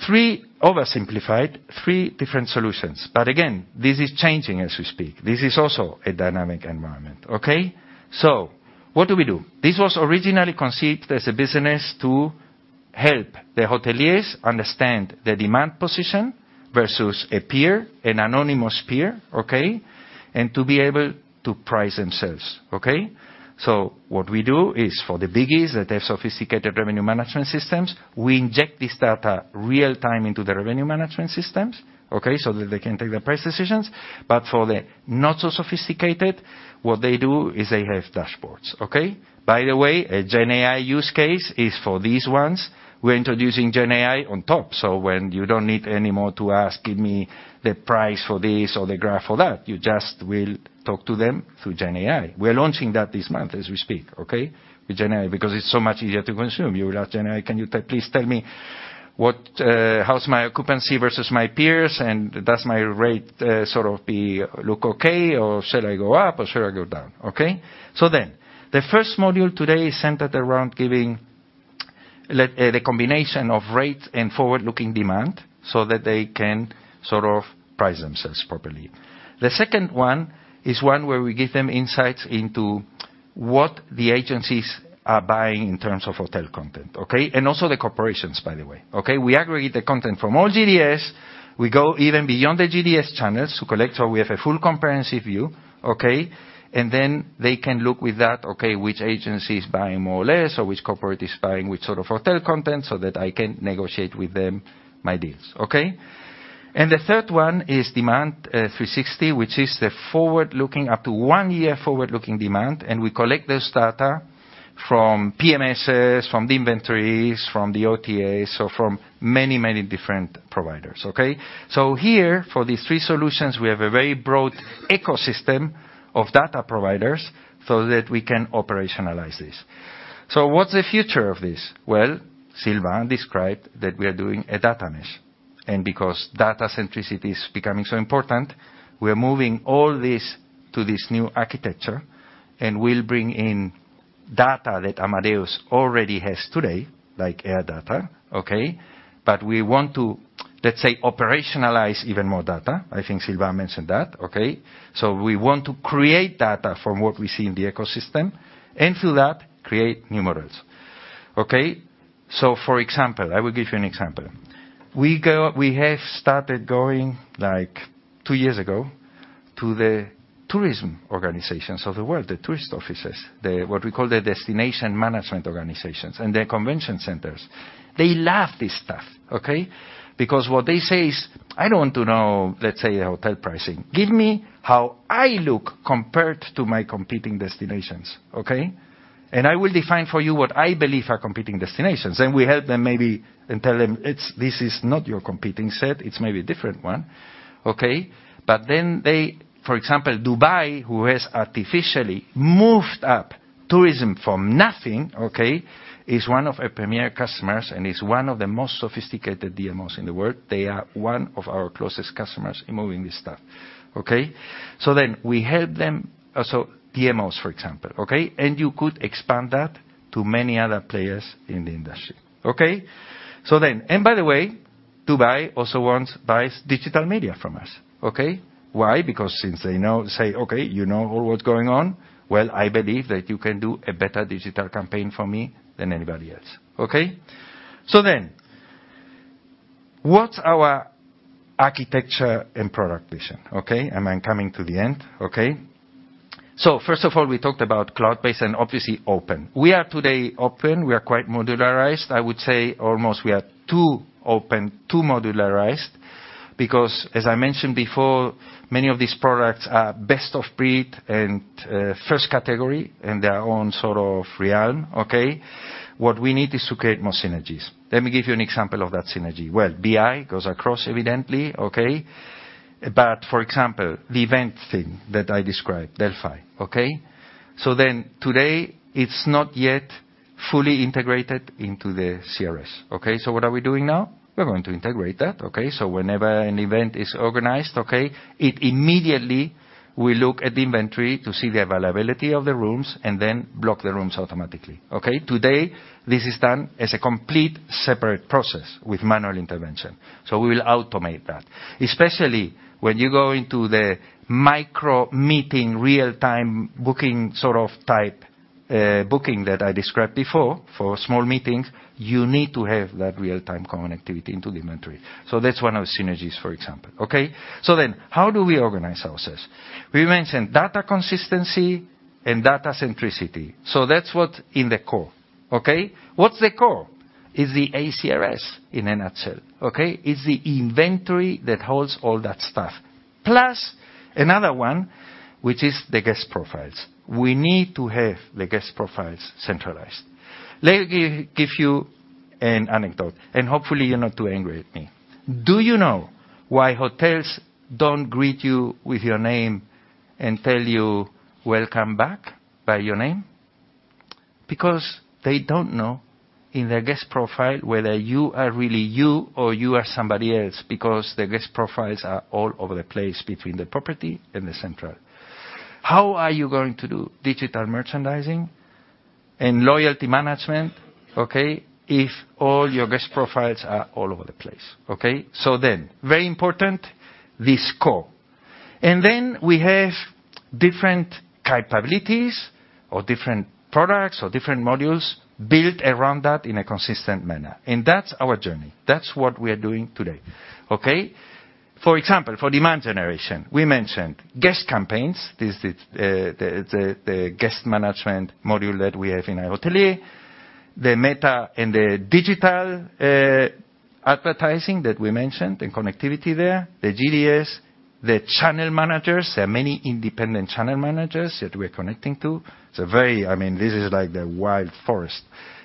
three, oversimplified, three different solutions. But again, this is changing as we speak. This is also a dynamic environment, okay? So what do we do? This was originally conceived as a business to help the hoteliers understand the demand position versus a peer, an anonymous peer, okay, and to be able to price themselves, okay? So what we do is for the biggies that have sophisticated revenue management systems, we inject this data real time into the revenue management systems, okay, so that they can take the price decisions, but for the not-so-sophisticated, what they do is they have dashboards, okay? By the way, a GenAI use case is for these ones. We're introducing GenAI on top, so when you don't need any more to ask, "Give me the price for this or the graph for that," you just will talk to them through GenAI. We're launching that this month as we speak, okay? With GenAI, because it's so much easier to consume. You will ask GenAI, "Can you tell, please tell me what, how's my occupancy versus my peers, and does my rate, sort of be, look okay, or shall I go up, or should I go down?" Okay? So then, the first module today is centered around giving the combination of rates and forward-looking demand so that they can sort of price themselves properly. The second one is one where we give them insights into what the agencies are buying in terms of hotel content, okay? And also the corporations, by the way, okay? We aggregate the content from all GDS. We go even beyond the GDS channels to collect, so we have a full, comprehensive view, okay? And then they can look with that, okay, which agency is buying more or less, or which corporate is buying which sort of hotel content, so that I can negotiate with them my deals, okay? And the third one is Demand360, which is the forward-looking, up to 1-year forward-looking demand, and we collect this data from PMSs, from the inventories, from the OTAs, so from many, many different providers, okay? So here, for these three solutions, we have a very broad ecosystem of data providers so that we can operationalize this. So what's the future of this? Well, Sylvain described that we are doing a data mesh, and because data centricity is becoming so important, we're moving all this to this new architecture, and we'll bring in data that Amadeus already has today, like air data, okay? But we want to, let's say, operationalize even more data. I think Sylvain mentioned that, okay? So we want to create data from what we see in the ecosystem, and through that, create new models. Okay? So, for example, I will give you an example. We have started going, like two years ago, to the tourism organizations of the world, the tourist offices, the, what we call the destination management organizations and the convention centers. They love this stuff, okay? Because what they say is, "I don't want to know, let's say, hotel pricing. Give me how I look compared to my competing destinations, okay? And I will define for you what I believe are competing destinations." Then we help them maybe and tell them, "It's this is not your competing set. It's maybe a different one." Okay, but then they... For example, Dubai, who has artificially moved up-... Tourism from nothing, okay, is one of our premier customers, and is one of the most sophisticated DMOs in the world. They are one of our closest customers in moving this stuff, okay? So then we help them, so DMOs, for example, okay? And you could expand that to many other players in the industry, okay? So then, and by the way, Dubai also wants, buys digital media from us, okay? Why? Because since they know, say, "Okay, you know what's going on, well, I believe that you can do a better digital campaign for me than anybody else." Okay, so then, what's our architecture and product vision? Okay, and I'm coming to the end, okay. So first of all, we talked about cloud-based and obviously open. We are today open. We are quite modularized. I would say almost we are too open, too modularized, because as I mentioned before, many of these products are best of breed and first category in their own sort of realm, okay? What we need is to create more synergies. Let me give you an example of that synergy. Well, BI goes across, evidently, okay? But for example, the event thing that I described, Delphi, okay? So then today, it's not yet fully integrated into the CRS, okay? So what are we doing now? We're going to integrate that, okay? So whenever an event is organized, okay, it immediately will look at the inventory to see the availability of the rooms and then block the rooms automatically, okay? Today, this is done as a complete separate process with manual intervention, so we will automate that. Especially when you go into the micro meeting, real-time, booking sort of type, booking that I described before for small meetings, you need to have that real-time connectivity into the inventory. So that's one of the synergies, for example, okay? So then how do we organize ourselves? We mentioned data consistency and data centricity. So that's what's in the core, okay? What's the core? Is the ACRS in a nutshell, okay? It's the inventory that holds all that stuff. Plus another one, which is the guest profiles. We need to have the guest profiles centralized. Let me give you an anecdote, and hopefully you're not too angry at me. Do you know why hotels don't greet you with your name and tell you, "Welcome back," by your name? Because they don't know in their guest profile whether you are really you or you are somebody else, because the guest profiles are all over the place between the property and the central. How are you going to do digital merchandising and loyalty management, okay, if all your guest profiles are all over the place, okay? So then, very important, this core. We have different capabilities or different products or different modules built around that in a consistent manner. That's our journey. That's what we are doing today, okay? For example, for Demand Generation, we mentioned guest campaigns. This is the guest management module that we have in iHotelier, the meta and the digital advertising that we mentioned, the connectivity there, the GDS, the channel managers. There are many independent channel managers that we're connecting to. It's a very... I mean, this is like the wild forest.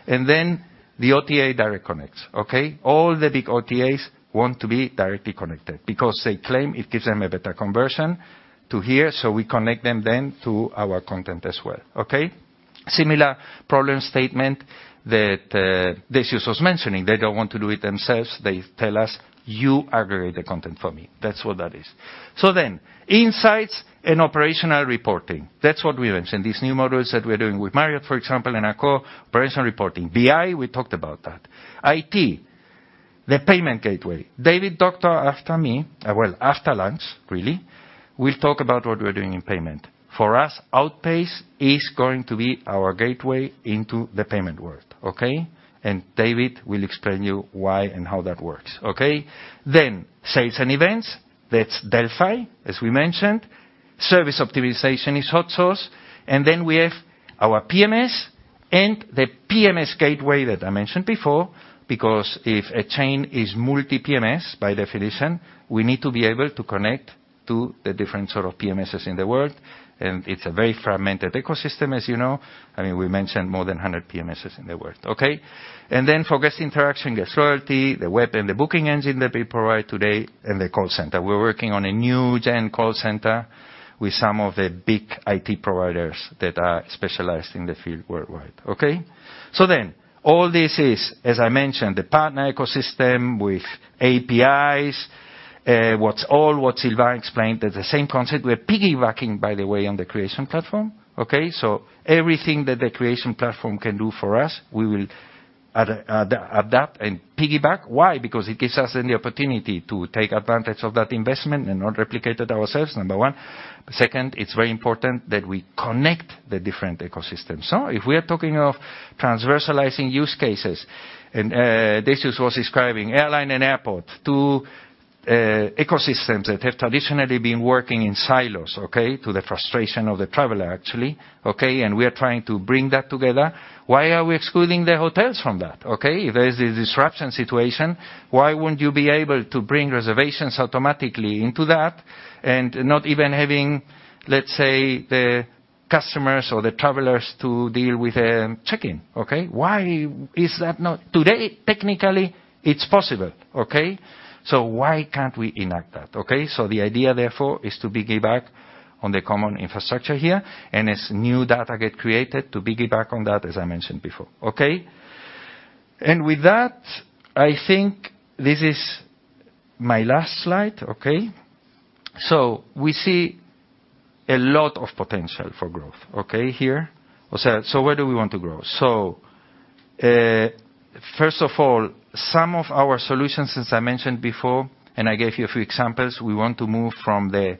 And then the OTA direct connects, okay? All the big OTAs want to be directly connected because they claim it gives them a better conversion to here, so we connect them then to our content as well, okay? Similar problem statement that Decius was mentioning. They don't want to do it themselves. They tell us, "You aggregate the content for me." That's what that is. So then, insights and operational reporting. That's what we mentioned, these new modules that we're doing with Marriott, for example, and our core operational reporting. BI, we talked about that. IT, the payment gateway. David Doctor after me, well, after lunch, really, will talk about what we're doing in payment. For us, Outpayce is going to be our gateway into the payment world, okay? And David will explain you why and how that works, okay? Then sales and events, that's Delphi, as we mentioned. Service optimization is HotSOS. And then we have our PMS and the PMS gateway that I mentioned before, because if a chain is multi PMS, by definition, we need to be able to connect to the different sort of PMSs in the world. And it's a very fragmented ecosystem, as you know. I mean, we mentioned more than 100 PMSs in the world, okay? And then for guest interaction, guest loyalty, the web, and the booking engine that we provide today, and the call center. We're working on a new gen call center with some of the big IT providers that are specialized in the field worldwide, okay? So then all this is, as I mentioned, the partner ecosystem with APIs, what's all what Sylvain explained, that the same concept. We're piggybacking, by the way, on the Aviation Platform, okay? So everything that the Aviation Platform can do for us, we will adapt and piggyback. Why? Because it gives us an opportunity to take advantage of that investment and not replicate it ourselves, number one. Second, it's very important that we connect the different ecosystems. So if we are talking of transversalizing use cases, and Decius was describing airline and airport, two ecosystems that have traditionally been working in silos, okay, to the frustration of the traveler, actually, okay, and we are trying to bring that together. Why are we excluding the hotels from that, okay? If there is a disruption situation, why wouldn't you be able to bring reservations automatically into that and not even having, let's say, the customers or the travelers to deal with a check-in, okay? Why is that not. Today, technically, it's possible, okay? So why can't we enact that, okay? So the idea, therefore, is to piggyback on the common infrastructure here, and as new data get created, to piggyback on that, as I mentioned before, okay? With that, I think this is my last slide, okay? So we see a lot of potential for growth, okay, here. So where do we want to grow? First of all, some of our solutions, as I mentioned before, and I gave you a few examples, we want to move from the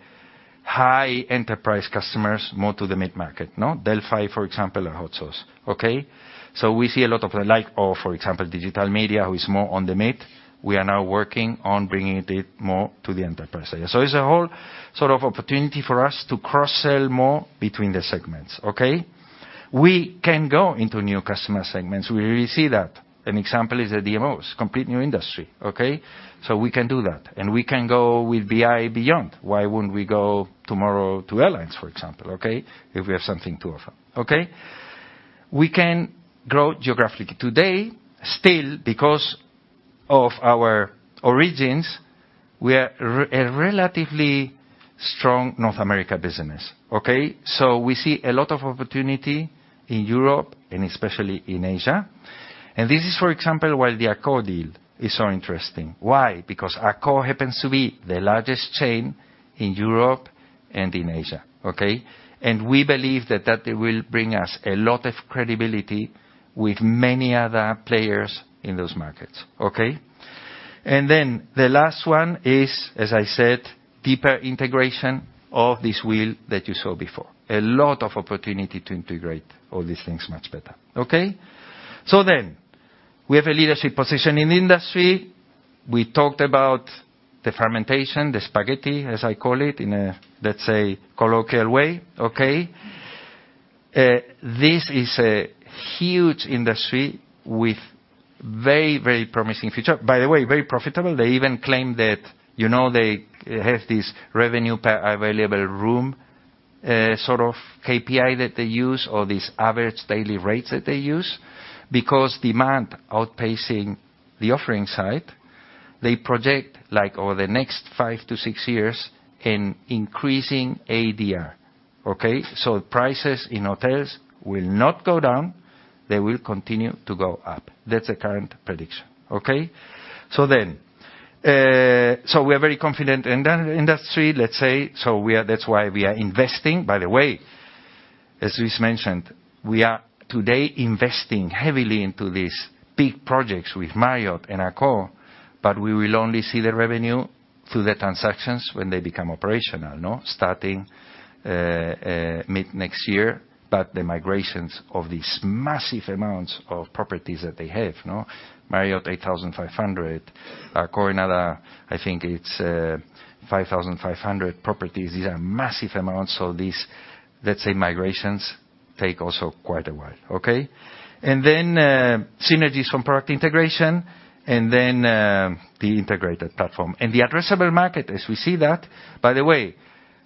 high enterprise customers more to the mid-market, no? Delphi, for example, and HotSOS. Okay? So we see a lot of like, or for example, digital media, who is more on the mid. We are now working on bringing it more to the enterprise area. So it's a whole sort of opportunity for us to cross-sell more between the segments, okay? We can go into new customer segments. We already see that. An example is the DMOs, complete new industry, okay? So we can do that, and we can go with BI beyond. Why wouldn't we go tomorrow to airlines, for example, okay? If we have something to offer, okay? We can grow geographically. Today, still, because of our origins, we are a, a relatively strong North America business, okay? So we see a lot of opportunity in Europe and especially in Asia. And this is, for example, why the Accor deal is so interesting. Why? Because Accor happens to be the largest chain in Europe and in Asia, okay? And we believe that that will bring us a lot of credibility with many other players in those markets, okay? And then the last one is, as I said, deeper integration of this wheel that you saw before. A lot of opportunity to integrate all these things much better, okay? So then, we have a leadership position in the industry. We talked about the fragmentation, the spaghetti, as I call it, in a, let's say, colloquial way, okay? This is a huge industry with very, very promising future. By the way, very profitable. They even claim that, you know, they have this revenue per available room, sort of KPI that they use or this average daily rates that they use, because demand outpacing the offering side, they project, like over the next five to six years, an increasing ADR, okay? So prices in hotels will not go down, they will continue to go up. That's the current prediction, okay? So then, so we are very confident in the industry, let's say, so we are—that's why we are investing. By the way, as Luis mentioned, we are today investing heavily into these big projects with Marriott and Accor, but we will only see the revenue through the transactions when they become operational, no? Starting mid-next year, but the migrations of these massive amounts of properties that they have, no? Marriott, 8,500. Accor, another, I think it's 5,500 properties. These are massive amounts, so these, let's say, migrations take also quite a while, okay? And then synergies from product integration, and then the integrated platform. And the addressable market, as we see that, by the way,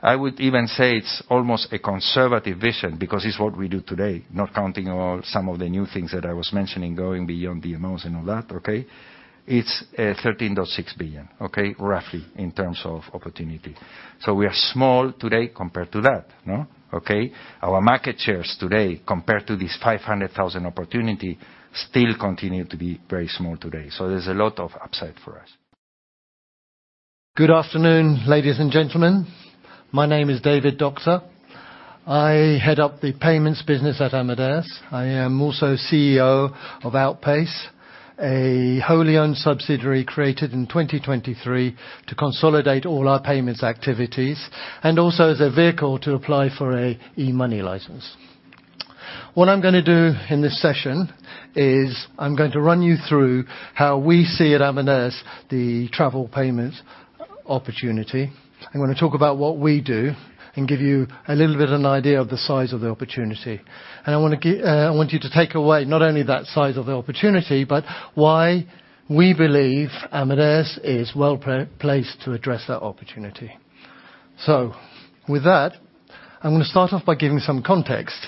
I would even say it's almost a conservative vision, because it's what we do today, not counting all, some of the new things that I was mentioning, going beyond DMOs and all that, okay? It's 13.6 billion, okay? Roughly, in terms of opportunity. So we are small today compared to that, no? Okay. Our market shares today, compared to this 500,000 opportunity, still continue to be very small today. So there's a lot of upside for us. Good afternoon, ladies and gentlemen. My name is David Doctor. I head up the payments business at Amadeus. I am also CEO of Outpayce, a wholly owned subsidiary created in 2023 to consolidate all our payments activities, and also as a vehicle to apply for an e-money license. What I'm gonna do in this session is I'm going to run you through how we see at Amadeus, the travel payments opportunity. I'm gonna talk about what we do and give you a little bit of an idea of the size of the opportunity. And I wanna, I want you to take away not only that size of the opportunity, but why we believe Amadeus is well placed to address that opportunity. So with that, I'm gonna start off by giving some context.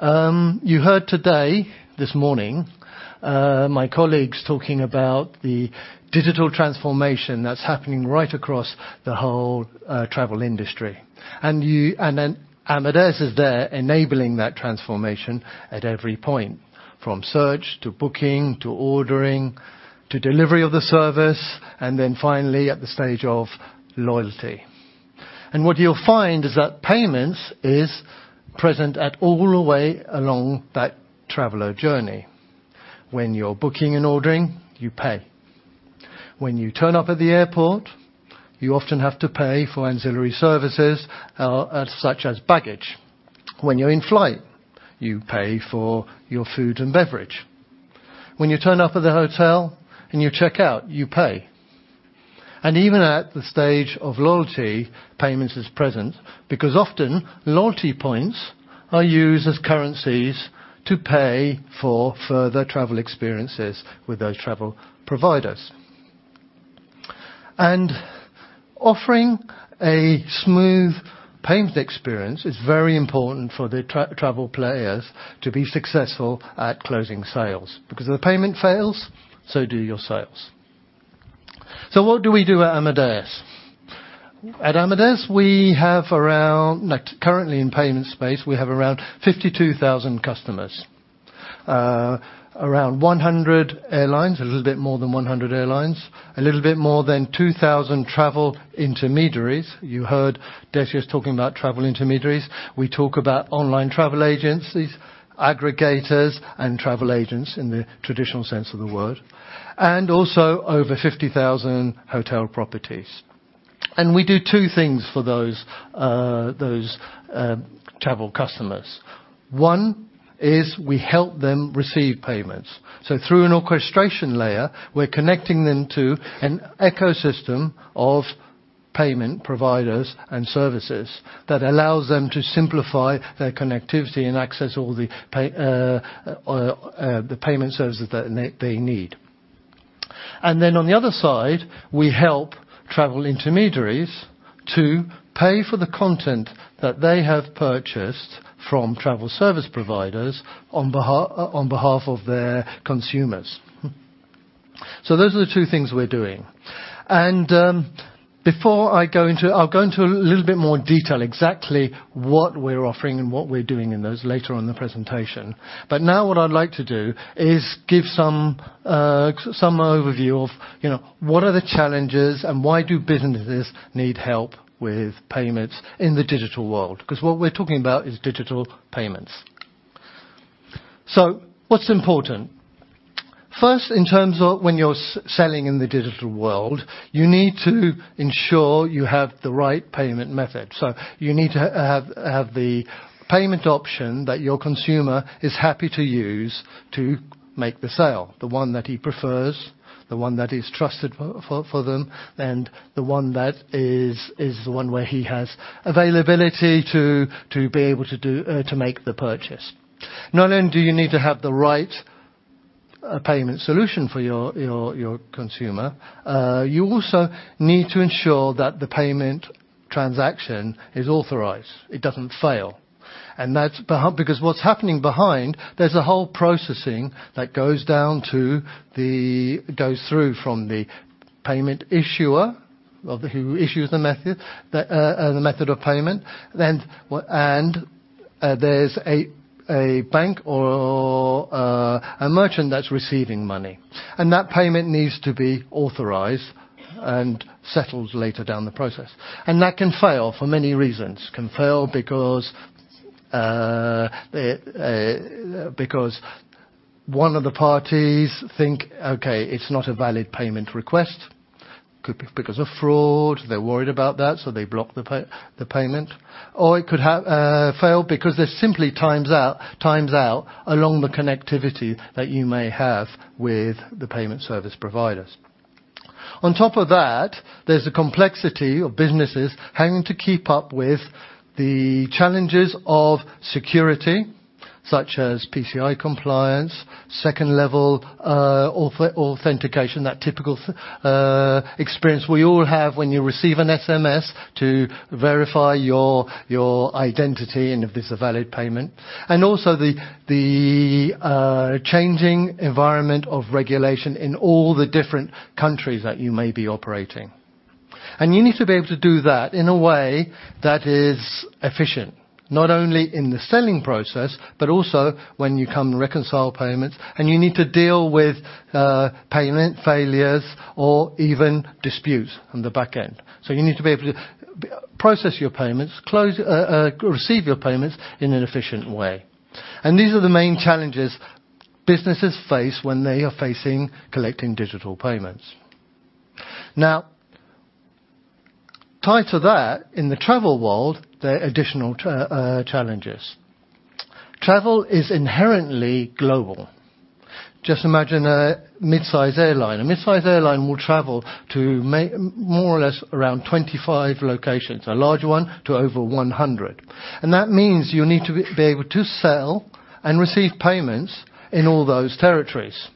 You heard today, this morning, my colleagues talking about the digital transformation that's happening right across the whole travel industry. And then Amadeus is there, enabling that transformation at every point, from search, to booking, to ordering, to delivery of the service, and then finally, at the stage of loyalty. And what you'll find is that payments is present at all the way along that traveler journey. When you're booking and ordering, you pay. When you turn up at the airport, you often have to pay for ancillary services, such as baggage. When you're in flight, you pay for your food and beverage. When you turn up at the hotel and you check out, you pay. Even at the stage of loyalty, payments is present, because often, loyalty points are used as currencies to pay for further travel experiences with those travel providers. Offering a smooth payment experience is very important for the travel players to be successful at closing sales, because if the payment fails, so do your sales. So what do we do at Amadeus? At Amadeus, we have around—like, currently in payment space, we have around 52,000 customers. Around 100 airlines, a little bit more than 100 airlines, a little bit more than 2,000 travel intermediaries. You heard Desi talking about travel intermediaries. We talk about online travel agencies, aggregators, and travel agents in the traditional sense of the word, and also over 50,000 hotel properties. And we do two things for those travel customers. One is we help them receive payments. So through an orchestration layer, we're connecting them to an ecosystem of payment providers and services, that allows them to simplify their connectivity and access all the payment services that they need. And then on the other side, we help travel intermediaries to pay for the content that they have purchased from travel service providers on behalf of their consumers. So those are the two things we're doing. And, before I go into... I'll go into a little bit more detail, exactly what we're offering and what we're doing in those later on in the presentation. But now what I'd like to do is give some overview of, you know, what are the challenges, and why do businesses need help with payments in the digital world? Because what we're talking about is digital payments. So what's important? First, in terms of when you're selling in the digital world, you need to ensure you have the right payment method. So you need to have the payment option that your consumer is happy to use to make the sale, the one that he prefers, the one that is trusted for them, and the one that is the one where he has availability to be able to make the purchase. Not only do you need to have the right payment solution for your consumer, you also need to ensure that the payment transaction is authorized, it doesn't fail. And that's beh... Because what's happening behind, there's a whole processing that goes through from the payment issuer, or who issues the method, the method of payment. Then there's a bank or a merchant that's receiving money, and that payment needs to be authorized and settled later down the process. That can fail for many reasons. It can fail because because one of the parties think, "Okay, it's not a valid payment request." Could be because of fraud. They're worried about that, so they block the payment, or it could fail because they're simply times out along the connectivity that you may have with the payment service providers. On top of that, there's a complexity of businesses having to keep up with the challenges of security, such as PCI compliance, second-level authentication, that typical experience we all have when you receive an SMS to verify your identity, and if it's a valid payment. And also the changing environment of regulation in all the different countries that you may be operating. And you need to be able to do that in a way that is efficient, not only in the selling process, but also when you come to reconcile payments, and you need to deal with payment failures or even disputes on the back end. So you need to be able to process your payments, receive your payments in an efficient way. And these are the main challenges businesses face when they are facing collecting digital payments. Now, tied to that, in the travel world, there are additional challenges. Travel is inherently global. Just imagine a mid-size airline. A mid-size airline will travel to more or less around 25 locations, a large one to over 100. That means you need to be able to sell and receive payments in all those territories.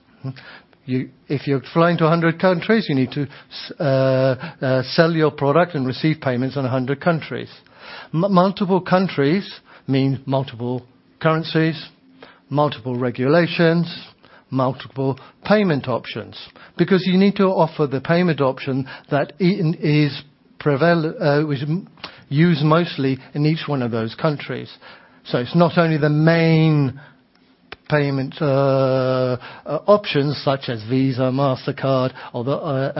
If you're flying to 100 countries, you need to sell your product and receive payments in 100 countries. Multiple countries mean multiple currencies, multiple regulations, multiple payment options, because you need to offer the payment option that is prevalent, which used mostly in each one of those countries. So it's not only the main payment options such as Visa, Mastercard, although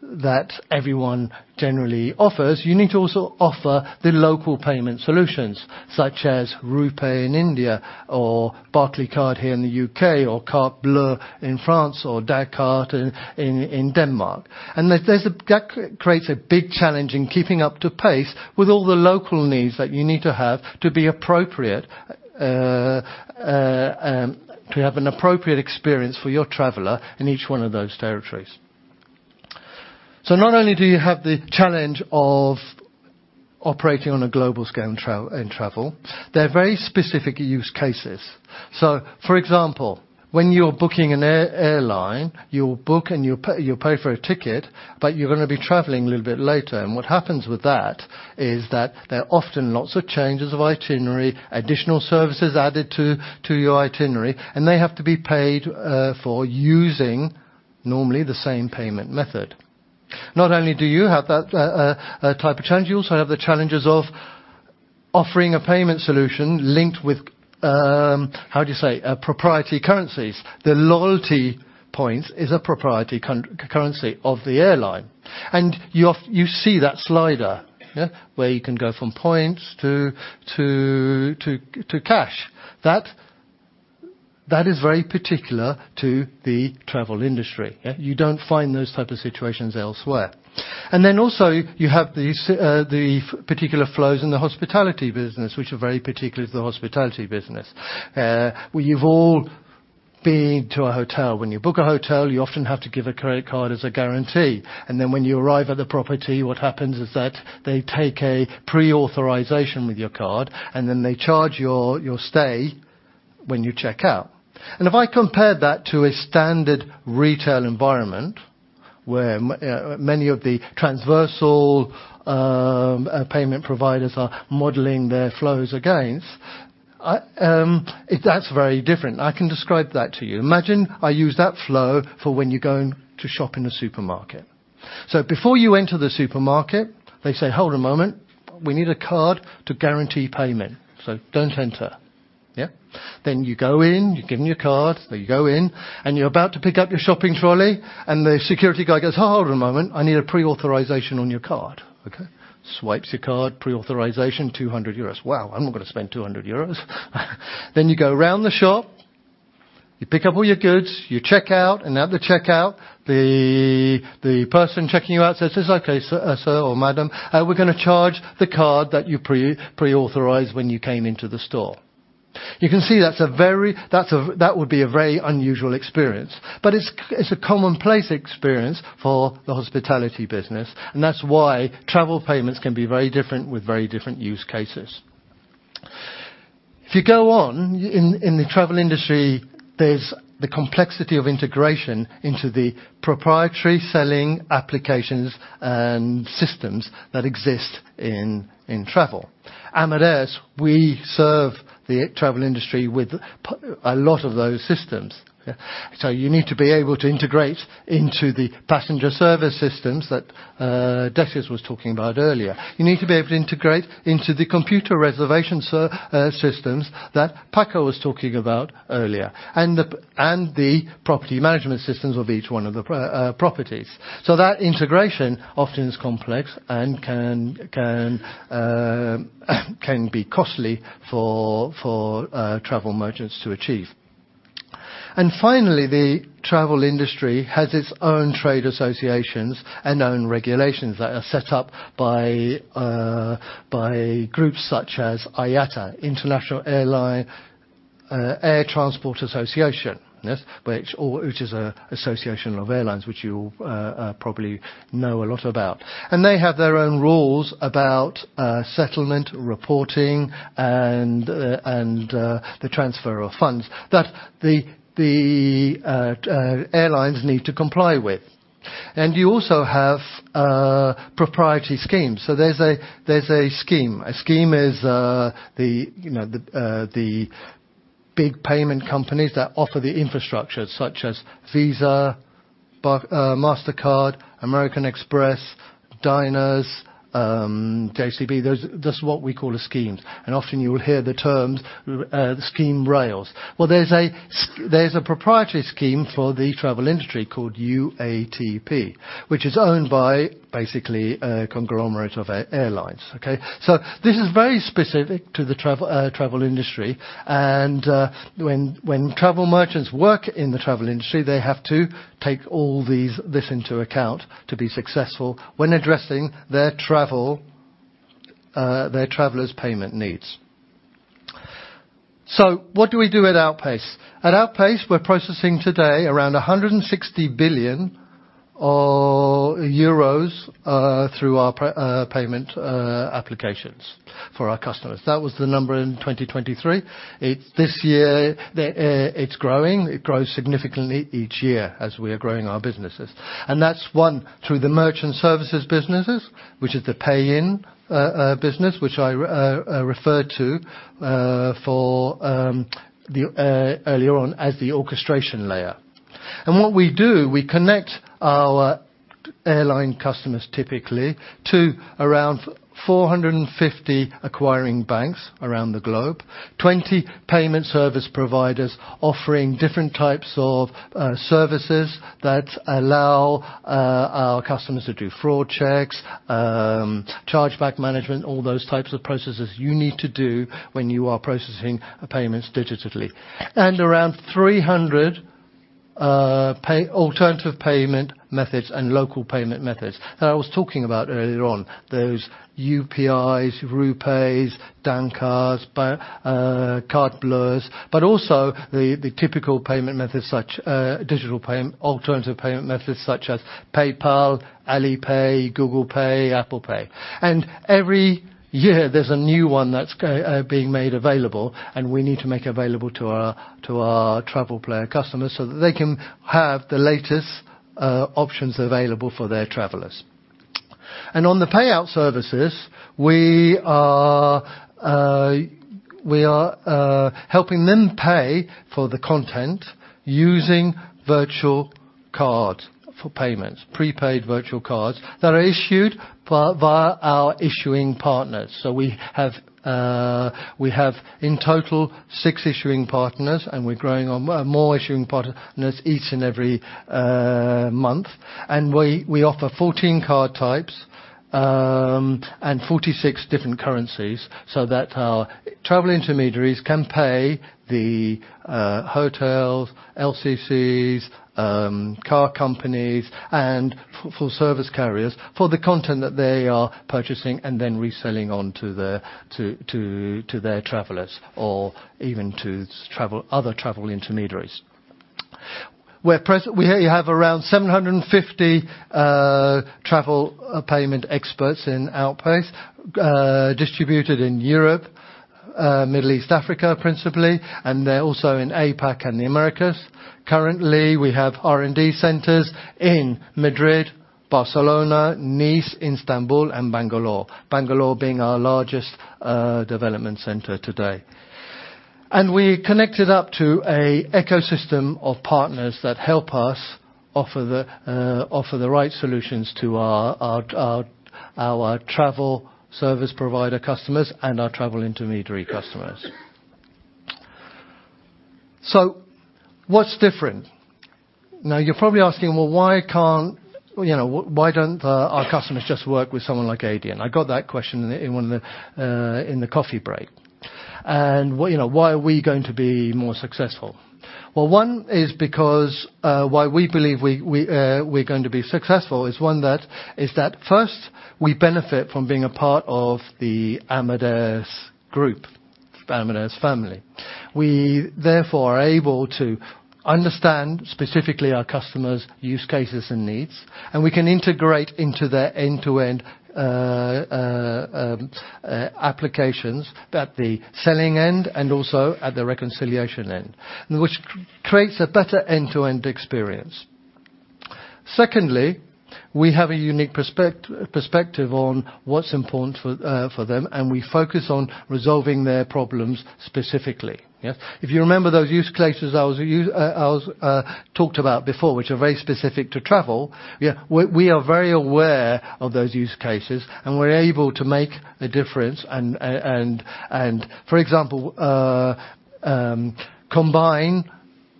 that everyone generally offers. You need to also offer the local payment solutions, such as RuPay in India or Barclaycard here in the UK or Carte Bleue in France, or Dankort in Denmark. That creates a big challenge in keeping up to pace with all the local needs that you need to have to be appropriate to have an appropriate experience for your traveler in each one of those territories. So not only do you have the challenge of operating on a global scale in travel, there are very specific use cases. So, for example, when you're booking an airline, you'll book and you'll pay, you'll pay for a ticket, but you're gonna be traveling a little bit later. And what happens with that is that there are often lots of changes of itinerary, additional services added to your itinerary, and they have to be paid for using normally the same payment method. Not only do you have that type of challenge, you also have the challenges of offering a payment solution linked with a proprietary currencies. The loyalty points is a proprietary currency of the airline, and you see that slider, yeah? Where you can go from points to cash. That is very particular to the travel industry, yeah. You don't find those type of situations elsewhere. And then also, you have these particular flows in the hospitality business, which are very particular to the hospitality business. We've all been to a hotel. When you book a hotel, you often have to give a credit card as a guarantee, and then when you arrive at the property, what happens is that they take a pre-authorization with your card, and then they charge your stay when you check out. If I compared that to a standard retail environment, where many of the transversal payment providers are modeling their flows against, I, that's very different. I can describe that to you. Imagine I use that flow for when you're going to shop in a supermarket. Before you enter the supermarket, they say, "Hold a moment. We need a card to guarantee payment, so don't enter." Yeah. Then you go in, you give them your card, so you go in, and you're about to pick up your shopping trolley, and the security guy goes, "Oh, hold a moment, I need a pre-authorization on your card." Okay? Swipes your card, pre-authorization, 200 euros. Wow, I'm not going to spend 200 euros. Then you go around the shop, you pick up all your goods, you check out, and at the checkout, the person checking you out says, "Okay, sir, sir or madam, we're gonna charge the card that you pre-authorized when you came into the store." You can see that's a very, that's a, that would be a very unusual experience, but it's a commonplace experience for the hospitality business, and that's why travel payments can be very different with very different use cases. If you go on in the travel industry, there's the complexity of integration into the proprietary selling applications and systems that exist in travel. Amadeus, we serve the travel industry with a lot of those systems. So you need to be able to integrate into the passenger service systems that Decius was talking about earlier. You need to be able to integrate into the computer reservation systems that Paco was talking about earlier, and the property management systems of each one of the properties. So that integration often is complex and can be costly for travel merchants to achieve. And finally, the travel industry has its own trade associations and own regulations that are set up by groups such as IATA, International Air Transport Association. Yes, IATA, which is an association of airlines, which you probably know a lot about. And they have their own rules about settlement, reporting, and the transfer of funds that the airlines need to comply with. And you also have proprietary schemes. So there's a scheme. A scheme is, you know, the big payment companies that offer the infrastructure, such as Visa, Mastercard, American Express, Diners, JCB. That's what we call the schemes, and often you will hear the terms the scheme rails. Well, there's a proprietary scheme for the travel industry called UATP, which is owned by basically a conglomerate of airlines, okay? So this is very specific to the travel, travel industry, and, when, when travel merchants work in the travel industry, they have to take all these, this into account to be successful when addressing their travel, their travelers' payment needs. So what do we do at Outpayce? At Outpayce, we're processing today around 160 billion euros through our prepayment applications for our customers. That was the number in 2023. This year, it's growing. It grows significantly each year as we are growing our businesses, and that's one through the merchant services businesses, which is the pay-in business, which I referred to earlier on as the orchestration layer. What we do, we connect our airline customers typically to around 450 acquiring banks around the globe, 20 payment service providers offering different types of services that allow our customers to do fraud checks, chargeback management, all those types of processes you need to do when you are processing payments digitally. Around 300 alternative payment methods and local payment methods that I was talking about earlier on. Those UPIs, RuPays, Dankort, Cartes Bleues, but also the typical payment methods such digital payment, alternative payment methods such as PayPal, Alipay, Google Pay, Apple Pay. Every year, there's a new one that's being made available, and we need to make available to our travel player customers so that they can have the latest options available for their travelers.... On the payout services, we are helping them pay for the content using virtual cards for payments, prepaid virtual cards that are issued via our issuing partners. So we have, in total, 6 issuing partners, and we're growing on more issuing partners each and every month. And we offer 14 card types and 46 different currencies, so that our travel intermediaries can pay the hotels, LCCs, car companies, and full service carriers for the content that they are purchasing and then reselling on to their travelers or even to other travel intermediaries. We have around 750 travel payment experts in Outpayce, distributed in Europe, Middle East, Africa, principally, and they're also in APAC and the Americas. Currently, we have R&D centers in Madrid, Barcelona, Nice, Istanbul, and Bangalore. Bangalore being our largest development center today. We connected up to an ecosystem of partners that help us offer the right solutions to our travel service provider customers and our travel intermediary customers. So what's different? Now, you're probably asking, "Well, why don't our customers just work with someone like Adyen?" I got that question in one of the coffee breaks. Well, you know, why are we going to be more successful? Well, one is because why we believe we're going to be successful is, one, that is that, first, we benefit from being a part of the Amadeus group, Amadeus family. We therefore are able to understand specifically our customers' use cases and needs, and we can integrate into their end-to-end applications at the selling end and also at the reconciliation end, which creates a better end-to-end experience. Secondly, we have a unique perspective on what's important for them, and we focus on resolving their problems specifically. Yeah. If you remember those use cases I talked about before, which are very specific to travel, yeah, we are very aware of those use cases, and we're able to make a difference and, and, for example, combine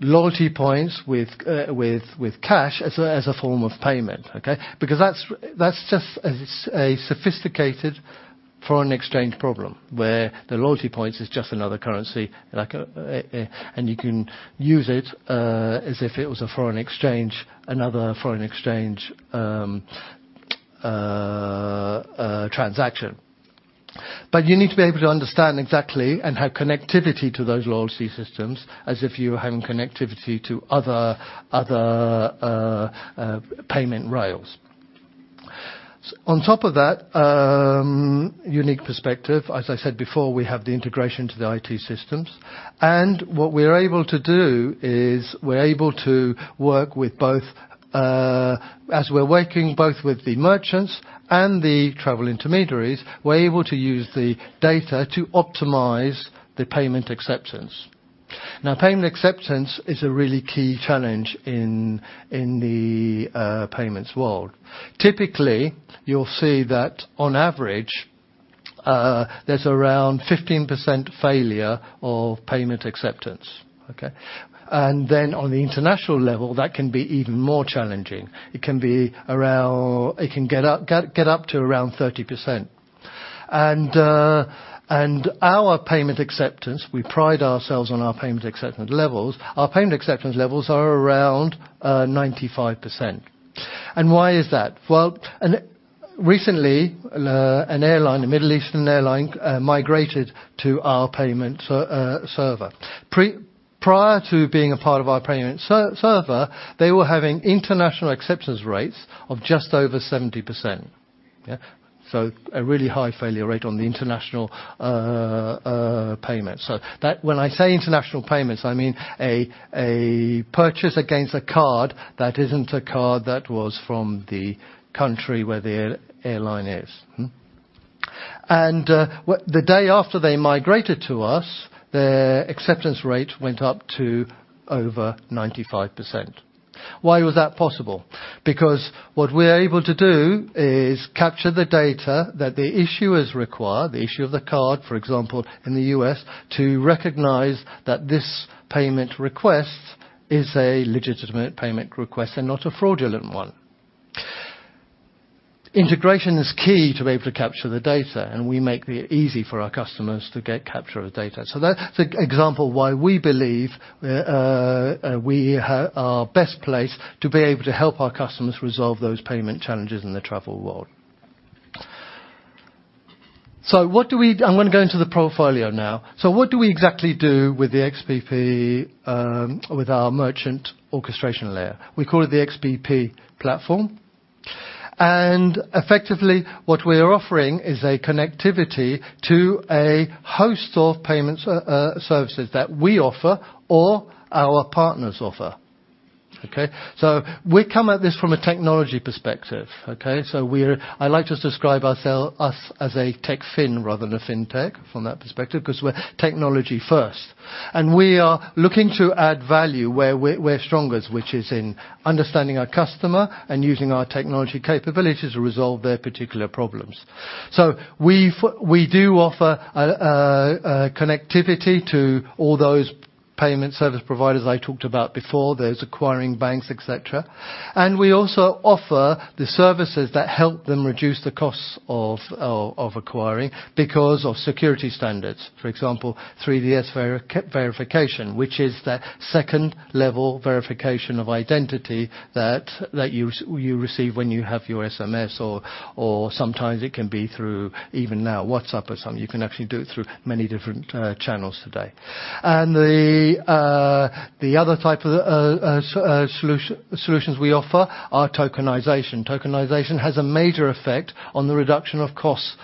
loyalty points with cash as a form of payment, okay? Because that's just a sophisticated foreign exchange problem, where the loyalty points is just another currency, like a... And you can use it, as if it was a foreign exchange, another foreign exchange, transaction. But you need to be able to understand exactly, and have connectivity to those loyalty systems as if you were having connectivity to other, other, payment rails. On top of that, unique perspective, as I said before, we have the integration to the IT systems, and what we're able to do is we're able to work with both, as we're working both with the merchants and the travel intermediaries, we're able to use the data to optimize the payment acceptance. Now, payment acceptance is a really key challenge in the payments world. Typically, you'll see that on average, there's around 15% failure of payment acceptance, okay? And then on the international level, that can be even more challenging. It can get up to around 30%. And our payment acceptance, we pride ourselves on our payment acceptance levels. Our payment acceptance levels are around 95%. And why is that? Well, recently, an airline, a Middle Eastern airline, migrated to our payment server. Prior to being a part of our payment server, they were having international acceptance rates of just over 70%. Yeah. So a really high failure rate on the international payment. So that, when I say international payments, I mean a purchase against a card that isn't a card that was from the country where the airline is. Hmm. And what... The day after they migrated to us, their acceptance rate went up to over 95%. Why was that possible? Because what we're able to do is capture the data that the issuers require, the issuer of the card, for example, in the U.S., to recognize that this payment request is a legitimate payment request and not a fraudulent one. Integration is key to be able to capture the data, and we make it easy for our customers to get capture of data. So that's the example why we believe we are best placed to be able to help our customers resolve those payment challenges in the travel world. So what do we. I'm going to go into the portfolio now. So what do we exactly do with the Xpay, with our merchant orchestration layer? We call it the Xpay platform. And effectively, what we are offering is a connectivity to a host of payment services that we offer or our partners offer.... Okay, so we come at this from a technology perspective, okay? So we're—I like to describe ourself, us, as a TechFin rather than a fintech from that perspective, 'cause we're technology first. And we are looking to add value where we're strongest, which is in understanding our customer and using our technology capabilities to resolve their particular problems. So we've—we do offer a connectivity to all those payment service providers I talked about before, those acquiring banks, et cetera. And we also offer the services that help them reduce the costs of acquiring because of security standards. For example, 3DS verification, which is that second-level verification of identity that you receive when you have your SMS, or sometimes it can be through, even now, WhatsApp or something. You can actually do it through many different channels today. And the other type of solutions we offer are tokenization. Tokenization has a major effect on the reduction of costs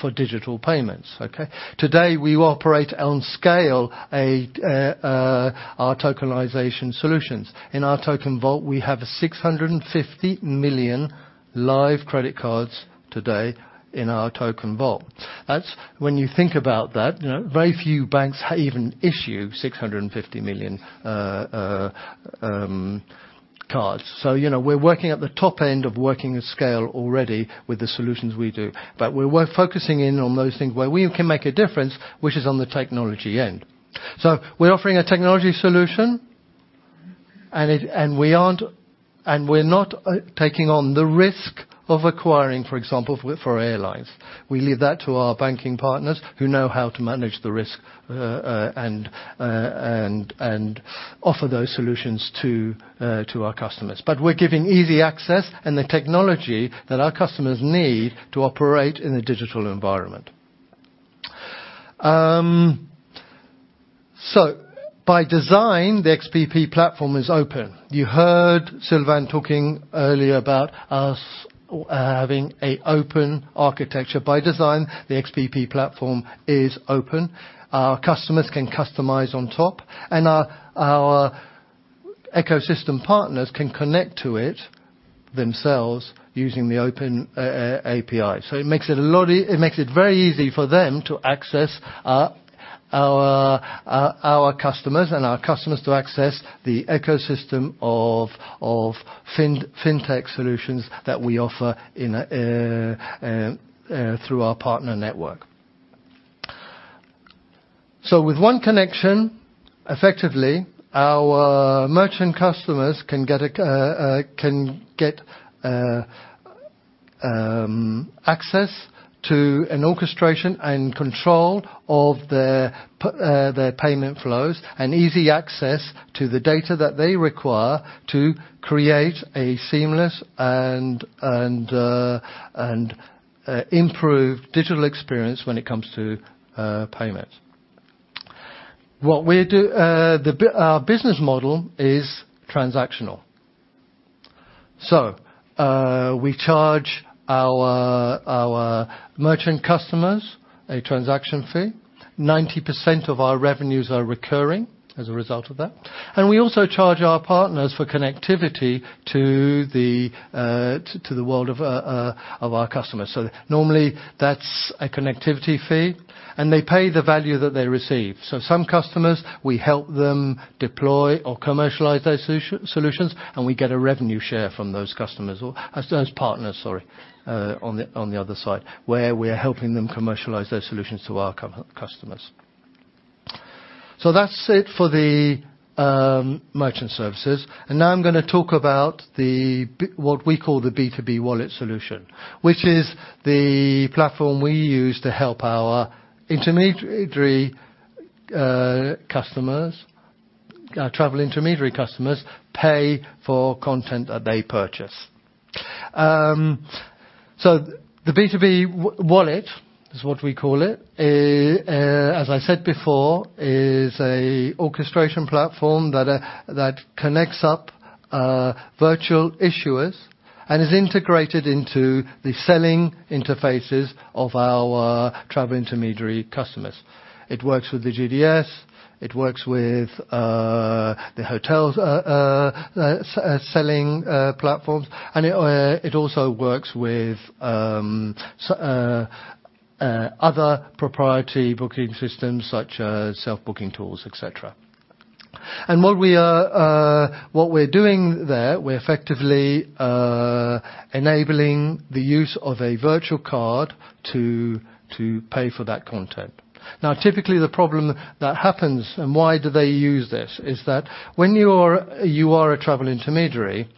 for digital payments, okay? Today, we operate on scale, our tokenization solutions. In our token vault, we have 650 million live credit cards today in our token vault. That's... When you think about that, you know, very few banks even issue 650 million cards. So, you know, we're working at the top end of working at scale already with the solutions we do. But we're focusing in on those things where we can make a difference, which is on the technology end. So we're offering a technology solution, and we're not taking on the risk of acquiring, for example, for airlines. We leave that to our banking partners, who know how to manage the risk and offer those solutions to our customers. But we're giving easy access and the technology that our customers need to operate in a digital environment. So by design, the Xpay platform is open. You heard Sylvain talking earlier about us having an open architecture. By design, the Xpay platform is open. Our customers can customize on top, and our ecosystem partners can connect to it themselves using the open API. So it makes it very easy for them to access our customers, and our customers to access the ecosystem of fintech solutions that we offer through our partner network. So with one connection, effectively, our merchant customers can get access to an orchestration and control of their payment flows, and easy access to the data that they require to create a seamless and improved digital experience when it comes to payments. Our business model is transactional. So we charge our merchant customers a transaction fee. 90% of our revenues are recurring as a result of that. And we also charge our partners for connectivity to the world of our customers. So normally, that's a connectivity fee, and they pay the value that they receive. So some customers, we help them deploy or commercialize those solutions, and we get a revenue share from those customers, or as those partners, sorry, on the other side, where we're helping them commercialize those solutions to our customers. So that's it for the merchant services. And now I'm gonna talk about what we call the B2B Wallet solution, which is the platform we use to help our intermediary customers, travel intermediary customers, pay for content that they purchase. So the B2B Wallet is what we call it, as I said before, is an orchestration platform that that connects up virtual issuers and is integrated into the selling interfaces of our travel intermediary customers. It works with the GDS, it works with the hotels, selling platforms, and it also works with other proprietary booking systems, such as self-booking tools, et cetera. And what we're doing there, we're effectively enabling the use of a virtual card to pay for that content. Now, typically, the problem that happens, and why do they use this, is that when you are a travel intermediary,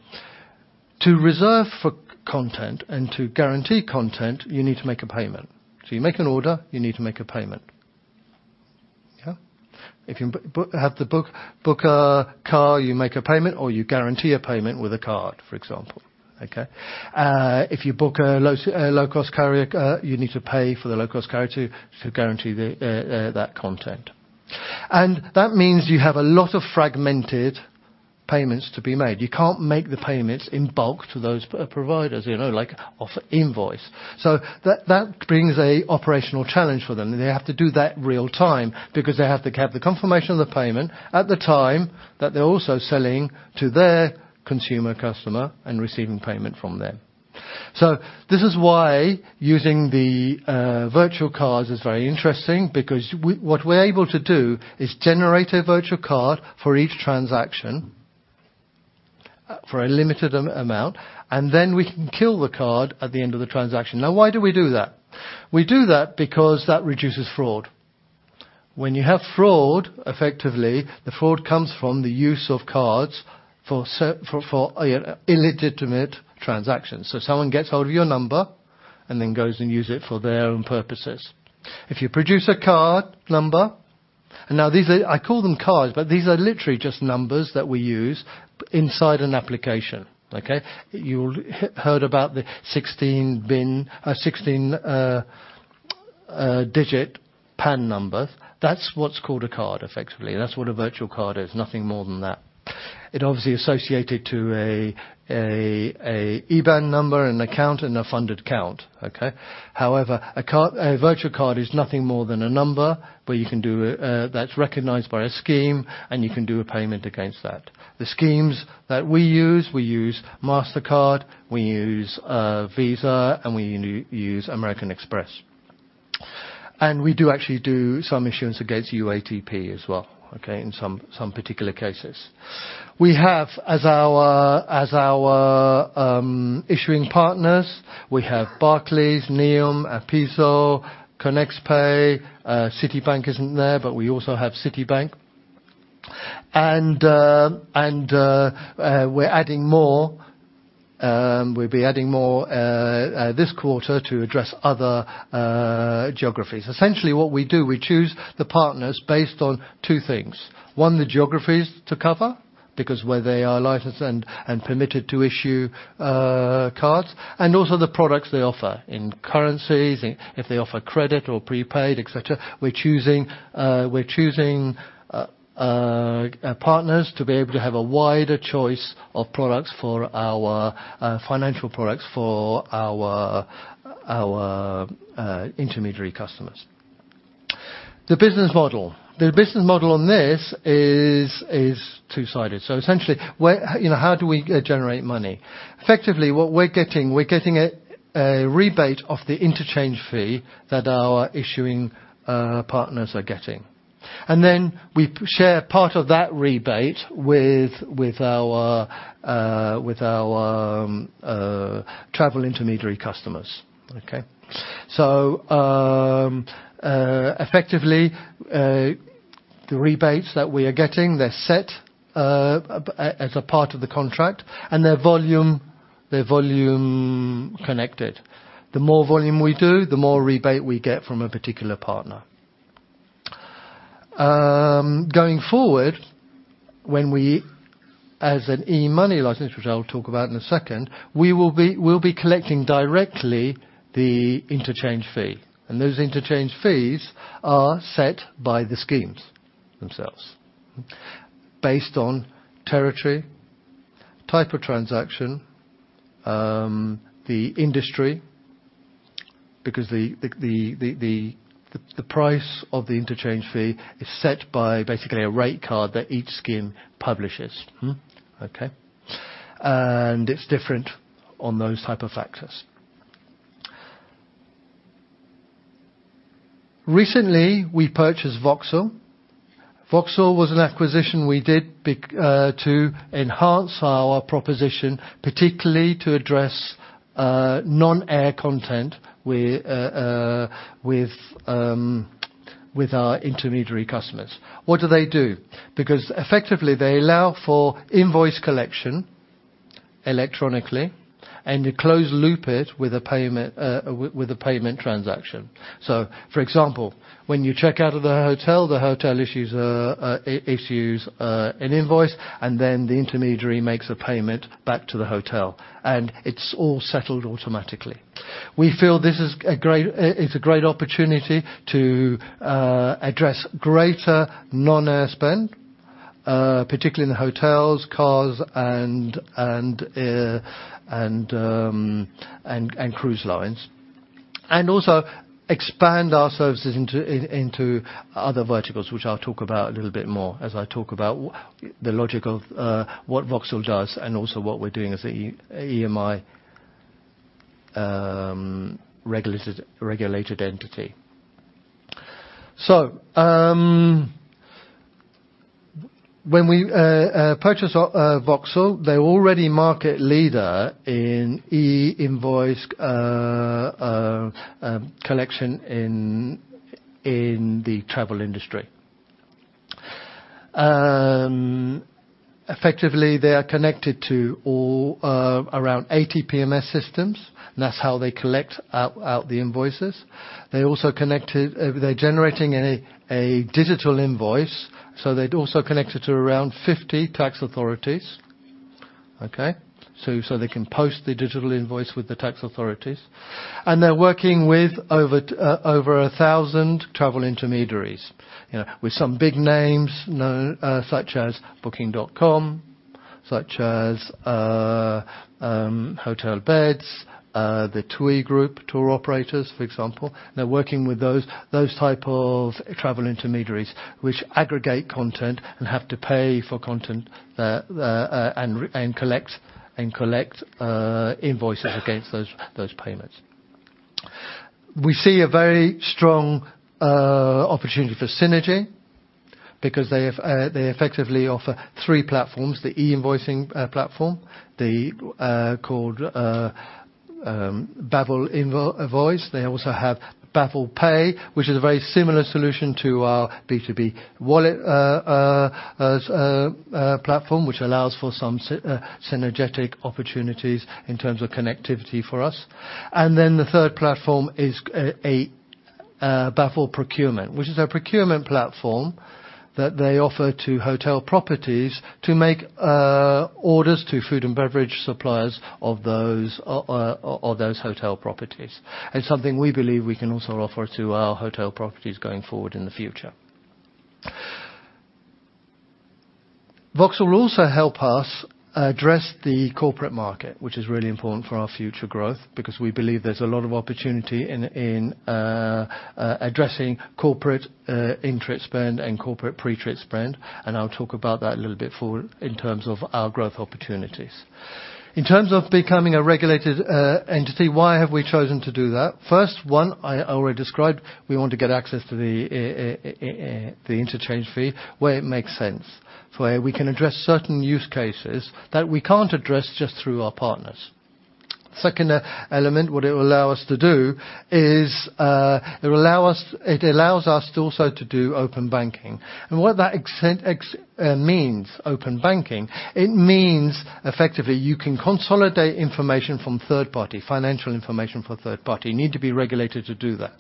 to reserve for content and to guarantee content, you need to make a payment. So you make an order, you need to make a payment. Yeah. If you have to book a car, you make a payment or you guarantee a payment with a card, for example, okay? If you book a low-cost carrier, you need to pay for the low-cost carrier to guarantee that content. And that means you have a lot of fragmented payments to be made. You can't make the payments in bulk to those providers, you know, like, off invoice. So that brings an operational challenge for them, and they have to do that real time. Because they have to have the confirmation of the payment at the time that they're also selling to their consumer customer and receiving payment from them... So this is why using the virtual cards is very interesting, because what we're able to do is generate a virtual card for each transaction, for a limited amount, and then we can kill the card at the end of the transaction. Now, why do we do that? We do that because that reduces fraud. When you have fraud, effectively, the fraud comes from the use of cards for for illegitimate transactions. So someone gets hold of your number and then goes and use it for their own purposes. If you produce a card number. Now, these are, I call them cards, but these are literally just numbers that we use inside an application, okay? You've heard about the 16 BIN, 16-digit PAN number. That's what's called a card, effectively. That's what a virtual card is, nothing more than that. It obviously associated to a IBAN number, an account, and a funded account, okay? However, a card, a virtual card is nothing more than a number, but you can do it, that's recognized by a scheme, and you can do a payment against that. The schemes that we use, we use Mastercard, we use Visa, and we use American Express. And we do actually do some issuance against UATP as well, okay, in some particular cases. We have as our issuing partners, we have Barclays, Nium, Apiso, ConnexPay. Citi isn't there, but we also have Citi. And we're adding more. We'll be adding more this quarter to address other geographies. Essentially, what we do, we choose the partners based on two things. One, the geographies to cover, because where they are licensed and permitted to issue cards, and also the products they offer, in currencies, if they offer credit or prepaid, et cetera. We're choosing partners to be able to have a wider choice of products for our financial products for our intermediary customers. The business model on this is two-sided. So essentially, where... You know, how do we generate money? Effectively, what we're getting a rebate of the interchange fee that our issuing partners are getting. And then we share part of that rebate with our travel intermediary customers, okay? So effectively, the rebates that we are getting, they're set as a part of the contract, and they're volume connected. The more volume we do, the more rebate we get from a particular partner. Going forward, when we, as an e-money license, which I'll talk about in a second, we will be—we'll be collecting directly the interchange fee. And those interchange fees are set by the schemes themselves, based on territory, type of transaction, the industry, because the price of the interchange fee is set by basically a rate card that each scheme publishes. Okay? And it's different on those type of factors. Recently, we purchased Voxel. Voxel was an acquisition we did to enhance our proposition, particularly to address non-air content with our intermediary customers. What do they do? Because effectively, they allow for invoice collection electronically, and you close loop it with a payment with a payment transaction. So for example, when you check out of the hotel, the hotel issues an invoice, and then the intermediary makes a payment back to the hotel, and it's all settled automatically. We feel this is a great opportunity to address greater non-air spend, particularly in the hotels, cars, and cruise lines. And also expand our services into other verticals, which I'll talk about a little bit more as I talk about the logic of what Voxel does and also what we're doing as an EMI regulated entity. So, when we purchased Voxel, they're already market leader in e-invoice collection in the travel industry. Effectively, they are connected to all around 80 PMS systems. That's how they collect out the invoices. They also connected. They're generating a digital invoice, so they'd also connected to around 50 tax authorities, okay? So they can post the digital invoice with the tax authorities. And they're working with over 1,000 travel intermediaries, you know, with some big names, such as Booking.com, such as Hotelbeds, the TUI Group, tour operators, for example. They're working with those type of travel intermediaries, which aggregate content and have to pay for content, and collect invoices against those payments. We see a very strong opportunity for synergy, because they have they effectively offer three platforms, the e-invoicing platform, the called baVel Invoice. They also have baVel Pay, which is a very similar solution to our B2B Wallet, as a platform, which allows for some synergetic opportunities in terms of connectivity for us. And then the third platform is baVel Procurement, which is a procurement platform that they offer to hotel properties to make orders to food and beverage suppliers of those hotel properties. It's something we believe we can also offer to our hotel properties going forward in the future. Voxel will also help us address the corporate market, which is really important for our future growth, because we believe there's a lot of opportunity in addressing corporate interest spend and corporate pre-trip spend, and I'll talk about that a little bit forward in terms of our growth opportunities. In terms of becoming a regulated entity, why have we chosen to do that? First one, I already described, we want to get access to the interchange fee, where it makes sense, where we can address certain use cases that we can't address just through our partners. Second element, what it will allow us to do is, it allows us to also to do open banking. And what that exactly means, open banking, it means effectively, you can consolidate information from third party, financial information from third party. You need to be regulated to do that.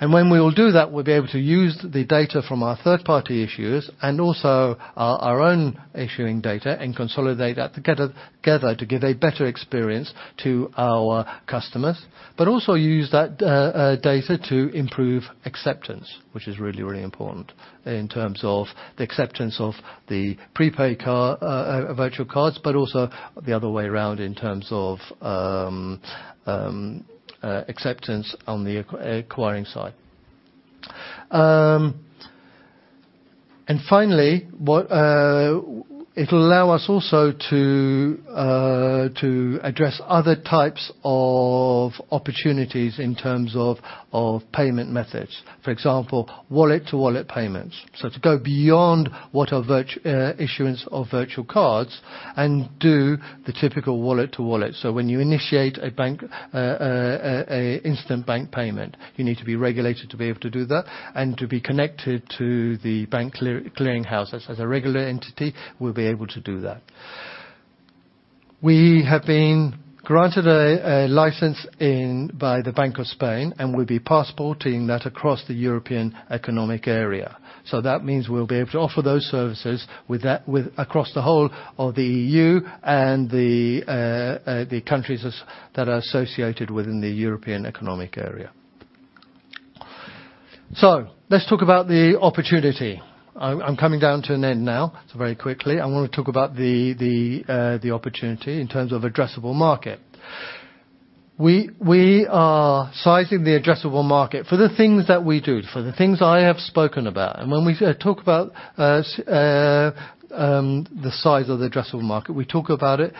When we will do that, we'll be able to use the data from our third-party issuers and also our own issuing data and consolidate that together to give a better experience to our customers, but also use that data to improve acceptance, which is really, really important in terms of the acceptance of the prepaid card, virtual cards, but also the other way around in terms of acceptance on the acquiring side. And finally, it'll allow us also to address other types of opportunities in terms of payment methods, for example, wallet-to-wallet payments. So to go beyond what are virtual issuance of virtual cards and do the typical wallet to wallet. So when you initiate a bank, an instant bank payment, you need to be regulated to be able to do that and to be connected to the bank clearing houses. As a regulated entity, we'll be able to do that. We have been granted a license by the Bank of Spain, and we'll be passporting that across the European Economic Area. So that means we'll be able to offer those services with that across the whole of the EU and the countries that are associated within the European Economic Area. So let's talk about the opportunity. I'm coming to an end now, so very quickly, I want to talk about the opportunity in terms of addressable market. We are sizing the addressable market for the things that we do, for the things I have spoken about. When we talk about the size of the addressable market, we talk about it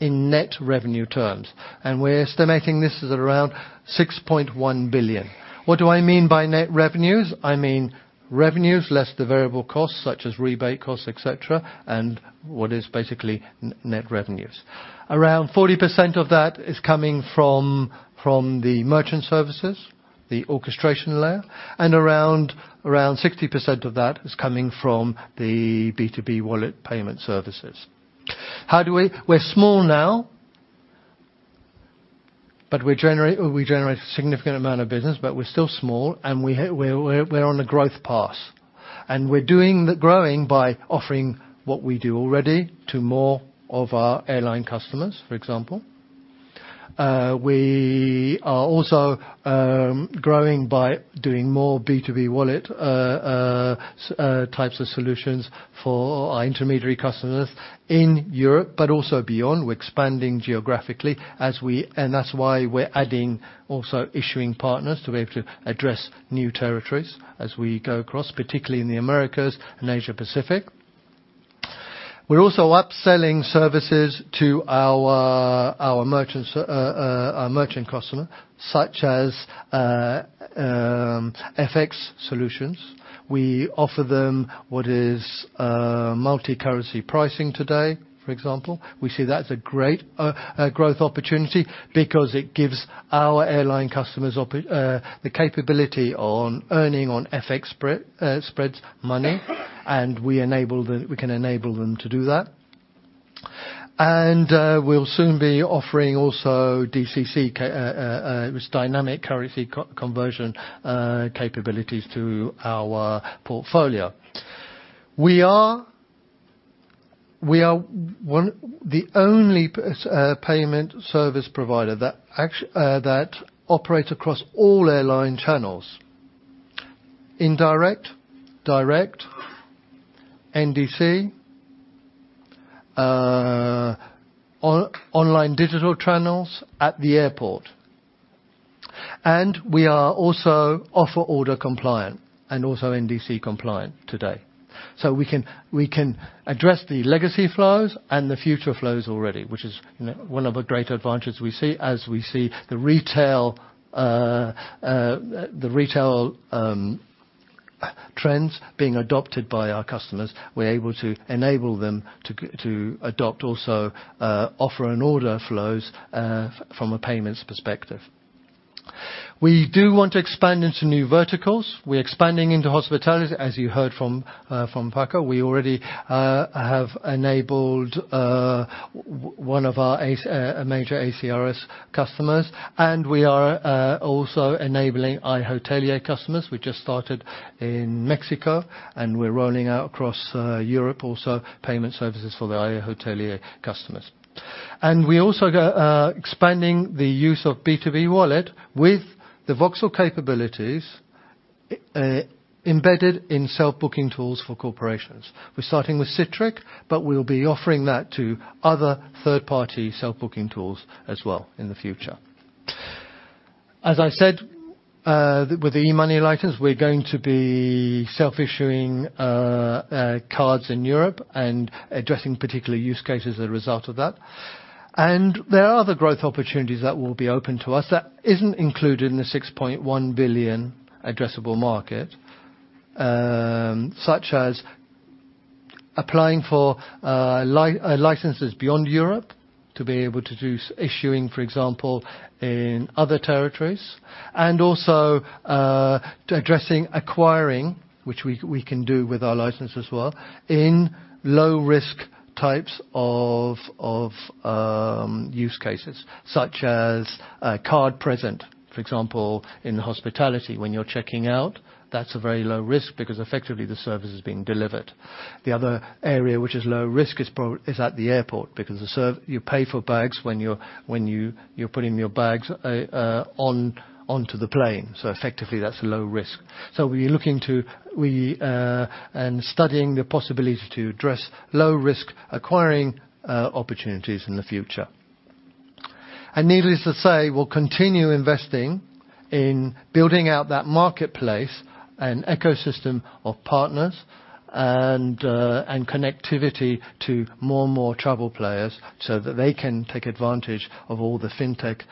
in net revenue terms, and we're estimating this is around 6.1 billion. What do I mean by net revenues? I mean revenues less the variable costs, such as rebate costs, et cetera, and what is basically net revenues. Around 40% of that is coming from the merchant services, the orchestration layer, and around 60% of that is coming from the B2B wallet payment services. How do we-- We're small now, but we generate a significant amount of business, but we're still small, and we're on a growth path. We're doing the growing by offering what we do already to more of our airline customers, for example. We are also growing by doing more B2B wallet types of solutions for our intermediary customers in Europe, but also beyond. We're expanding geographically, and that's why we're adding issuing partners also to be able to address new territories as we go across, particularly in the Americas and Asia Pacific. We're also upselling services to our merchants, our merchant customer, such as FX solutions. We offer them what is multi-currency pricing today, for example. We see that as a great growth opportunity because it gives our airline customers the capability on earning on FX spreads money, and we can enable them to do that. And, we'll soon be offering also DCC, which is dynamic currency conversion, capabilities to our portfolio. We are the only payment service provider that operates across all airline channels, indirect, direct, NDC, online digital channels, at the airport. And we are also Offer and Order compliant and also NDC compliant today. So we can address the legacy flows and the future flows already, which is, you know, one of the great advantages we see. As we see the retail trends being adopted by our customers, we're able to enable them to adopt also, Offer and Order flows, from a payments perspective. We do want to expand into new verticals. We're expanding into hospitality, as you heard from Paco. We already have enabled one of our major ACRS customers, and we are also enabling iHotelier customers. We just started in Mexico, and we're rolling out across Europe also, payment services for the iHotelier customers. And we also expanding the use of B2B Wallet with the Voxel capabilities embedded in self-booking tools for corporations. We're starting with Cytric, but we'll be offering that to other third-party self-booking tools as well in the future. As I said, with the e-money license, we're going to be self-issuing cards in Europe and addressing particular use cases as a result of that. There are other growth opportunities that will be open to us that isn't included in the 6.1 billion addressable market, such as applying for licenses beyond Europe to be able to do issuing, for example, in other territories, and also addressing acquiring, which we can do with our license as well, in low risk types of use cases, such as card present, for example, in hospitality. When you're checking out, that's a very low risk because effectively the service is being delivered. The other area which is low risk is at the airport, because you pay for bags when you're putting your bags onto the plane. So effectively, that's low risk. So we're looking to... Studying the possibility to address low risk acquiring opportunities in the future. And needless to say, we'll continue investing in building out that marketplace and ecosystem of partners and connectivity to more and more travel players, so that they can take advantage of all the fintech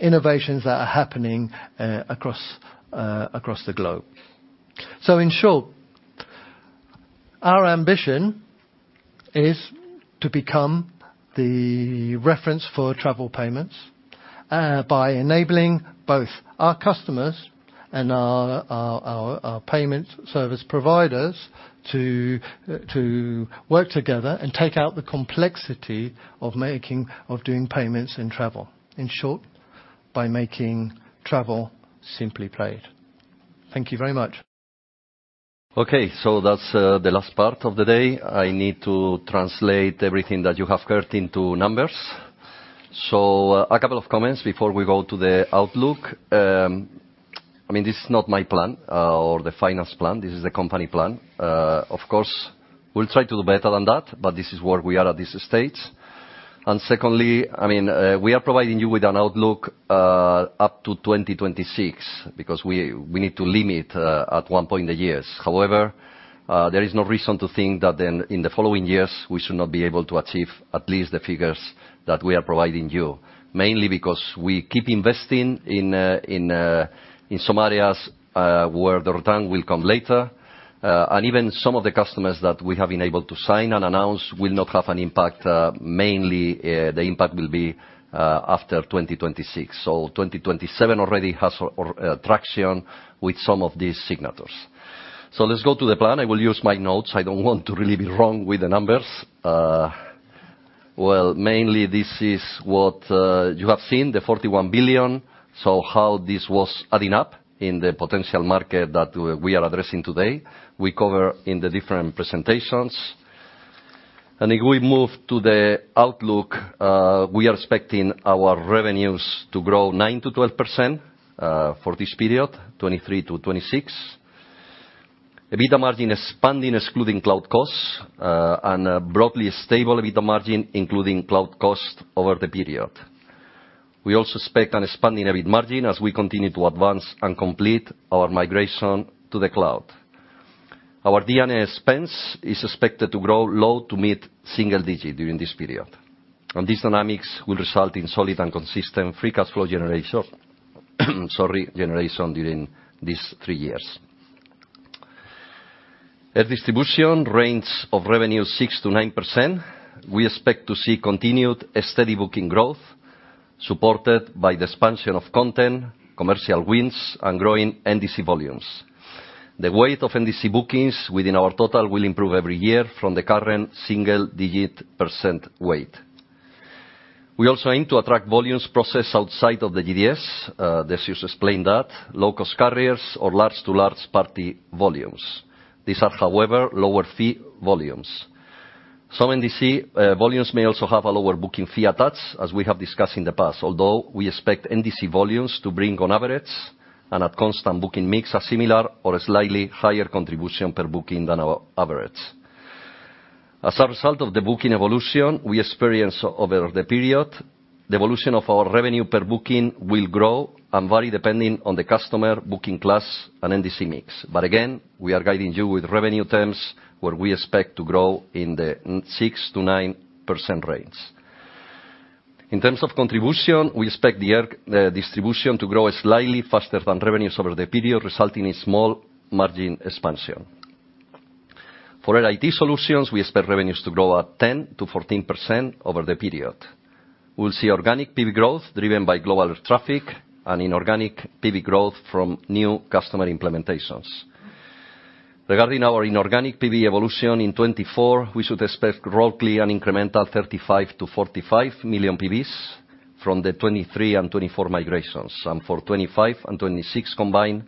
innovations that are happening across the globe. So in short, our ambition is to become the reference for travel payments by enabling both our customers and our payments service providers to work together and take out the complexity of doing payments in travel. In short, by making travel simply paid. Thank you very much. Okay, so that's the last part of the day. I need to translate everything that you have heard into numbers. So, a couple of comments before we go to the outlook. I mean, this is not my plan, or the finance plan, this is the company plan. Of course, we'll try to do better than that, but this is where we are at this stage. And secondly, I mean, we are providing you with an outlook up to 2026, because we need to limit at one point in the years. However, there is no reason to think that in the following years, we should not be able to achieve at least the figures that we are providing you. Mainly because we keep investing in some areas where the return will come later. And even some of the customers that we have been able to sign and announce will not have an impact, mainly, the impact will be after 2026. So 2027 already has traction with some of these signatories. So let's go to the plan. I will use my notes. I don't want to really be wrong with the numbers. Well, mainly this is what you have seen, the 41 billion. So how this was adding up in the potential market that we are addressing today, we cover in the different presentations. And if we move to the outlook, we are expecting our revenues to grow 9%-12% for this period, 2023-2026. EBITDA margin expanding, excluding cloud costs, and a broadly stable EBITDA margin, including cloud costs over the period. We also expect an expanding EBITDA margin as we continue to advance and complete our migration to the cloud. Our R&D expense is expected to grow low- to mid-single-digit during this period, and these dynamics will result in solid and consistent free cash flow generation, sorry, generation during these three years. Air distribution range of revenue, 6%-9%. We expect to see continued steady booking growth, supported by the expansion of content, commercial wins, and growing NDC volumes. The weight of NDC bookings within our total will improve every year from the current single-digit % weight. We also aim to attract volumes processed outside of the GDS. This just explained that low-cost carriers or large third-party volumes. These are, however, lower fee volumes. Some NDC volumes may also have a lower booking fee attached, as we have discussed in the past, although we expect NDC volumes to bring on average and at constant booking mix, a similar or a slightly higher contribution per booking than our average. As a result of the booking evolution we experienced over the period, the evolution of our revenue per booking will grow and vary depending on the customer booking class and NDC mix. But again, we are guiding you with revenue terms, where we expect to grow in the 6%-9% range. In terms of contribution, we expect the distribution to grow slightly faster than revenues over the period, resulting in small margin expansion. For IT solutions, we expect revenues to grow at 10%-14% over the period. We'll see organic PB growth, driven by global air traffic, and inorganic PB growth from new customer implementations. Regarding our inorganic PB evolution in 2024, we should expect roughly an incremental 35-45 million PBs from the 2023 and 2024 migrations. For 2025 and 2026 combined,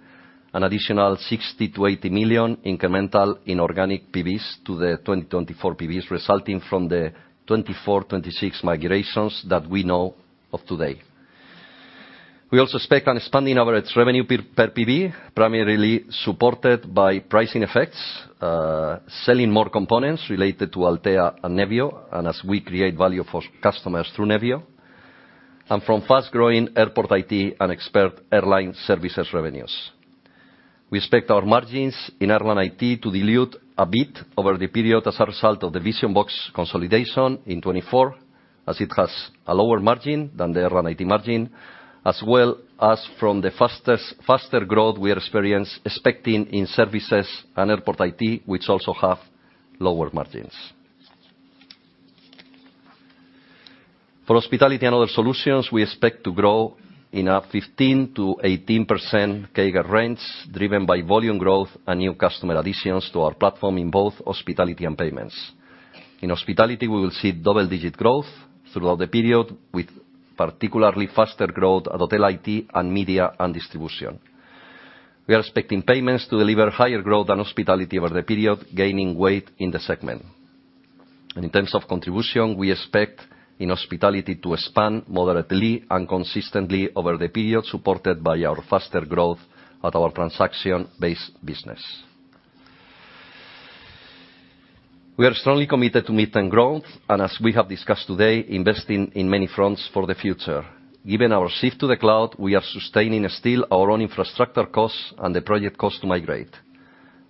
an additional 60-80 million incremental inorganic PBs to the 2024 PBs, resulting from the 2024/2026 migrations that we know of today. We also expect expanding our revenue per, per PB, primarily supported by pricing effects, selling more components related to Altéa and Nevio, and as we create value for customers through Nevio, and from fast-growing airport IT and Expert Airline Services revenues. We expect our margins in Airline IT to dilute a bit over the period as a result of the Vision-Box consolidation in 2024, as it has a lower margin than the Airline IT margin, as well as from the faster growth we are expecting in services and airport IT, which also have lower margins. For Hospitality and Other Solutions, we expect to grow in a 15%-18% CAGR range, driven by volume growth and new customer additions to our platform in both hospitality and payments. In hospitality, we will see double-digit growth throughout the period, with particularly faster growth at Hotel IT and Media and Distribution. We are expecting payments to deliver higher growth than hospitality over the period, gaining weight in the segment. In terms of contribution, we expect in hospitality to expand moderately and consistently over the period, supported by our faster growth at our transaction-based business. We are strongly committed to midterm growth, and as we have discussed today, investing in many fronts for the future. Given our shift to the cloud, we are sustaining still our own infrastructure costs and the project cost to migrate.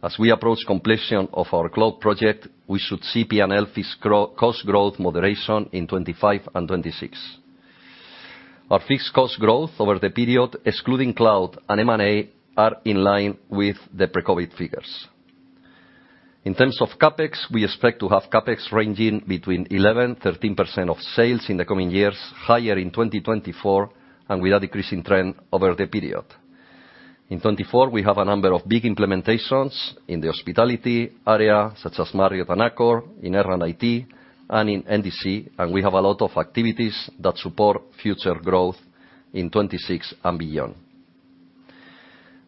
As we approach completion of our cloud project, we should see P&L fixed cost growth moderation in 2025 and 2026. Our fixed cost growth over the period, excluding cloud and M&A, are in line with the pre-COVID figures. In terms of CapEx, we expect to have CapEx ranging between 11%-13% of sales in the coming years, higher in 2024, and with a decreasing trend over the period. In 2024, we have a number of big implementations in the hospitality area, such as Marriott and Accor, in Airline IT, and in NDC, and we have a lot of activities that support future growth in 2026 and beyond.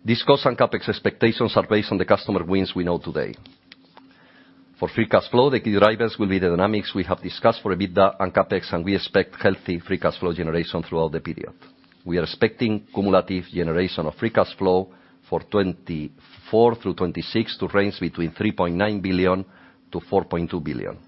These costs and CapEx expectations are based on the customer wins we know today. For free cash flow, the key drivers will be the dynamics we have discussed for EBITDA and CapEx, and we expect healthy free cash flow generation throughout the period. We are expecting cumulative generation of free cash flow for 2024 through 2026 to range between 3.9 billion-4.2 billion.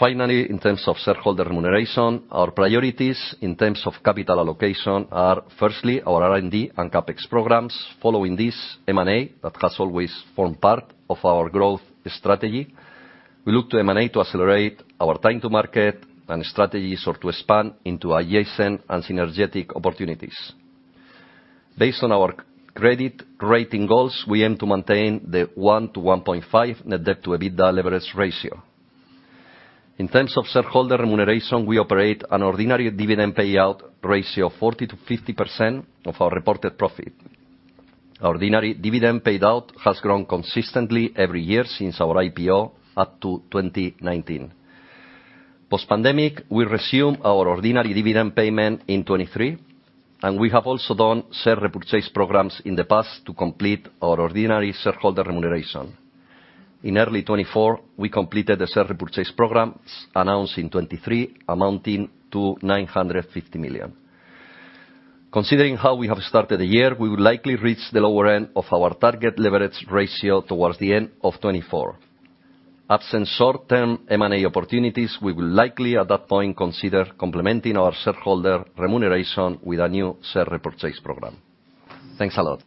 Finally, in terms of shareholder remuneration, our priorities in terms of capital allocation are, firstly, our R&D and CapEx programs. Following this, M&A, that has always formed part of our growth strategy. We look to M&A to accelerate our time to market and strategies, or to expand into adjacent and synergetic opportunities. Based on our c- credit rating goals, we aim to maintain the 1-1.5 net debt to EBITDA leverage ratio. In terms of shareholder remuneration, we operate an ordinary dividend payout ratio of 40%-50% of our reported profit. Our ordinary dividend payout has grown consistently every year since our IPO up to 2019. Post-pandemic, we resumed our ordinary dividend payment in 2023, and we have also done share repurchase programs in the past to complete our ordinary shareholder remuneration. In early 2024, we completed the share repurchase program, announced in 2023, amounting to 950 million. Considering how we have started the year, we will likely reach the lower end of our target leverage ratio towards the end of 2024. Absent short-term M&A opportunities, we will likely, at that point, consider complementing our shareholder remuneration with a new share repurchase program. Thanks a lot.